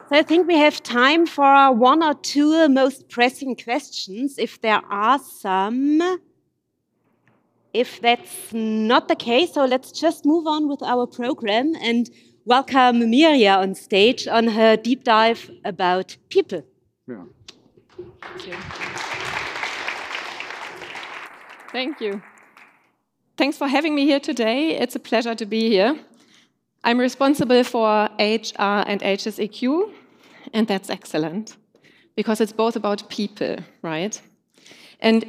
I think we have time for one or two most pressing questions, if there are some. If that's not the case, let's just move on with our program and welcome Mirja on stage on her deep dive about people. Thank you. Thanks for having me here today. It's a pleasure to be here. I'm responsible for HR and HSEQ, and that's excellent because it's both about people, right?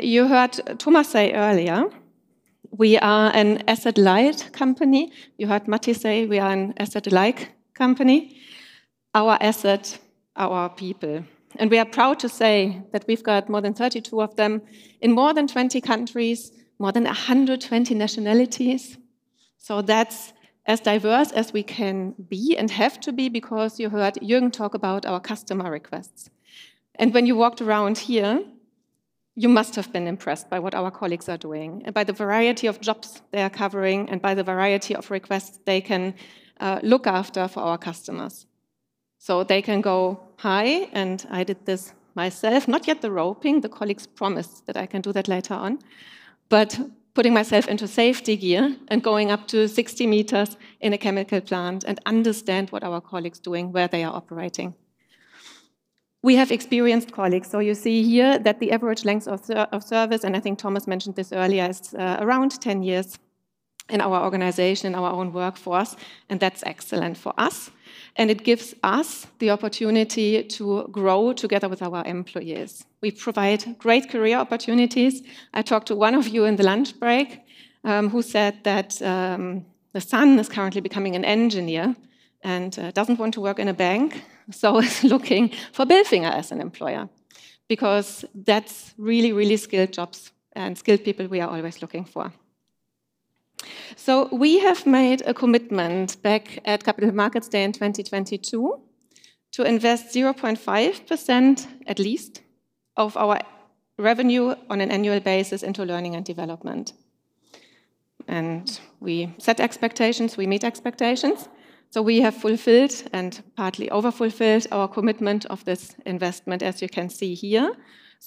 You heard Thomas say earlier, we are an asset-light company. You heard Matti say we are an asset-like company. Our asset, our people. We are proud to say that we've got more than 32,000 of them in more than 20 countries, more than 120 nationalities. That's as diverse as we can be and have to be because you heard Jürgen talk about our customer requests. When you walked around here, you must have been impressed by what our colleagues are doing and by the variety of jobs they are covering and by the variety of requests they can look after for our customers. They can go high, and I did this myself, not yet the roping. The colleagues promised that I can do that later on, but putting myself into safety gear and going up to 60 meters in a chemical plant and understand what our colleagues are doing, where they are operating. We have experienced colleagues, so you see here that the average length of service, and I think Thomas mentioned this earlier, is around 10 years in our organization, in our own workforce, and that's excellent for us. It gives us the opportunity to grow together with our employees. We provide great career opportunities. I talked to one of you in the lunch break who said that the son is currently becoming an engineer and doesn't want to work in a bank, so he's looking for Bilfinger as an employer because that's really, really skilled jobs and skilled people we are always looking for. We have made a commitment back at Capital Markets Day in 2022 to invest at least 0.5% of our revenue on an annual basis into learning and development. We set expectations, we meet expectations. We have fulfilled and partly over-fulfilled our commitment of this investment, as you can see here.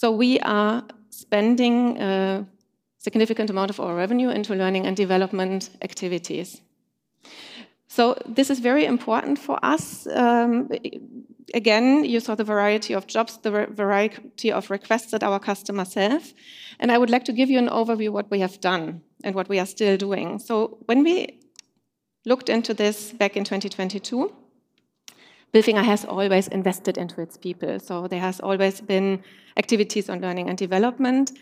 We are spending a significant amount of our revenue into learning and development activities. This is very important for us. Again, you saw the variety of jobs, the variety of requests that our customers have. I would like to give you an overview of what we have done and what we are still doing. When we looked into this back in 2022, Bilfinger has always invested into its people. There have always been activities on learning and development.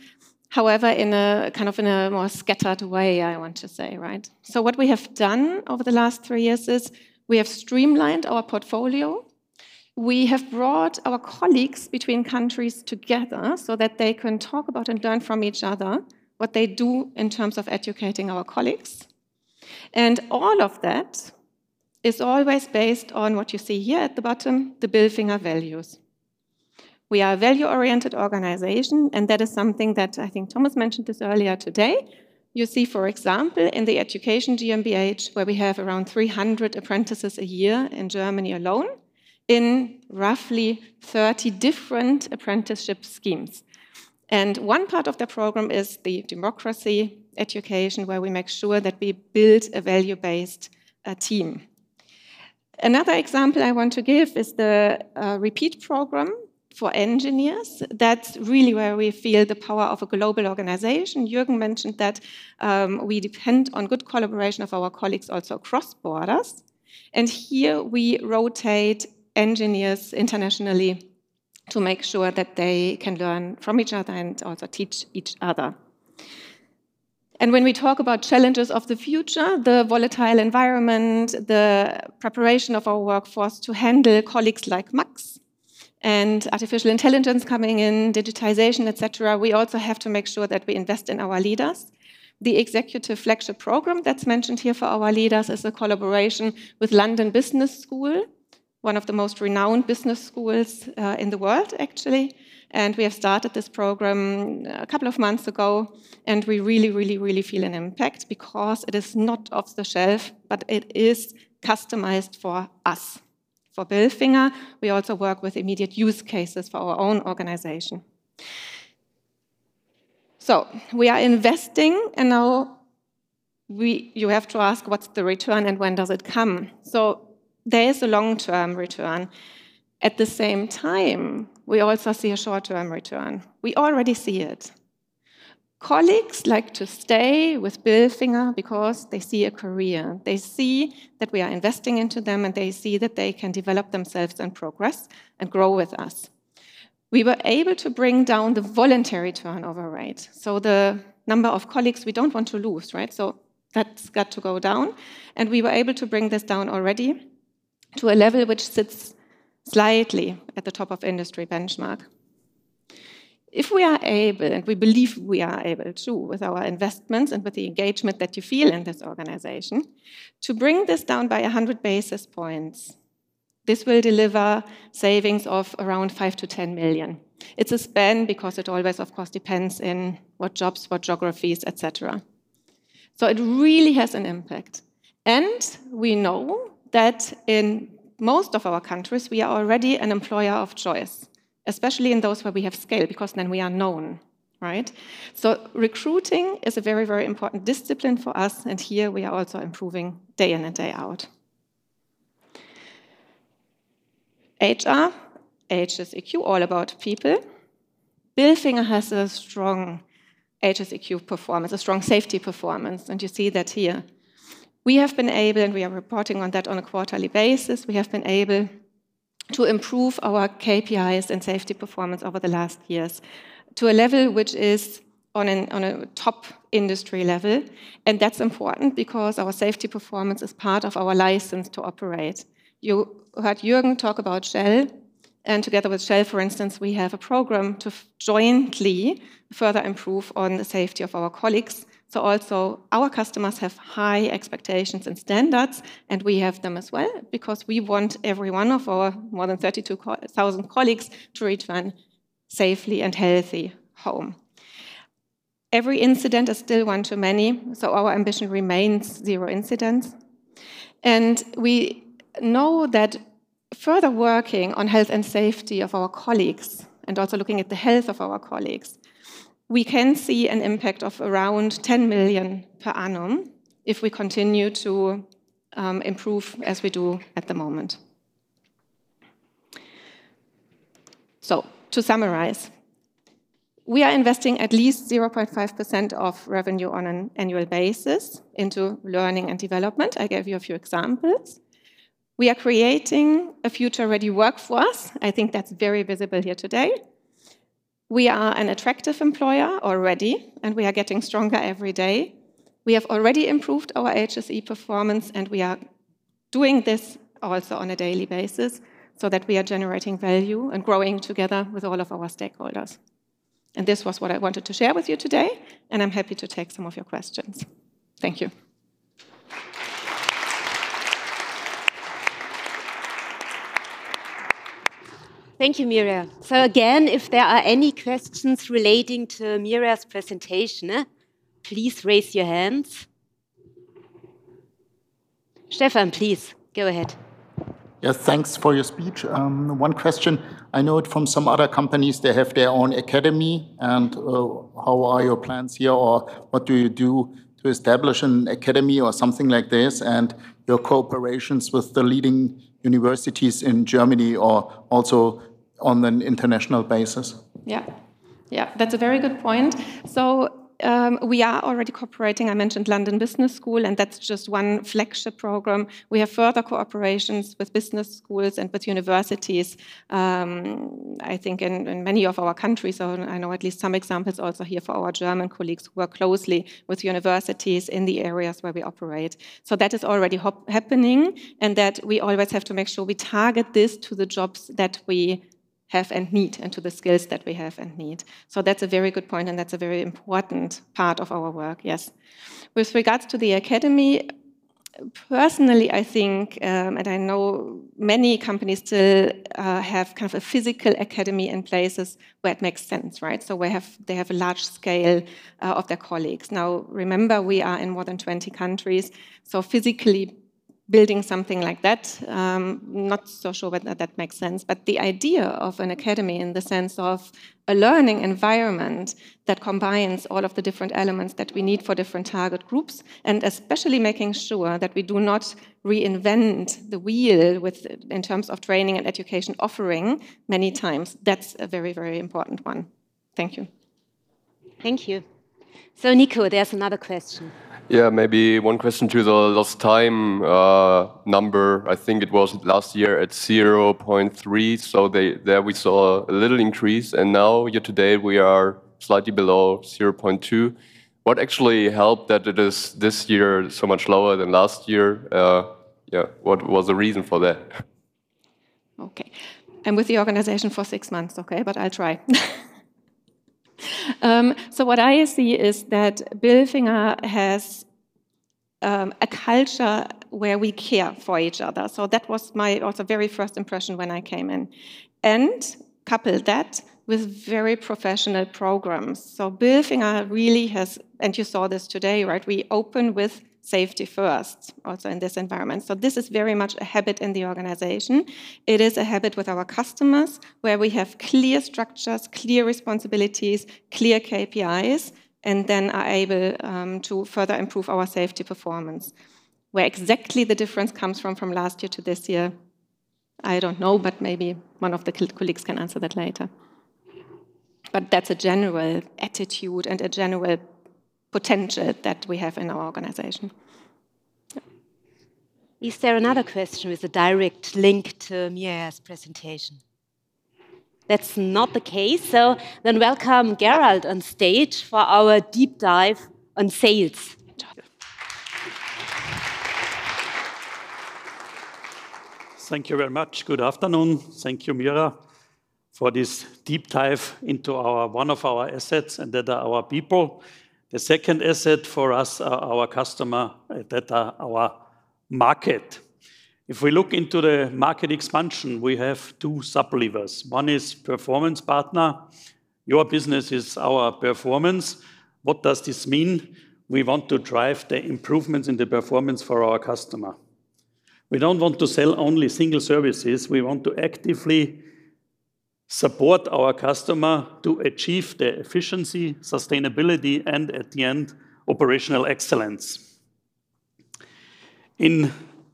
However, in a kind of more scattered way, I want to say, right? What we have done over the last three years is we have streamlined our portfolio. We have brought our colleagues between countries together so that they can talk about and learn from each other what they do in terms of educating our colleagues. All of that is always based on what you see here at the bottom, the Bilfinger values. We are a value-oriented organization, and that is something that I think Thomas mentioned earlier today. You see, for example, in the Education GmbH, where we have around 300 apprentices a year in Germany alone in roughly 30 different apprenticeship schemes. One part of the program is the democracy education, where we make sure that we build a value-based team. Another example I want to give is the REPEAT program for engineers. That's really where we feel the power of a global organization. Jürgen mentioned that we depend on good collaboration of our colleagues also across borders. Here we rotate engineers internationally to make sure that they can learn from each other and also teach each other. When we talk about challenges of the future, the volatile environment, the preparation of our workforce to handle colleagues like Max and artificial intelligence coming in, digitization, etc., we also have to make sure that we invest in our leaders. The executive flagship program that's mentioned here for our leaders is a collaboration with London Business School, one of the most renowned business schools in the world, actually. We have started this program a couple of months ago, and we really, really, really feel an impact because it is not off the shelf, but it is customized for us. For Bilfinger, we also work with immediate use cases for our own organization. We are investing, and now you have to ask, what's the return and when does it come? There is a long-term return. At the same time, we also see a short-term return. We already see it. Colleagues like to stay with Bilfinger because they see a career. They see that we are investing into them, and they see that they can develop themselves and progress and grow with us. We were able to bring down the voluntary turnover rate. The number of colleagues we don't want to lose, right? That's got to go down. We were able to bring this down already to a level which sits slightly at the top of industry benchmark. If we are able, and we believe we are able to, with our investments and with the engagement that you feel in this organization, to bring this down by 100 basis points, this will deliver savings of around 5 million-10 million. It's a span because it always, of course, depends on what jobs, what geographies, etc. It really has an impact. We know that in most of our countries, we are already an employer of choice, especially in those where we have scale because then we are known, right? Recruiting is a very, very important discipline for us, and here we are also improving day in and day out. HR, HSEQ, all about people. Bilfinger has a strong HSEQ performance, a strong safety performance, and you see that here. We have been able, and we are reporting on that on a quarterly basis, we have been able to improve our KPIs and safety performance over the last years to a level which is on a top industry level. That is important because our safety performance is part of our license to operate. You heard Jürgen talk about Shell, and together with Shell, for instance, we have a program to jointly further improve on the safety of our colleagues. Also our customers have high expectations and standards, and we have them as well because we want every one of our more than 32,000 colleagues to return safely and healthy home. Every incident is still one too many, so our ambition remains zero incidents. We know that further working on health and safety of our colleagues and also looking at the health of our colleagues, we can see an impact of around 10 million per annum if we continue to improve as we do at the moment. To summarize, we are investing at least 0.5% of revenue on an annual basis into learning and development. I gave you a few examples. We are creating a future-ready workforce. I think that's very visible here today. We are an attractive employer already, and we are getting stronger every day. We have already improved our HSEQ performance, and we are doing this also on a daily basis so that we are generating value and growing together with all of our stakeholders. This was what I wanted to share with you today, and I'm happy to take some of your questions. Thank you. Thank you, Mirja. If there are any questions relating to Mirja's presentation, please raise your hands. Stefan, please go ahead. Yes, thanks for your speech. One question. I know it from some other companies. They have their own academy. How are your plans here? Or what do you do to establish an academy or something like this and your cooperations with the leading universities in Germany or also on an international basis? Yeah, yeah, that's a very good point. We are already cooperating. I mentioned London Business School, and that's just one flagship program. We have further cooperation's with business schools and with universities, I think, in many of our countries. I know at least some examples also here for our German colleagues who are closely with universities in the areas where we operate. That is already happening and that we always have to make sure we target this to the jobs that we have and need and to the skills that we have and need. That is a very good point, and that is a very important part of our work, yes. With regards to the academy, personally, I think, and I know many companies still have kind of a physical academy in places where it makes sense, right? They have a large scale of their colleagues. Now, remember, we are in more than 20 countries. Physically building something like that, I'm not so sure whether that makes sense, but the idea of an academy in the sense of a learning environment that combines all of the different elements that we need for different target groups and especially making sure that we do not reinvent the wheel in terms of training and education offering many times, that's a very, very important one. Thank you. Thank you. Niko, there's another question. Maybe one question to the last time number. I think it was last year at 0.3. There we saw a little increase. Now here today, we are slightly below 0.2. What actually helped that it is this year so much lower than last year? What was the reason for that? Okay. I'm with the organization for six months, but I'll try. What I see is that Bilfinger has a culture where we care for each other. That was also my very first impression when I came in. Couple that with very professional programs. Bilfinger really has, and you saw this today, right? We open with safety first also in this environment. This is very much a habit in the organization. It is a habit with our customers where we have clear structures, clear responsibilities, clear KPIs, and then are able to further improve our safety performance. Where exactly the difference comes from from last year to this year, I don't know, but maybe one of the colleagues can answer that later. That is a general attitude and a general potential that we have in our organization. Is there another question with a direct link to Mirja's presentation? That is not the case. Welcome Gerald on stage for our deep dive on sales. Thank you very much. Good afternoon. Thank you, Mirja, for this deep dive into one of our assets and that are our people. The second asset for us are our customer, that are our market. If we look into the market expansion, we have two sub-levels. One is performance partner. Your business is our performance. What does this mean? We want to drive the improvements in the performance for our customer. We do not want to sell only single services. We want to actively support our customer to achieve the efficiency, sustainability, and at the end, operational excellence. In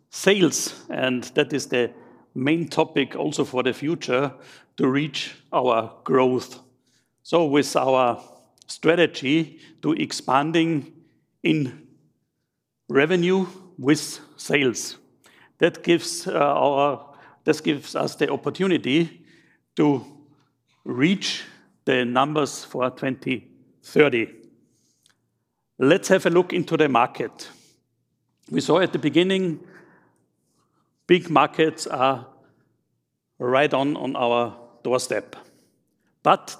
sales, and that is the main topic also for the future to reach our growth. With our strategy to expanding in revenue with sales, that gives us the opportunity to reach the numbers for 2030. Let's have a look into the market. We saw at the beginning, big markets are right on our doorstep.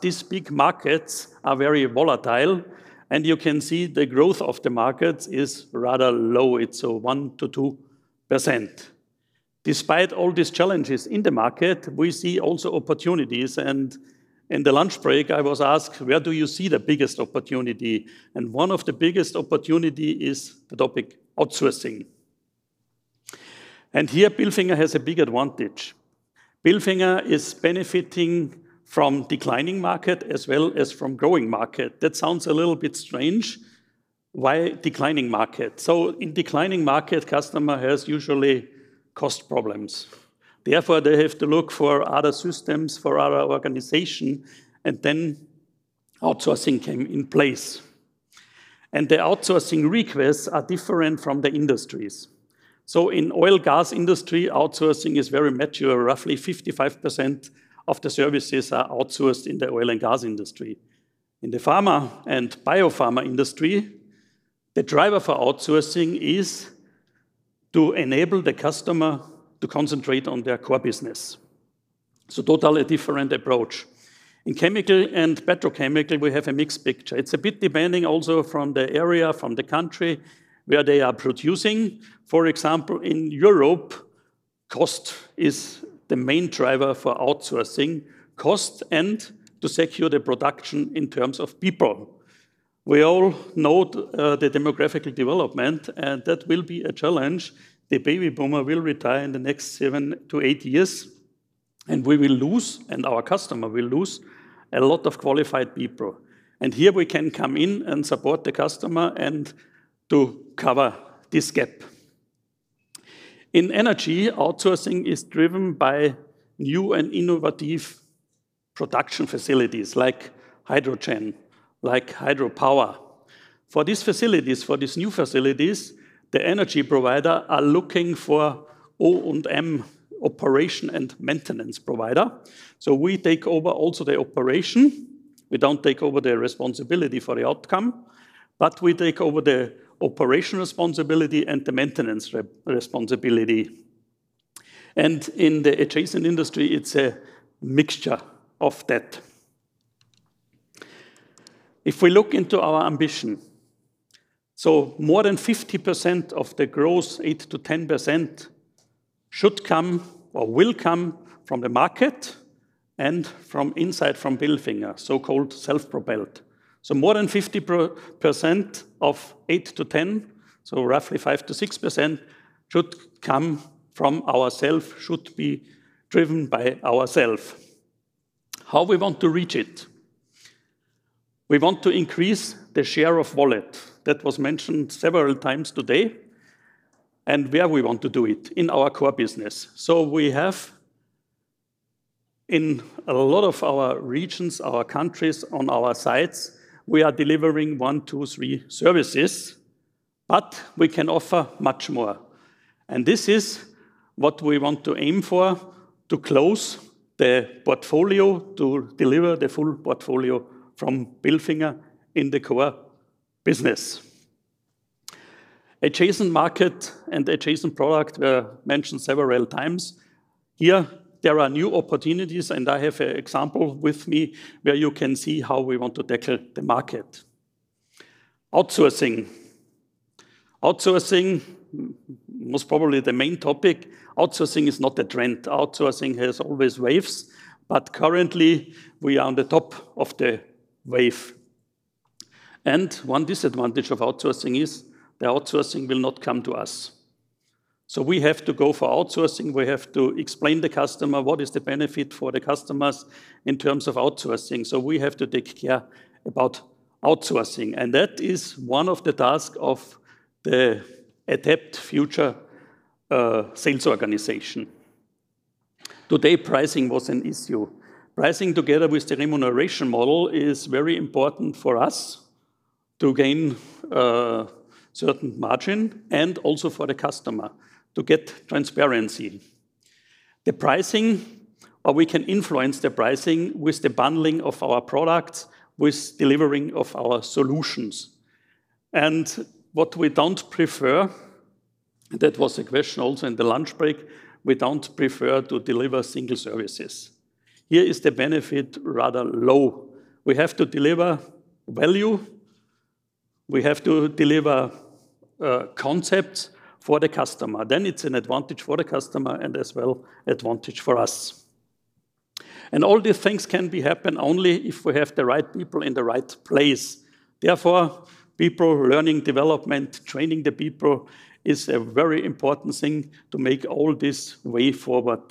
These big markets are very volatile, and you can see the growth of the markets is rather low. It's 1-2%. Despite all these challenges in the market, we see also opportunities. In the lunch break, I was asked, where do you see the biggest opportunity? One of the biggest opportunities is the topic outsourcing. Here, Bilfinger has a big advantage. Bilfinger is benefiting from declining market as well as from growing market. That sounds a little bit strange. Why declining market? In declining market, customer has usually cost problems. Therefore, they have to look for other systems for our organization, and then outsourcing came in place. The outsourcing requests are different from the industries. In the Oil and Gas industry, outsourcing is very mature. Roughly 55% of the services are outsourced in the Oil and Gas industry. In the pharma and Biopharma industry, the driver for outsourcing is to enable the customer to concentrate on their core business. Totally different approach. In chemical and petrochemical, we have a mixed picture. It's a bit depending also from the area, from the country where they are producing. For example, in Europe, cost is the main driver for outsourcing cost and to secure the production in terms of people. We all know the demographical development, and that will be a challenge. The baby boomer will retire in the next seven to eight years, and we will lose, and our customer will lose a lot of qualified people. Here we can come in and support the customer and to cover this gap. In energy, outsourcing is driven by new and innovative production facilities like hydrogen, like hydropower. For these facilities, for these new facilities, the energy provider is looking for O&M operation and maintenance provider. We take over also the operation. We do not take over the responsibility for the outcome, but we take over the operation responsibility and the maintenance responsibility. In the adjacent industry, it is a mixture of that. If we look into our ambition, more than 50% of the growth, 8-10%, should come or will come from the market and from inside from Bilfinger, so-called self-propelled. More than 50% of 8-10, so roughly 5-6%, should come from ourselves, should be driven by ourselves. How do we want to reach it? We want to increase the share of wallet that was mentioned several times today and where we want to do it in our core business. We have in a lot of our regions, our countries, on our sites, we are delivering one, two, three services, but we can offer much more. This is what we want to aim for, to close the portfolio, to deliver the full portfolio from Bilfinger in the core business. Adjacent market and adjacent product were mentioned several times. Here there are new opportunities, and I have an example with me where you can see how we want to tackle the market. Outsourcing. Outsourcing was probably the main topic. Outsourcing is not a trend. Outsourcing has always waves, but currently we are on the top of the wave. One disadvantage of outsourcing is the outsourcing will not come to us. We have to go for outsourcing. We have to explain to the customer what is the benefit for the customers in terms of outsourcing. We have to take care about outsourcing. That is one of the tasks of the adept future sales organization. Today, pricing was an issue. Pricing together with the remuneration model is very important for us to gain certain margin and also for the customer to get transparency. The pricing, or we can influence the pricing with the bundling of our products, with delivering of our solutions. What we do not prefer, that was a question also in the lunch break, we do not prefer to deliver single services. Here is the benefit rather low. We have to deliver value. We have to deliver concepts for the customer. Then it is an advantage for the customer and as well advantage for us. All these things can happen only if we have the right people in the right place. Therefore, people learning, development, training the people is a very important thing to make all this way forward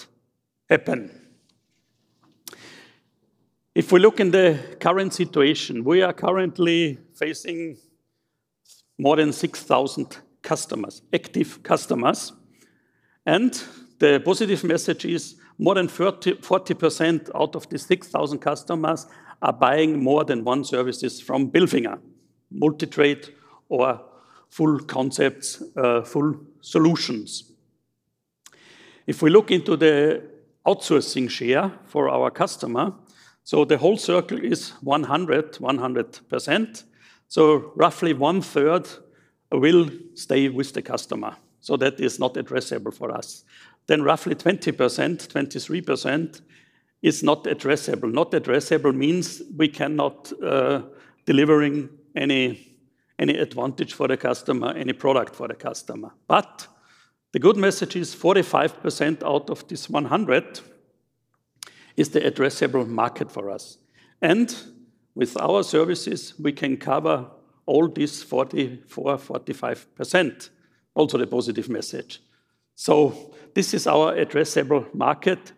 happen. If we look in the current situation, we are currently facing more than 6,000 customers, active customers. The positive message is more than 40% out of the 6,000 customers are buying more than one services from Bilfinger, multi-trade or full concepts, full solutions. If we look into the outsourcing share for our customer, the whole circle is 100, 100%. Roughly one third will stay with the customer. That is not addressable for us. Roughly 20%-23% is not addressable. Not addressable means we cannot deliver any advantage for the customer, any product for the customer. The good message is 45% out of this 100 is the addressable market for us. With our services, we can cover all this 44-45%. Also a positive message. This is our addressable market.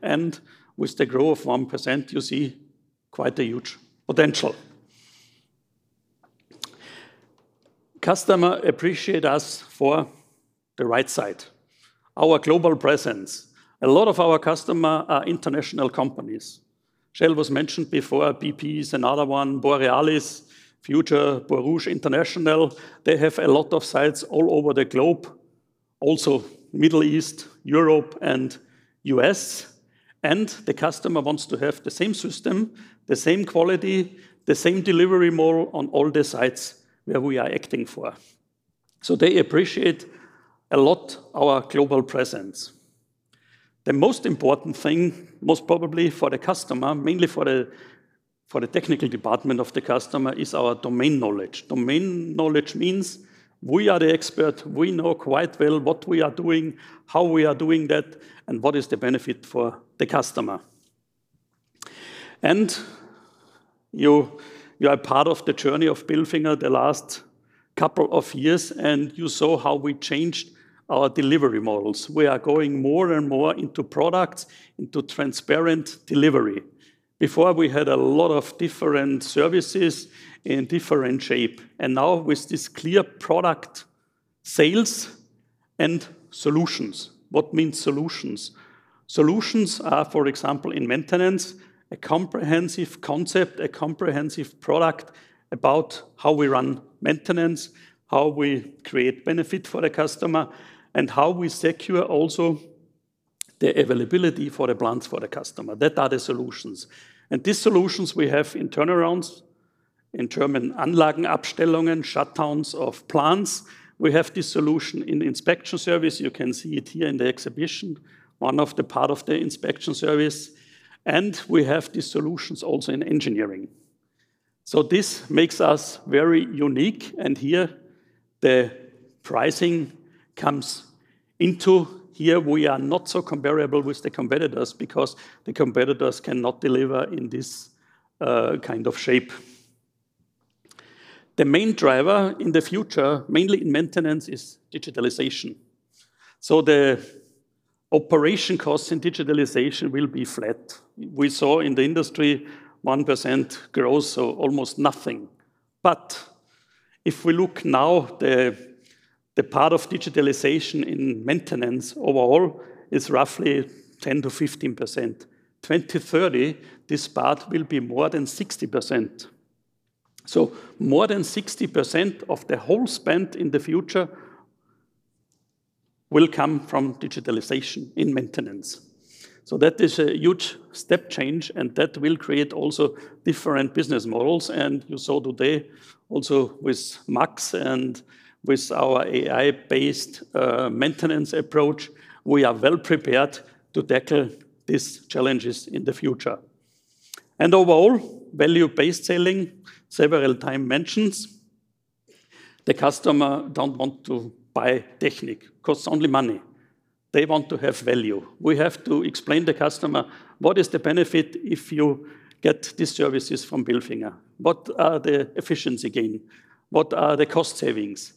With the growth of 1%, you see quite a huge potential. Customer appreciate us for the right side, our global presence. A lot of our customers are international companies. Shell was mentioned before.. BP is another one. Borealis, future Borealis International. They have a lot of sites all over the globe, also Middle East, Europe, and U.S. The customer wants to have the same system, the same quality, the same delivery model on all the sites where we are acting for. They appreciate a lot our global presence. The most important thing, most probably for the customer, mainly for the technical department of the customer, is our domain knowledge. Domain knowledge means we are the expert. We know quite well what we are doing, how we are doing that, and what is the benefit for the customer. You are part of the journey of Bilfinger the last couple of years, and you saw how we changed our delivery models. We are going more and more into products, into transparent delivery. Before, we had a lot of different services in different shape. Now with this clear product sales and solutions. What means solutions? Solutions are, for example, in maintenance, a comprehensive concept, a comprehensive product about how we run maintenance, how we create benefit for the customer, and how we secure also the availability for the plants for the customer. That are the solutions. These solutions we have in turnarounds, in German, Anlagenabstellungen, shutdowns of plants. We have this solution in inspection service. You can see it here in the exhibition, one of the parts of the inspection service. We have these solutions also in engineering. This makes us very unique. Here the pricing comes into play. We are not so comparable with the competitors because the competitors cannot deliver in this kind of shape. The main driver in the future, mainly in maintenance, is digitalization. The operation costs in digitalization will be flat. We saw in the industry 1% growth, so almost nothing. If we look now, the part of digitalization in maintenance overall is roughly 10-15%. In 2030, this part will be more than 60%. More than 60% of the whole spend in the future will come from digitalization in maintenance. That is a huge step change, and that will create also different business models. You saw today also with Max and with our AI-based maintenance approach, we are well prepared to tackle these challenges in the future. Overall, value-based selling, several times mentioned. The customer doesn't want to buy technique because it's only money. They want to have value. We have to explain to the customer what is the benefit if you get these services from Bilfinger. What are the efficiency gains? What are the cost savings?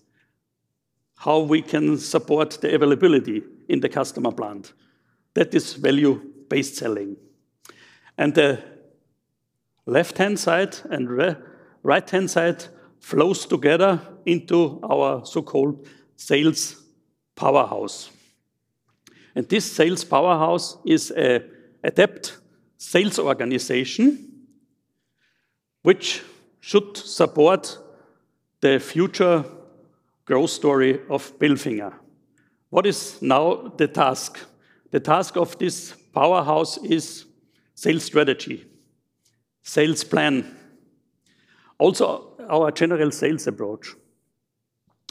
How we can support the availability in the customer plant. That is value-based selling. The left-hand side and right-hand side flows together into our so-called sales powerhouse. This sales powerhouse is an adept sales organization which should support the future growth story of Bilfinger. What is now the task? The task of this powerhouse is sales strategy, sales plan, also our general sales approach.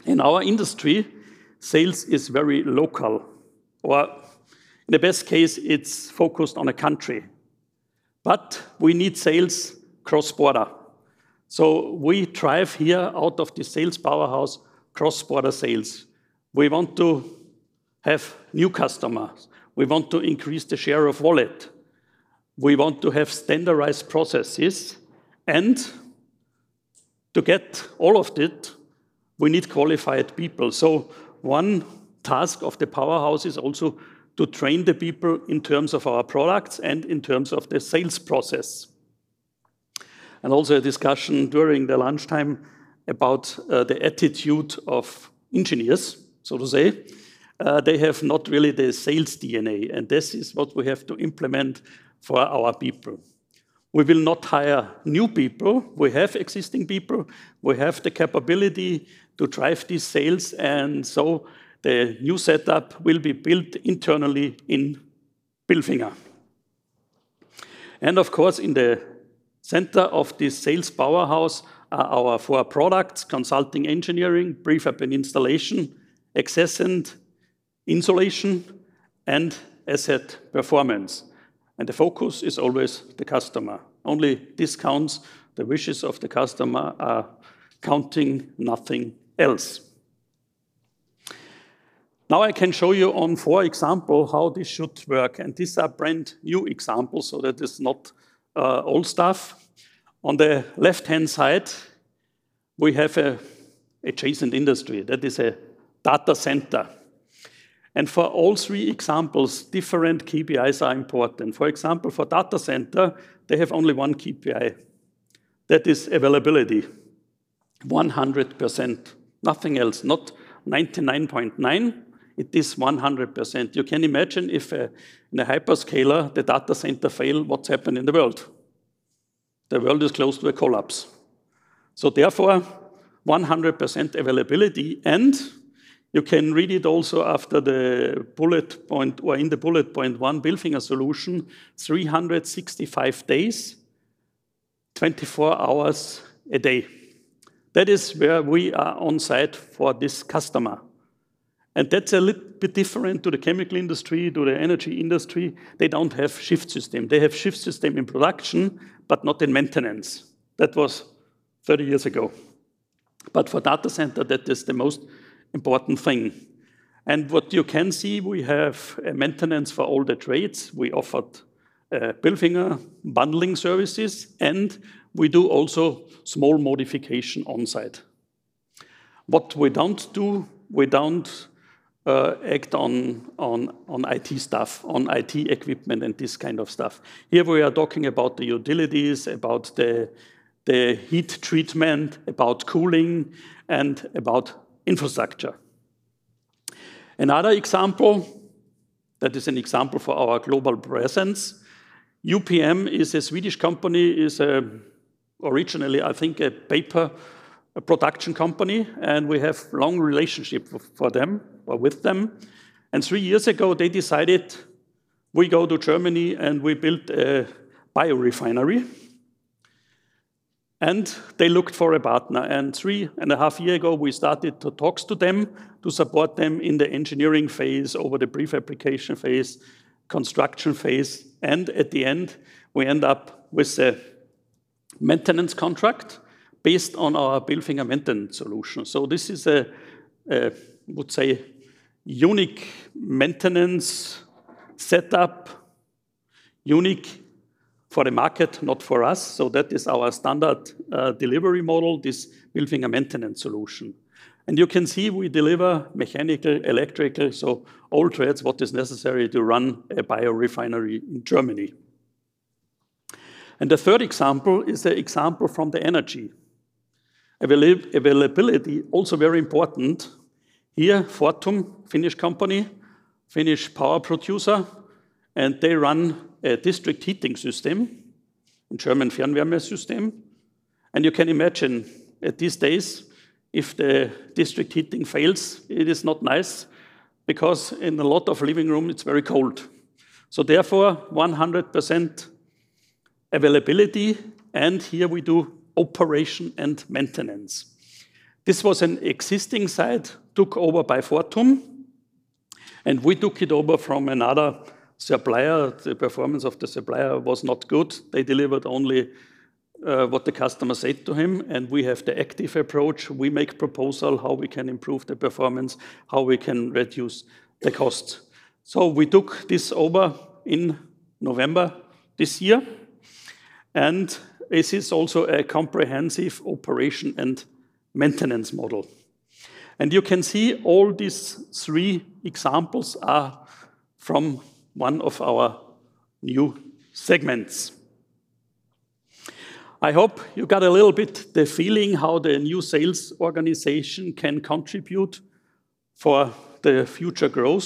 In our industry, sales is very local, or in the best case, it is focused on a country. We need sales cross-border. We thrive here out of the sales powerhouse, cross-border sales. We want to have new customers. We want to increase the share of wallet. We want to have standardized processes. To get all of that, we need qualified people. One task of the powerhouse is also to train the people in terms of our products and in terms of the sales process. Also, a discussion during the lunchtime about the attitude of engineers, so to say. They have not really the sales DNA, and this is what we have to implement for our people. We will not hire new people. We have existing people. We have the capability to drive these sales. The new setup will be built internally in Bilfinger. Of course, in the center of this sales powerhouse are our four products: consulting, engineering, prefab and installation, access and insulation, and asset performance. The focus is always the customer. Only discounts, the wishes of the customer are counting, nothing else. Now I can show you on four examples how this should work. These are brand new examples, so that is not old stuff. On the left-hand side, we have an adjacent industry. That is a data center. For all three examples, different KPIs are important. For example, for data center, they have only one KPI. That is availability, 100%. Nothing else, not 99.9%. It is 100%. You can imagine if in a hyperscaler, the data center fails, what happens in the world? The world is close to a collapse. Therefore, 100% availability. You can read it also after the bullet point or in the bullet point one, Bilfinger solution, 365 days, 24 hours a day. That is where we are on site for this customer. That is a little bit different to the chemical industry, to the energy industry. They do not have a shift system. They have a shift system in production, but not in maintenance. That was 30 years ago. For data center, that is the most important thing. What you can see, we have maintenance for all the trades. We offered Bilfinger bundling services, and we do also small modification on site. What we do not do, we do not act on IT stuff, on IT equipment, and this kind of stuff. Here we are talking about the utilities, about the heat treatment, about cooling, and about infrastructure. Another example, that is an example for our global presence. UPM is a Swedish company, is originally, I think, a paper production company. We have a long relationship with them. Three years ago, they decided we go to Germany and we build a biorefinery. They looked for a partner. Three and a half years ago, we started to talk to them to support them in the engineering phase, over the prefabrication phase, construction phase. At the end, we end up with a maintenance contract based on our Bilfinger Maintenance Solution. This is a, I would say, unique maintenance setup, unique for the market, not for us. That is our standard delivery model, this Bilfinger Maintenance Solution. You can see we deliver mechanical, electrical, so all trades, what is necessary to run a biorefinery in Germany. The third example is an example from the energy availability, also very important. Here, Fortum, Finnish company, Finnish power producer, and they run a district heating system, German Fernwärmesystem. You can imagine at these days, if the district heating fails, it is not nice because in a lot of living rooms, it's very cold. Therefore, 100% availability. Here we do operation and maintenance. This was an existing site, took over by Fortum, and we took it over from another supplier. The performance of the supplier was not good. They delivered only what the customer said to him. We have the active approach. We make a proposal how we can improve the performance, how we can reduce the costs. We took this over in November this year. This is also a comprehensive operation and maintenance model. You can see all these three examples are from one of our new segments. I hope you got a little bit the feeling how the new sales organization can contribute for the future growth.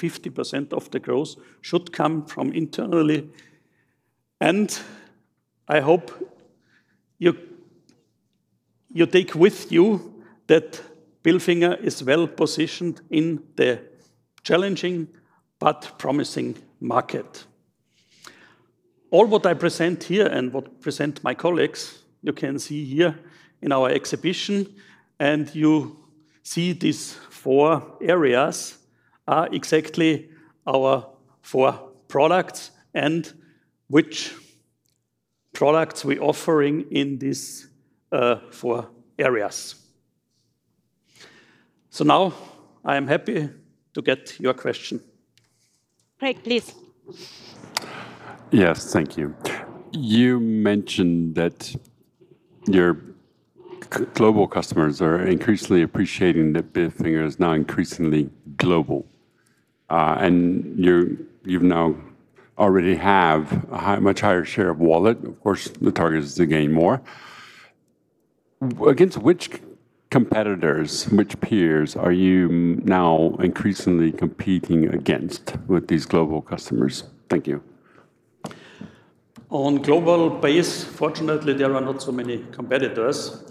Fifty percent of the growth should come from internally. I hope you take with you that Bilfinger is well positioned in the challenging but promising market. All what I present here and what present my colleagues, you can see here in our exhibition. You see these four areas are exactly our four products and which products we are offering in these four areas. Now I am happy to get your question. Great, please. Yes, thank you. You mentioned that your global customers are increasingly appreciating that Bilfinger is now increasingly global. You now already have a much higher share of wallet. Of course, the target is to gain more. Against which competitors, which peers are you now increasingly competing against with these global customers? Thank you. On a global base, fortunately, there are not so many competitors.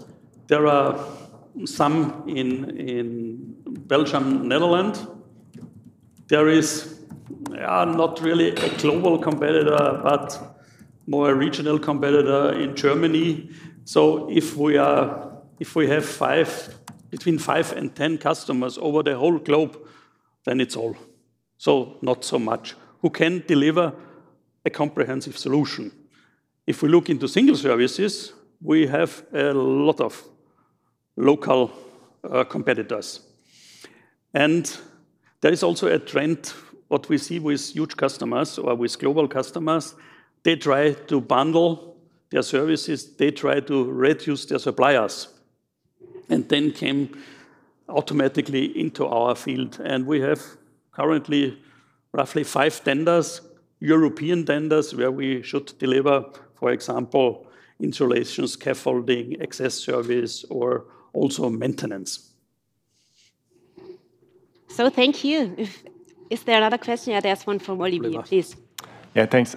There are some in Belgium, Netherlands. There is not really a global competitor, but more a regional competitor in Germany. If we have between five and ten customers over the whole globe, then it's all. Not so much. Who can deliver a comprehensive solution? If we look into single services, we have a lot of local competitors. There is also a trend what we see with huge customers or with global customers. They try to bundle their services. They try to reduce their suppliers. They came automatically into our field. We have currently roughly five tenders, European tenders, where we should deliver, for example, insulations, scaffolding, access service, or also maintenance. Thank you. Is there another question? I'll ask one from Olivier, please. Yeah, thanks.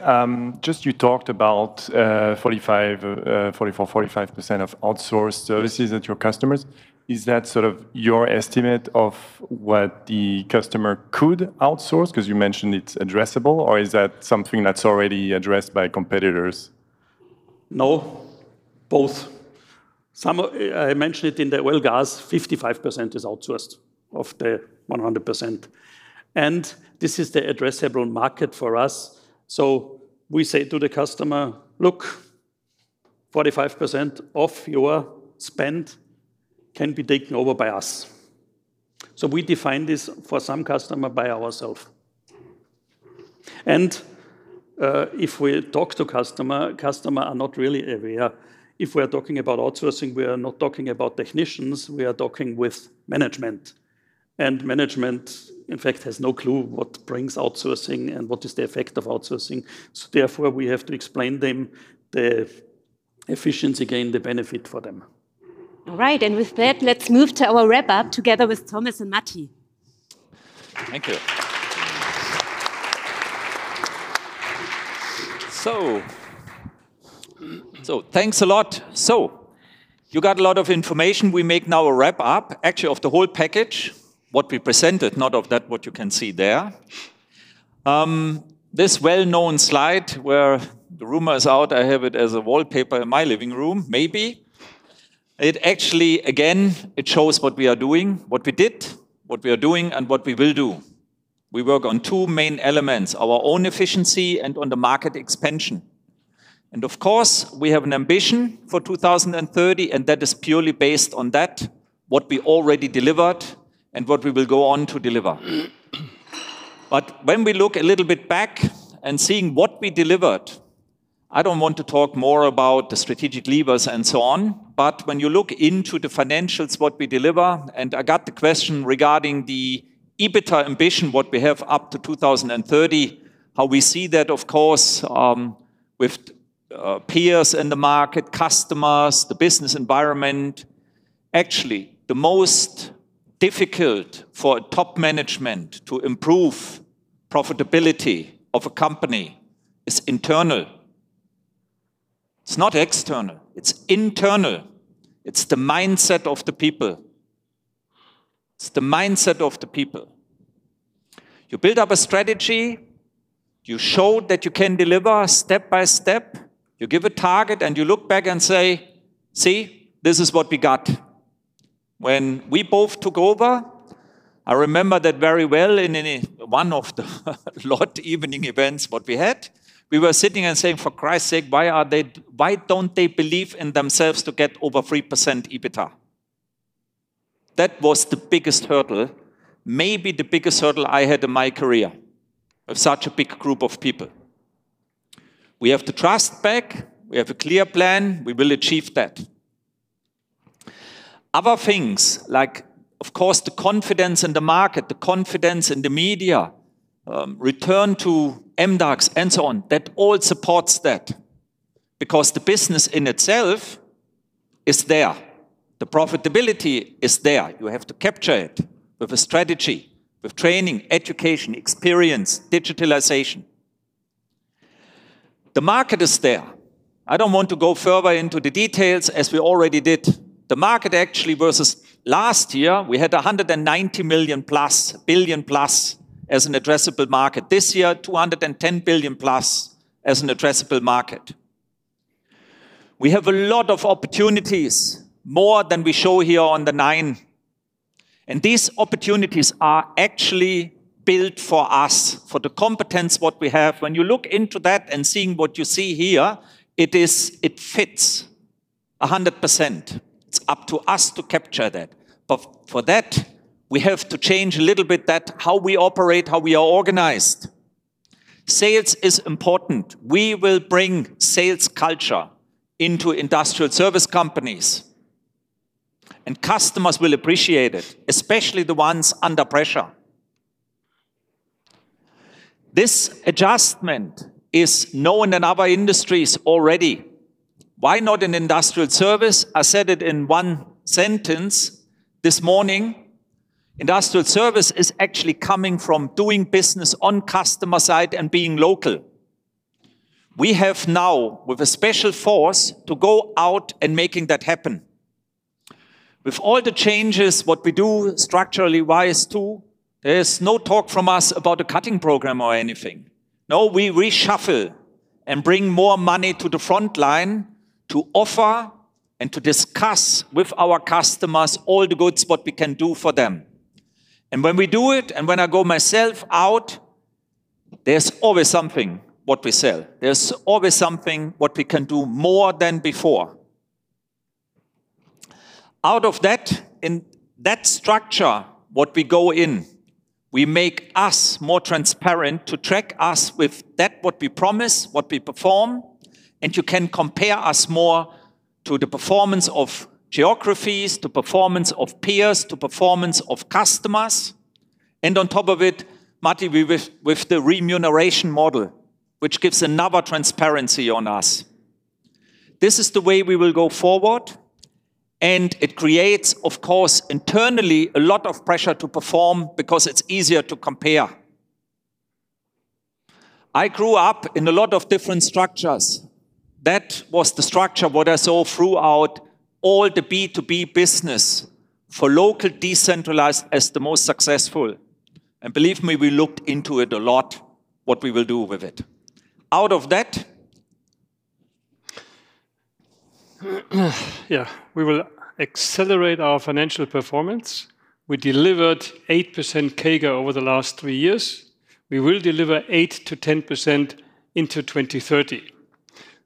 Just you talked about 45, 45% of outsourced services at your customers. Is that sort of your estimate of what the customer could outsource? Because you mentioned it's addressable, or is that something that's already addressed by competitors? No, both. I mentioned it in the oil gas, 55% is outsourced of the 100%. This is the addressable market for us. We say to the customer, look, 45% of your spend can be taken over by us. We define this for some customer by ourselves. If we talk to customer, customer are not really aware. If we are talking about outsourcing, we are not talking about technicians. We are talking with management. Management, in fact, has no clue what brings outsourcing and what is the effect of outsourcing. Therefore, we have to explain them the efficiency gain, the benefit for them. All right. With that, let's move to our wrap-up together with Thomas and Matti. Thank you. Thanks a lot. You got a lot of information. We make now a wrap-up, actually, of the whole package, what we presented, not of that what you can see there. This well-known slide where the rumor is out, I have it as a wallpaper in my living room, maybe. It actually, again, it shows what we are doing, what we did, what we are doing, and what we will do. We work on two main elements, our own efficiency and on the market expansion. Of course, we have an ambition for 2030, and that is purely based on that, what we already delivered and what we will go on to deliver. When we look a little bit back and seeing what we delivered, I don't want to talk more about the strategic levers and so on. When you look into the financials, what we deliver, and I got the question regarding the EBITDA ambition, what we have up to 2030, how we see that, of course, with peers in the market, customers, the business environment. Actually, the most difficult for top management to improve profitability of a company is internal. It's not external. It's internal. It's the mindset of the people. It's the mindset of the people. You build up a strategy. You show that you can deliver step by step. You give a target and you look back and say, see, this is what we got. When we both took over, I remember that very well in one of the lot evening events what we had. We were sitting and saying, for Christ's sake, why don't they believe in themselves to get over 3% EBITDA? That was the biggest hurdle, maybe the biggest hurdle I had in my career of such a big group of people. We have to trust back. We have a clear plan. We will achieve that. Other things like, of course, the confidence in the market, the confidence in the media, return to MDAX and so on, that all supports that because the business in itself is there. The profitability is there. You have to capture it with a strategy, with training, education, experience, digitalization. The market is there. I don't want to go further into the details as we already did. The market actually versus last year, we had 190 billion plus as an addressable market. This year, 210 billion plus as an addressable market. We have a lot of opportunities, more than we show here on the nine. These opportunities are actually built for us, for the competence we have. When you look into that and see what you see here, it fits 100%. It is up to us to capture that. For that, we have to change a little bit how we operate, how we are organized. Sales is important. We will bring sales culture into Industrial Service companies. Customers will appreciate it, especially the ones under pressure. This adjustment is known in other industries already. Why not in Industrial Service? I said it in one sentence this morning. Industrial Service is actually coming from doing business on customer side and being local. We have now with a special force to go out and make that happen. With all the changes we do structurally wise too, there is no talk from us about a cutting program or anything. No, we reshuffle and bring more money to the front line to offer and to discuss with our customers all the goods what we can do for them. When we do it and when I go myself out, there's always something what we sell. There's always something what we can do more than before. Out of that, in that structure, what we go in, we make us more transparent to track us with that what we promise, what we perform. You can compare us more to the performance of geographies, to performance of peers, to performance of customers. On top of it, Matti, we with the remuneration model, which gives another transparency on us. This is the way we will go forward. It creates, of course, internally a lot of pressure to perform because it's easier to compare. I grew up in a lot of different structures. That was the structure what I saw throughout all the B2B business for local decentralized as the most successful. And believe me, we looked into it a lot, what we will do with it. Out of that. Yeah, we will accelerate our financial performance. We delivered 8% CAGR over the last three years. We will deliver 8-10% into 2030.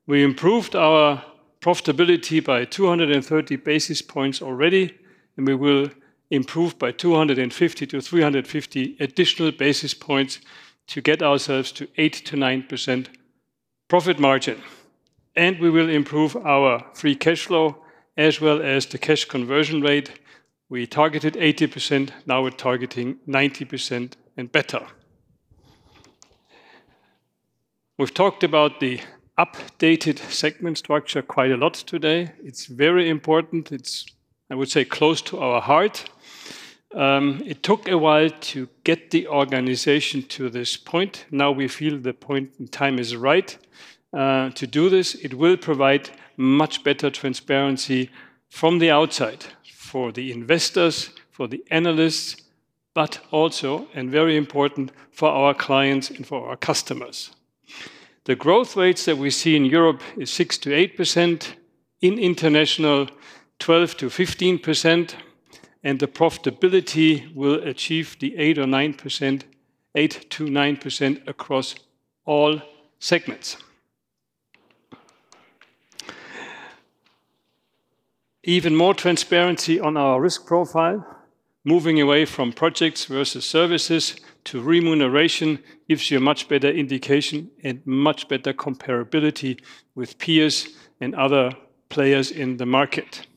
We improved our profitability by 230 basis points already. And we will improve by 250-350 additional basis points to get ourselves to 8-9% profit margin. And we will improve our free cash flow as well as the cash conversion rate. We targeted 80%. Now we're targeting 90% and better. We've talked about the updated segment structure quite a lot today. It's very important. It's, I would say, close to our heart. It took a while to get the organization to this point. Now we feel the point in time is right to do this. It will provide much better transparency from the outside for the investors, for the analysts, but also, and very important, for our clients and for our customers. The growth rates that we see in Europe is 6-8%. In international, 12-15%. And the profitability will achieve the 8 or 9%, 8-9% across all segments. Even more transparency on our risk profile, moving away from projects versus services to remuneration gives you a much better indication and much better comparability with peers and other players in the market.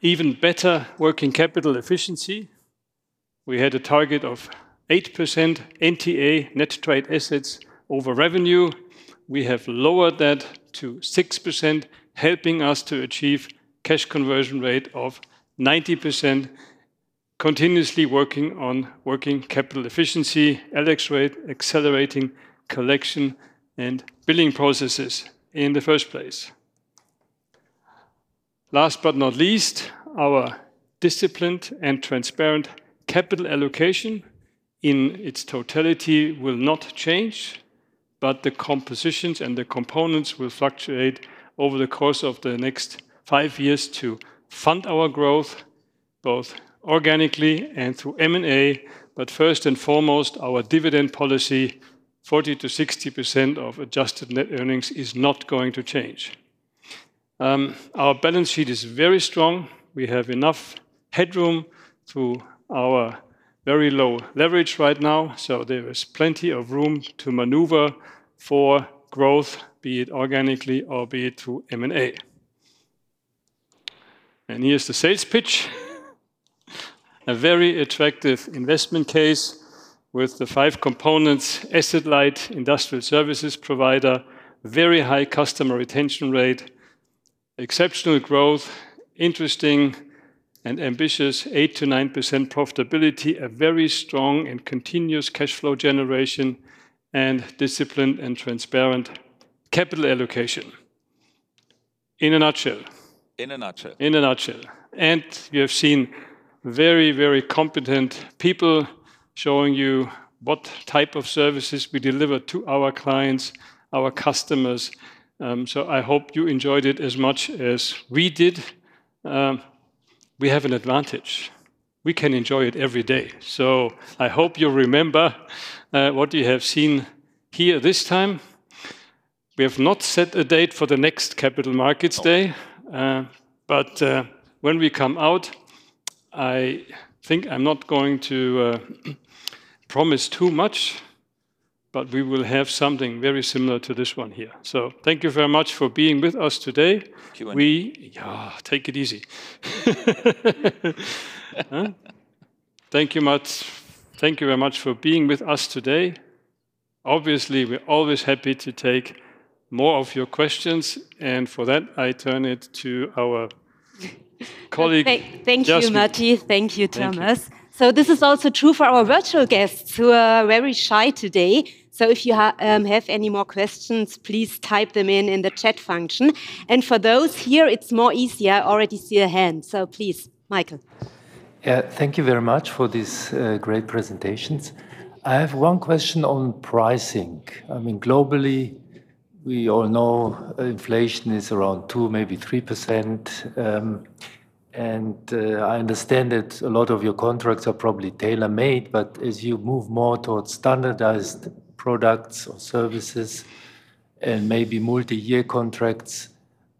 Even better working capital efficiency. We had a target of 8% NTA net trade assets over revenue. We have lowered that to 6%, helping us to achieve cash conversion rate of 90%, continuously working on working capital efficiency, LX rate, accelerating collection and billing processes in the first place. Last but not least, our disciplined and transparent capital allocation in its totality will not change, but the compositions and the components will fluctuate over the course of the next five years to fund our growth, both organically and through M&A. First and foremost, our dividend policy, 40-60% of adjusted net earnings is not going to change. Our balance sheet is very strong. We have enough headroom through our very low leverage right now. There is plenty of room to maneuver for growth, be it organically or be it through M&A. Here is the sales pitch. A very attractive investment case with the five components, asset-light, Industrial Services provider, very high customer retention rate, exceptional growth, interesting and ambitious 8-9% profitability, a very strong and continuous cash flow generation, and disciplined and transparent capital allocation. In a nutshell. In a nutshell. In a nutshell. You have seen very, very competent people showing you what type of services we deliver to our clients, our customers. I hope you enjoyed it as much as we did. We have an advantage. We can enjoy it every day. I hope you remember what you have seen here this time. We have not set a date for the next Capital Markets Day, but when we come out, I think I'm not going to promise too much, but we will have something very similar to this one here. Thank you very much for being with us today. Thank you, Matti. We take it easy. Thank you very much. Thank you very much for being with us today. Obviously, we're always happy to take more of your questions. For that, I turn it to our colleague. Thank you, Matti. Thank you, Thomas. This is also true for our virtual guests who are very shy today. If you have any more questions, please type them in in the chat function. For those here, it's more easier. I already see a hand. Please, Michael. Yeah, thank you very much for these great presentations. I have one question on pricing. I mean, globally, we all know inflation is around 2%, maybe 3%. And I understand that a lot of your contracts are probably tailor-made, but as you move more towards standardized products or services and maybe multi-year contracts,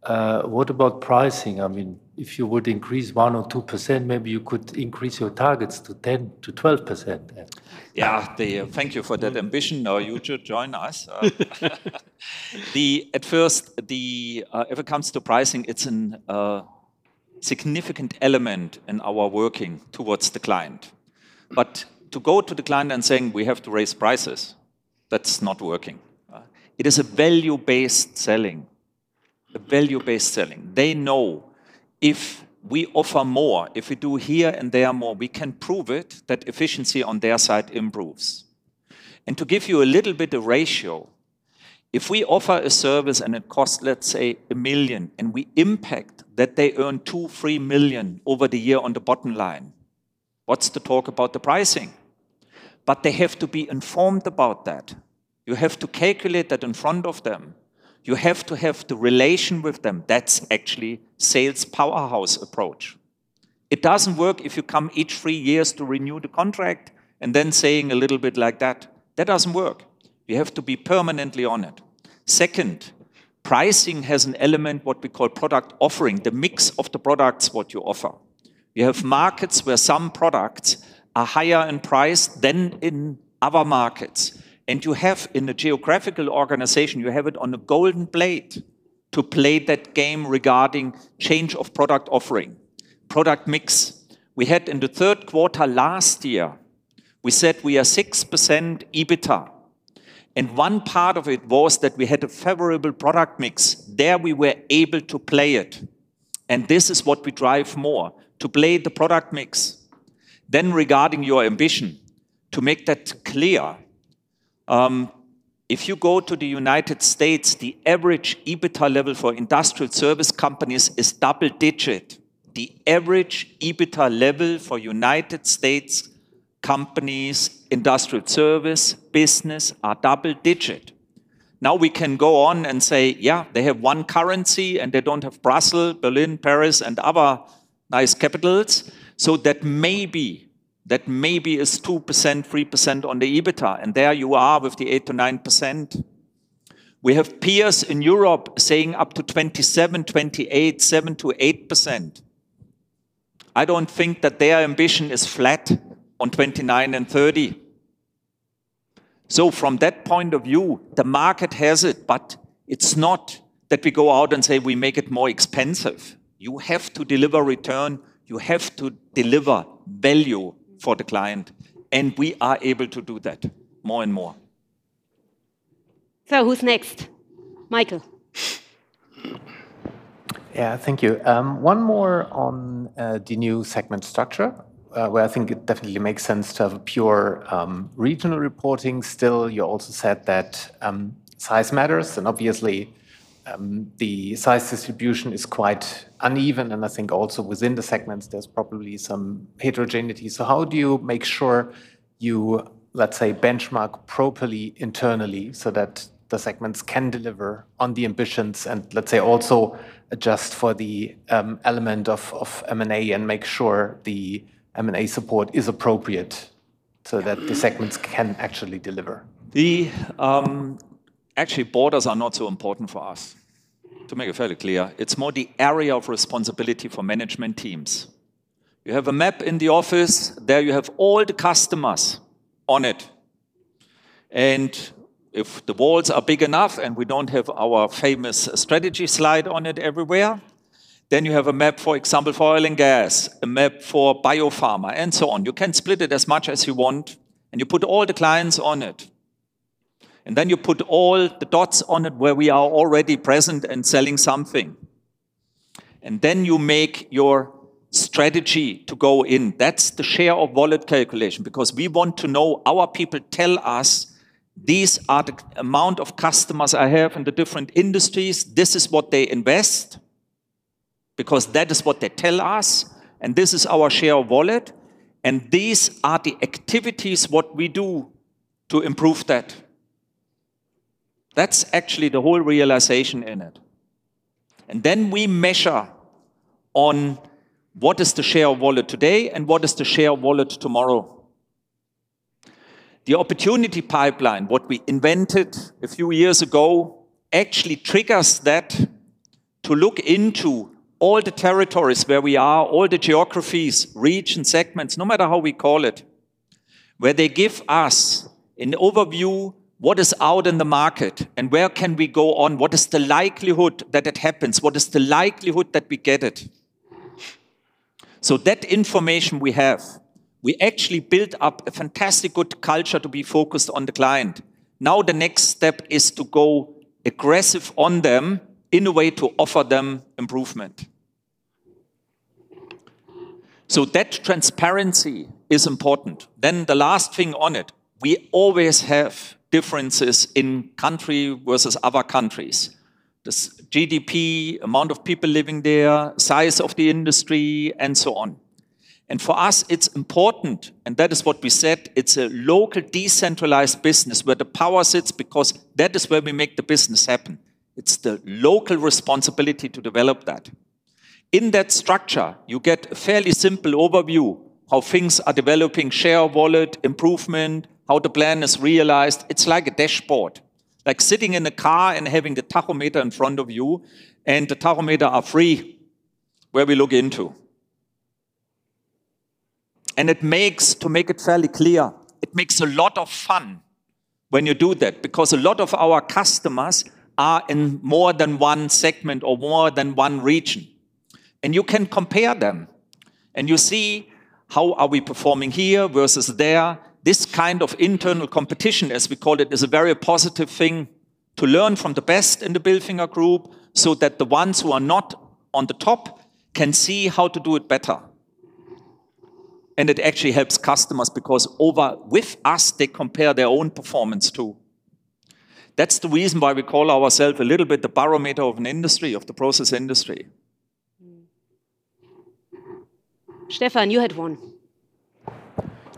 what about pricing? I mean, if you would increase 1% or 2%, maybe you could increase your targets to 10%-12%. Yeah, thank you for that ambition. Now you should join us. At first, if it comes to pricing, it's a significant element in our working towards the client. To go to the client and saying we have to raise prices, that's not working. It is a value-based selling, a value-based selling. They know if we offer more, if we do here and there more, we can prove it that efficiency on their side improves. To give you a little bit of ratio, if we offer a service and it costs, let's say, 1 million and we impact that they earn 2 million-3 million over the year on the bottom line, what's the talk about the pricing? They have to be informed about that. You have to calculate that in front of them. You have to have the relation with them. That's actually sales powerhouse approach. It doesn't work if you come each three years to renew the contract and then saying a little bit like that. That doesn't work. You have to be permanently on it. Second, pricing has an element, what we call product offering, the mix of the products what you offer. You have markets where some products are higher in price than in other markets. You have in the geographical organization, you have it on a golden plate to play that game regarding change of product offering, product mix. We had in the third quarter last year, we said we are 6% EBITDA. One part of it was that we had a favorable product mix. There we were able to play it. This is what we drive more to play the product mix. Regarding your ambition to make that clear, if you go to the United States, the average EBITDA level for Industrial Service companies is double digit. The average EBITDA level for United States companies, Industrial Service business, are double digit. Now we can go on and say, yeah, they have one currency and they do not have Brussels, Berlin, Paris, and other nice capitals. That maybe is 2%-3% on the EBITDA. There you are with the 8%-9%. We have peers in Europe saying up to 27%, 28%, 7%-8%. I do not think that their ambition is flat on 29% and 30%. From that point of view, the market has it, but it is not that we go out and say we make it more expensive. You have to deliver return. You have to deliver value for the client. We are able to do that more and more. Who's next? Michael. Yeah, thank you. One more on the new segment structure where I think it definitely makes sense to have a pure regional reporting. Still, you also said that size matters. Obviously, the size distribution is quite uneven. I think also within the segments, there's probably some heterogeneity. How do you make sure you, let's say, benchmark properly internally so that the segments can deliver on the ambitions and, let's say, also adjust for the element of M&A and make sure the M&A support is appropriate so that the segments can actually deliver? The actually borders are not so important for us, to make it fairly clear. It's more the area of responsibility for management teams. You have a map in the office. There you have all the customers on it. If the walls are big enough and we don't have our famous strategy slide on it everywhere, you have a map, for example, for Oil and Gas, a map for Biopharma and so on. You can split it as much as you want and you put all the clients on it. You put all the dots on it where we are already present and selling something. You make your strategy to go in. That's the share of wallet calculation because we want to know our people tell us these are the amount of customers I have in the different industries. This is what they invest because that is what they tell us. This is our share of wallet. These are the activities what we do to improve that. That is actually the whole realization in it. We measure on what is the share of wallet today and what is the share of wallet tomorrow. The opportunity pipeline, what we invented a few years ago, actually triggers that to look into all the territories where we are, all the geographies, regions, segments, no matter how we call it, where they give us an overview what is out in the market and where can we go on, what is the likelihood that it happens, what is the likelihood that we get it. That information we have, we actually build up a fantastic good culture to be focused on the client. Now the next step is to go aggressive on them in a way to offer them improvement. That transparency is important. The last thing on it, we always have differences in country versus other countries, the GDP, amount of people living there, size of the industry, and so on. For us, it's important, and that is what we said, it's a local decentralized business where the power sits because that is where we make the business happen. It's the local responsibility to develop that. In that structure, you get a fairly simple overview how things are developing, share of wallet, improvement, how the plan is realized. It's like a dashboard, like sitting in a car and having the tachometer in front of you and the tachometer are free where we look into. It makes, to make it fairly clear, it makes a lot of fun when you do that because a lot of our customers are in more than one segment or more than one region. You can compare them and you see how are we performing here versus there. This kind of internal competition, as we call it, is a very positive thing to learn from the best in the Bilfinger group so that the ones who are not on the top can see how to do it better. It actually helps customers because over with us, they compare their own performance too. That's the reason why we call ourselves a little bit the barometer of an industry, of the process industry. Stefan, you had one.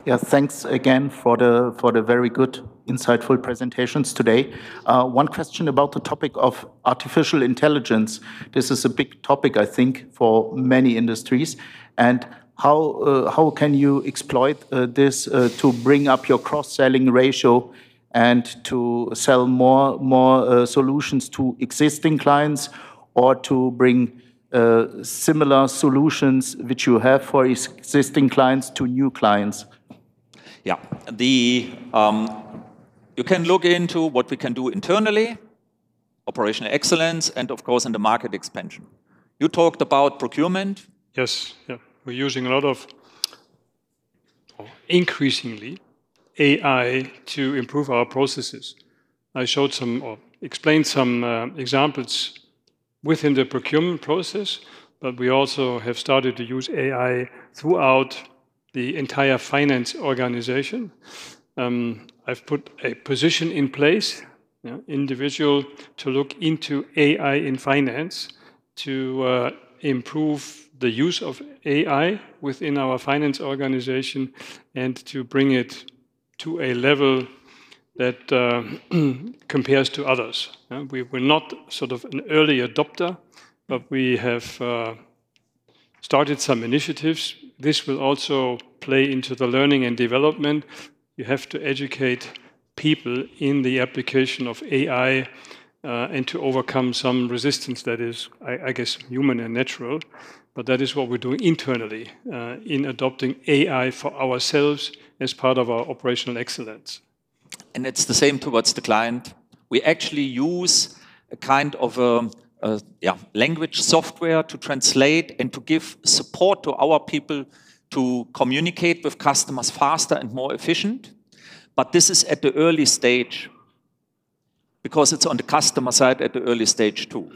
Yeah, thanks again for the very good, insightful presentations today. One question about the topic of artificial intelligence. This is a big topic, I think, for many industries. How can you exploit this to bring up your cross-selling ratio and to sell more solutions to existing clients or to bring similar solutions which you have for existing clients to new clients? Yeah, you can look into what we can do internally, operational excellence, and of course, in the market expansion. You talked about procurement. Yes, yeah. We're using a lot of increasingly AI to improve our processes. I showed some or explained some examples within the procurement process, but we also have started to use AI throughout the entire finance organization. I've put a position in place, individual, to look into AI in finance to improve the use of AI within our finance organization and to bring it to a level that compares to others. We're not sort of an early adopter, but we have started some initiatives. This will also play into the learning and development. You have to educate people in the application of AI and to overcome some resistance that is, I guess, human and natural, but that is what we're doing internally in adopting AI for ourselves as part of our operational excellence. It is the same towards the client. We actually use a kind of a language software to translate and to give support to our people to communicate with customers faster and more efficient. This is at the early stage because it is on the customer side at the early stage too.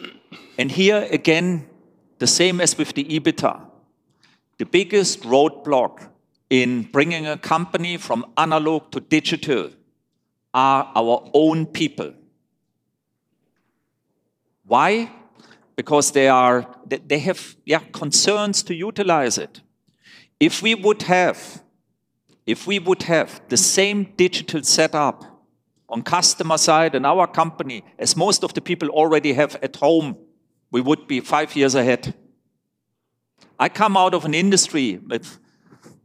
Here again, the same as with the EBITDA, the biggest roadblock in bringing a company from analog to digital are our own people. Why? Because they have concerns to utilize it. If we would have the same digital setup on the customer side and our company, as most of the people already have at home, we would be five years ahead. I come out of an industry that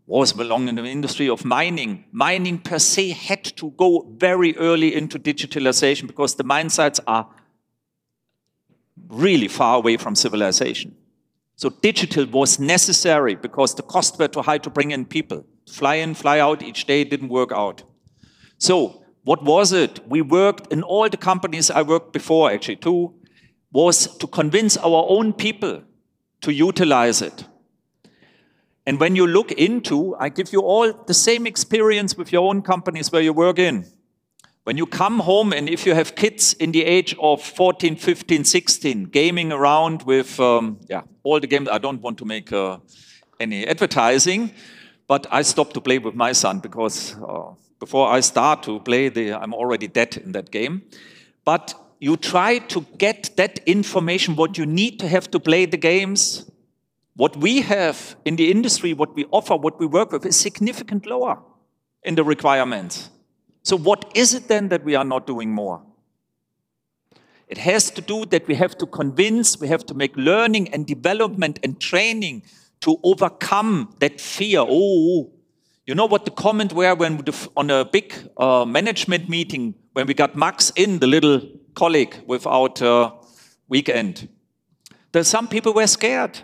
was belonging to the industry of mining. Mining per se had to go very early into digitalization because the mine sites are really far away from civilization. Digital was necessary because the costs were too high to bring in people, fly in, fly out each day did not work out. What was it? We worked in all the companies I worked before actually too, was to convince our own people to utilize it. When you look into, I give you all the same experience with your own companies where you work in. When you come home and if you have kids in the age of 14, 15, 16, gaming around with all the games, I do not want to make any advertising, but I stopped to play with my son because before I start to play, I am already dead in that game. You try to get that information what you need to have to play the games. What we have in the industry, what we offer, what we work with is significantly lower in the requirements. So what is it then that we are not doing more? It has to do that we have to convince, we have to make learning and development and training to overcome that fear. Oh, you know what the comment we have when on a big management meeting when we got Max in, the little colleague with our weekend, there are some people who are scared.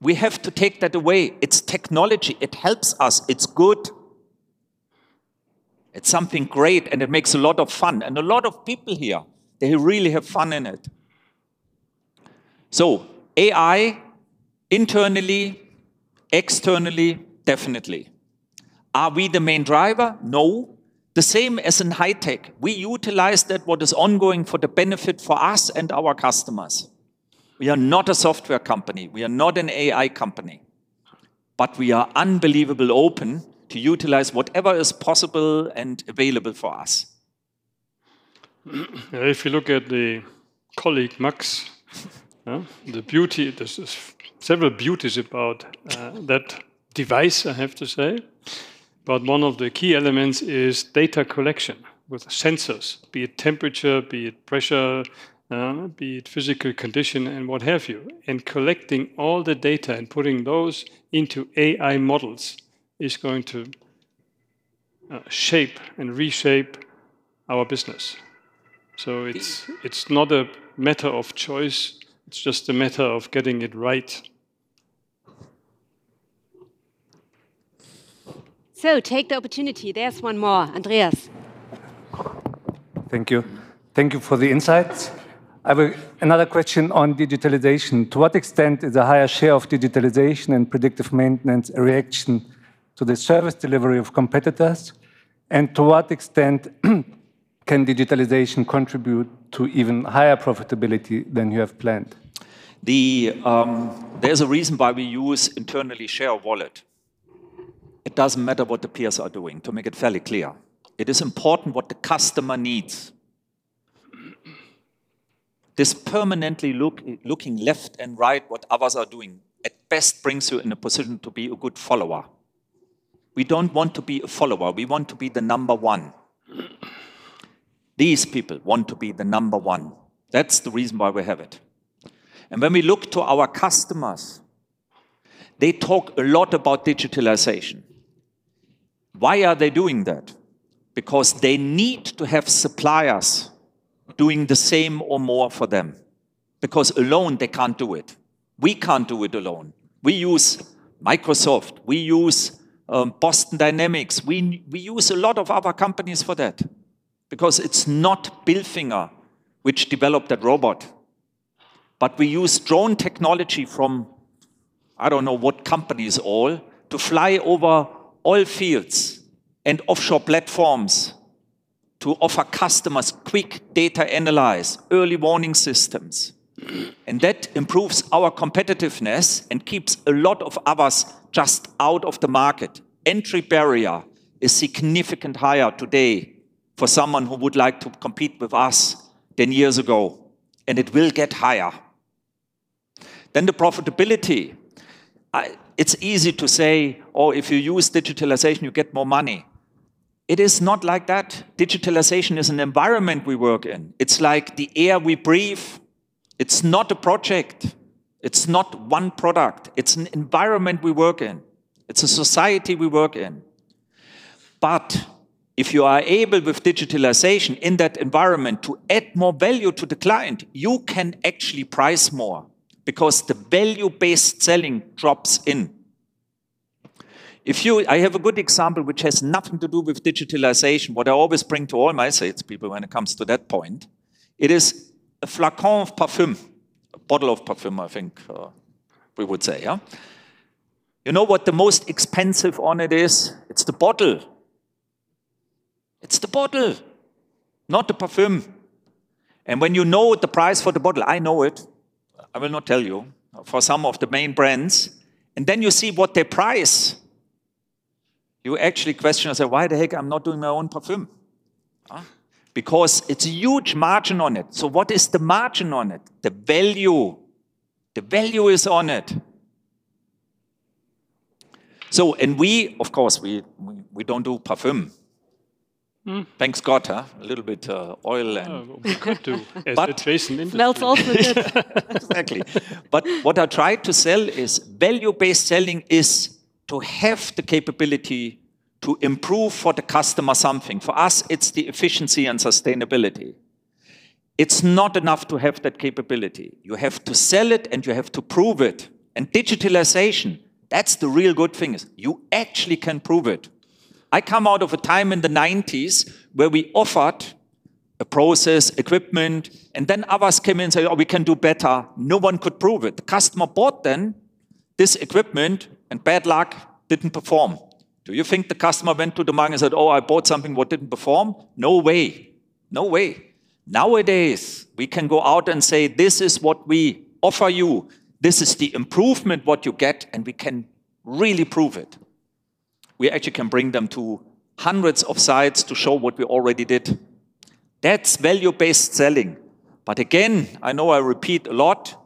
We have to take that away. It's technology. It helps us. It's good. It's something great and it makes a lot of fun. And a lot of people here, they really have fun in it. So AI internally, externally, definitely. Are we the main driver? No. The same as in high tech. We utilize that what is ongoing for the benefit for us and our customers. We are not a software company. We are not an AI company, but we are unbelievably open to utilize whatever is possible and available for us. If you look at the colleague Max, the beauty, there's several beauties about that device, I have to say. One of the key elements is data collection with sensors, be it temperature, be it pressure, be it physical condition and what have you. Collecting all the data and putting those into AI models is going to shape and reshape our business. It's not a matter of choice. It's just a matter of getting it right. Take the opportunity. There's one more, Andreas. Thank you. Thank you for the insights. Another question on digitalization. To what extent is a higher share of digitalization and predictive maintenance a reaction to the service delivery of competitors? To what extent can digitalization contribute to even higher profitability than you have planned? There's a reason why we use internally share of wallet. It doesn't matter what the peers are doing, to make it fairly clear. It is important what the customer needs. This permanently looking left and right, what others are doing, at best brings you in a position to be a good follower. We don't want to be a follower. We want to be the number one. These people want to be the number one. That's the reason why we have it. When we look to our customers, they talk a lot about digitalization. Why are they doing that? Because they need to have suppliers doing the same or more for them because alone they can't do it. We can't do it alone. We use Microsoft. We use Boston Dynamics. We use a lot of other companies for that because it's not Bilfinger which developed that robot, but we use drone technology from I don't know what companies all to fly over all fields and offshore platforms to offer customers quick data analysis, early warning systems. That improves our competitiveness and keeps a lot of others just out of the market. Entry barrier is significantly higher today for someone who would like to compete with us than years ago, and it will get higher. The profitability, it's easy to say, "Oh, if you use digitalization, you get more money." It is not like that. Digitalization is an environment we work in. It's like the air we breathe. It's not a project. It's not one product. It's an environment we work in. It's a society we work in. If you are able with digitalization in that environment to add more value to the client, you can actually price more because the value-based selling drops in. I have a good example which has nothing to do with digitalization, what I always bring to all my salespeople when it comes to that point. It is a flacon of perfume, a bottle of perfume, I think we would say. You know what the most expensive on it is? It's the bottle. It's the bottle, not the perfume. And when you know the price for the bottle, I know it. I will not tell you for some of the main brands. Then you see what they price. You actually question, I say, "Why the heck I'm not doing my own perfume?" Because it's a huge margin on it. What is the margin on it? The value. The value is on it. Of course, we don't do perfume. Thank God, a little bit oil and. We could do. Smell also. Exactly. What I tried to sell is value-based selling is to have the capability to improve for the customer something. For us, it's the efficiency and sustainability. It's not enough to have that capability. You have to sell it and you have to prove it. Digitalization, that's the real good thing, is you actually can prove it. I come out of a time in the 1990s where we offered a process, equipment, and then others came in and said, "Oh, we can do better." No one could prove it. The customer bought then this equipment and bad luck, didn't perform. Do you think the customer went to the market and said, "Oh, I bought something that didn't perform?" No way. No way. Nowadays, we can go out and say, "This is what we offer you. This is the improvement what you get, and we can really prove it. We actually can bring them to hundreds of sites to show what we already did. That's value-based selling. I know I repeat a lot,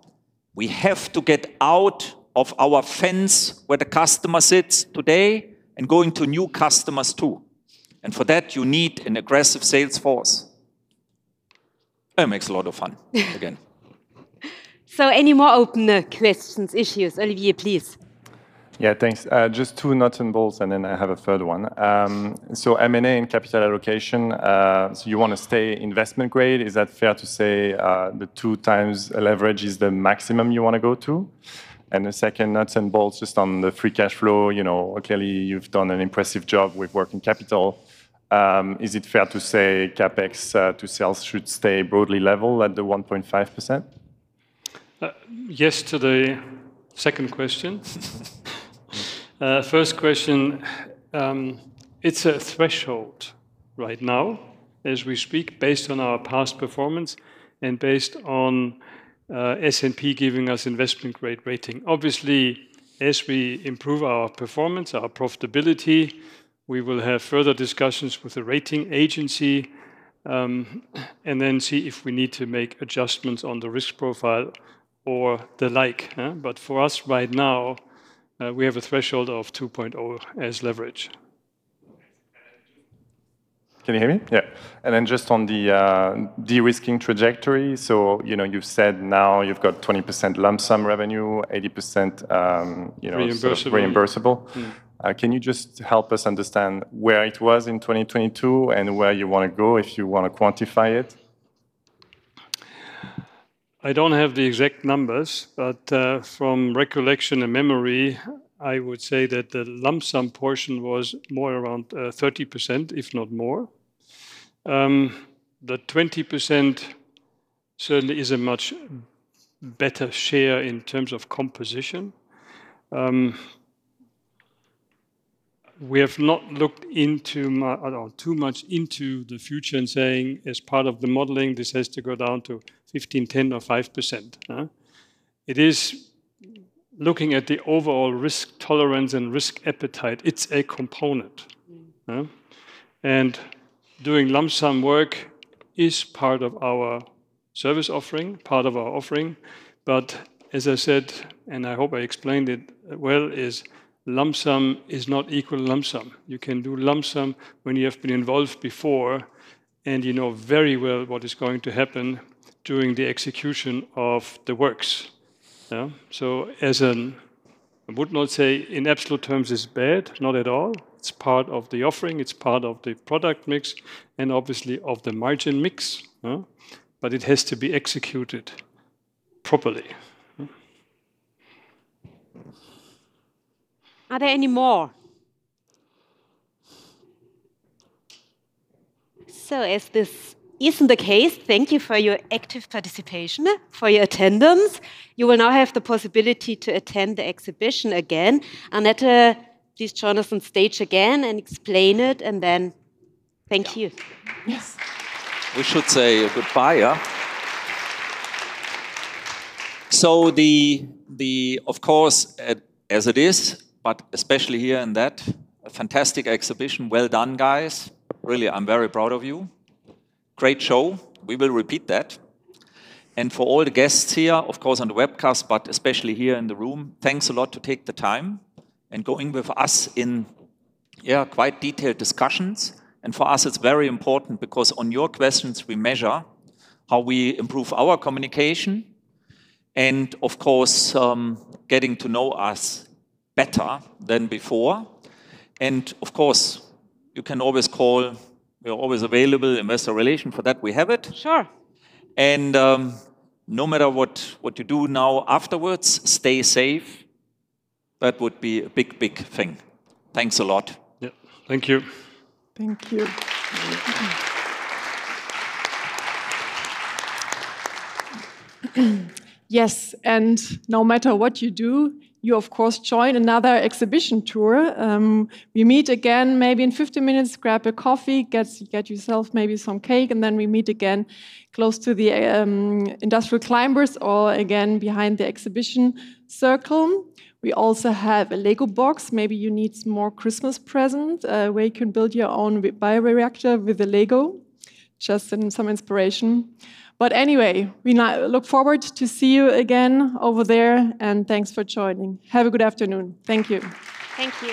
we have to get out of our fence where the customer sits today and going to new customers too. For that, you need an aggressive sales force. It makes a lot of fun again. Any more open questions, issues? Olivier, please. Yeah, thanks. Just two nuts and bolts, and then I have a third one. M&A and capital allocation, you want to stay investment grade. Is that fair to say the two times leverage is the maximum you want to go to? The second nuts and bolts just on the free cash flow, clearly you've done an impressive job with working capital. Is it fair to say CapEx to sales should stay broadly level at the 1.5%? Yes to the second question. First question, it's a threshold right now as we speak based on our past performance and based on S&P giving us investment grade rating. Obviously, as we improve our performance, our profitability, we will have further discussions with the rating agency and then see if we need to make adjustments on the risk profile or the like. For us right now, we have a threshold of 2.0 as leverage. Can you hear me? Yeah. Just on the de-risking trajectory, you said now you have 20% lump sum revenue, 80% reimbursable. Can you help us understand where it was in 2022 and where you want to go if you want to quantify it? I don't have the exact numbers, but from recollection and memory, I would say that the lump sum portion was more around 30%, if not more. The 20% certainly is a much better share in terms of composition. We have not looked too much into the future and saying as part of the modeling, this has to go down to 15%, 10%, or 5%. It is looking at the overall risk tolerance and risk appetite. It's a component. Doing lump sum work is part of our service offering, part of our offering. As I said, and I hope I explained it well, lump sum is not equal to lump sum. You can do lump sum when you have been involved before and you know very well what is going to happen during the execution of the works. I would not say in absolute terms it's bad, not at all. It's part of the offering. It's part of the product mix and obviously of the margin mix. It has to be executed properly. Are there any more? If this isn't the case, thank you for your active participation, for your attendance. You will now have the possibility to attend the exhibition again. Anette, please join us on stage again and explain it, and then thank you. We should say goodbye. Of course, as it is, but especially here and that, a fantastic exhibition. Well done, guys. Really, I'm very proud of you. Great show. We will repeat that. For all the guests here, of course, on the webcast, but especially here in the room, thanks a lot to take the time and going with us in quite detailed discussions. For us, it's very important because on your questions, we measure how we improve our communication and, of course, getting to know us better than before. Of course, you can always call. We are always available. Investor relation, for that, we have it. Sure. No matter what you do now afterwards, stay safe. That would be a big, big thing. Thanks a lot. Yeah. Thank you. Thank you. Yes. No matter what you do, you, of course, join another exhibition tour. We meet again maybe in 15 minutes, grab a coffee, get yourself maybe some cake, and then we meet again close to the industrial climbers or again behind the exhibition circle. We also have a Lego box. Maybe you need some more Christmas presents where you can build your own bioreactor with a Lego, just some inspiration. Anyway, we look forward to see you again over there, and thanks for joining. Have a good afternoon. Thank you. Thank you.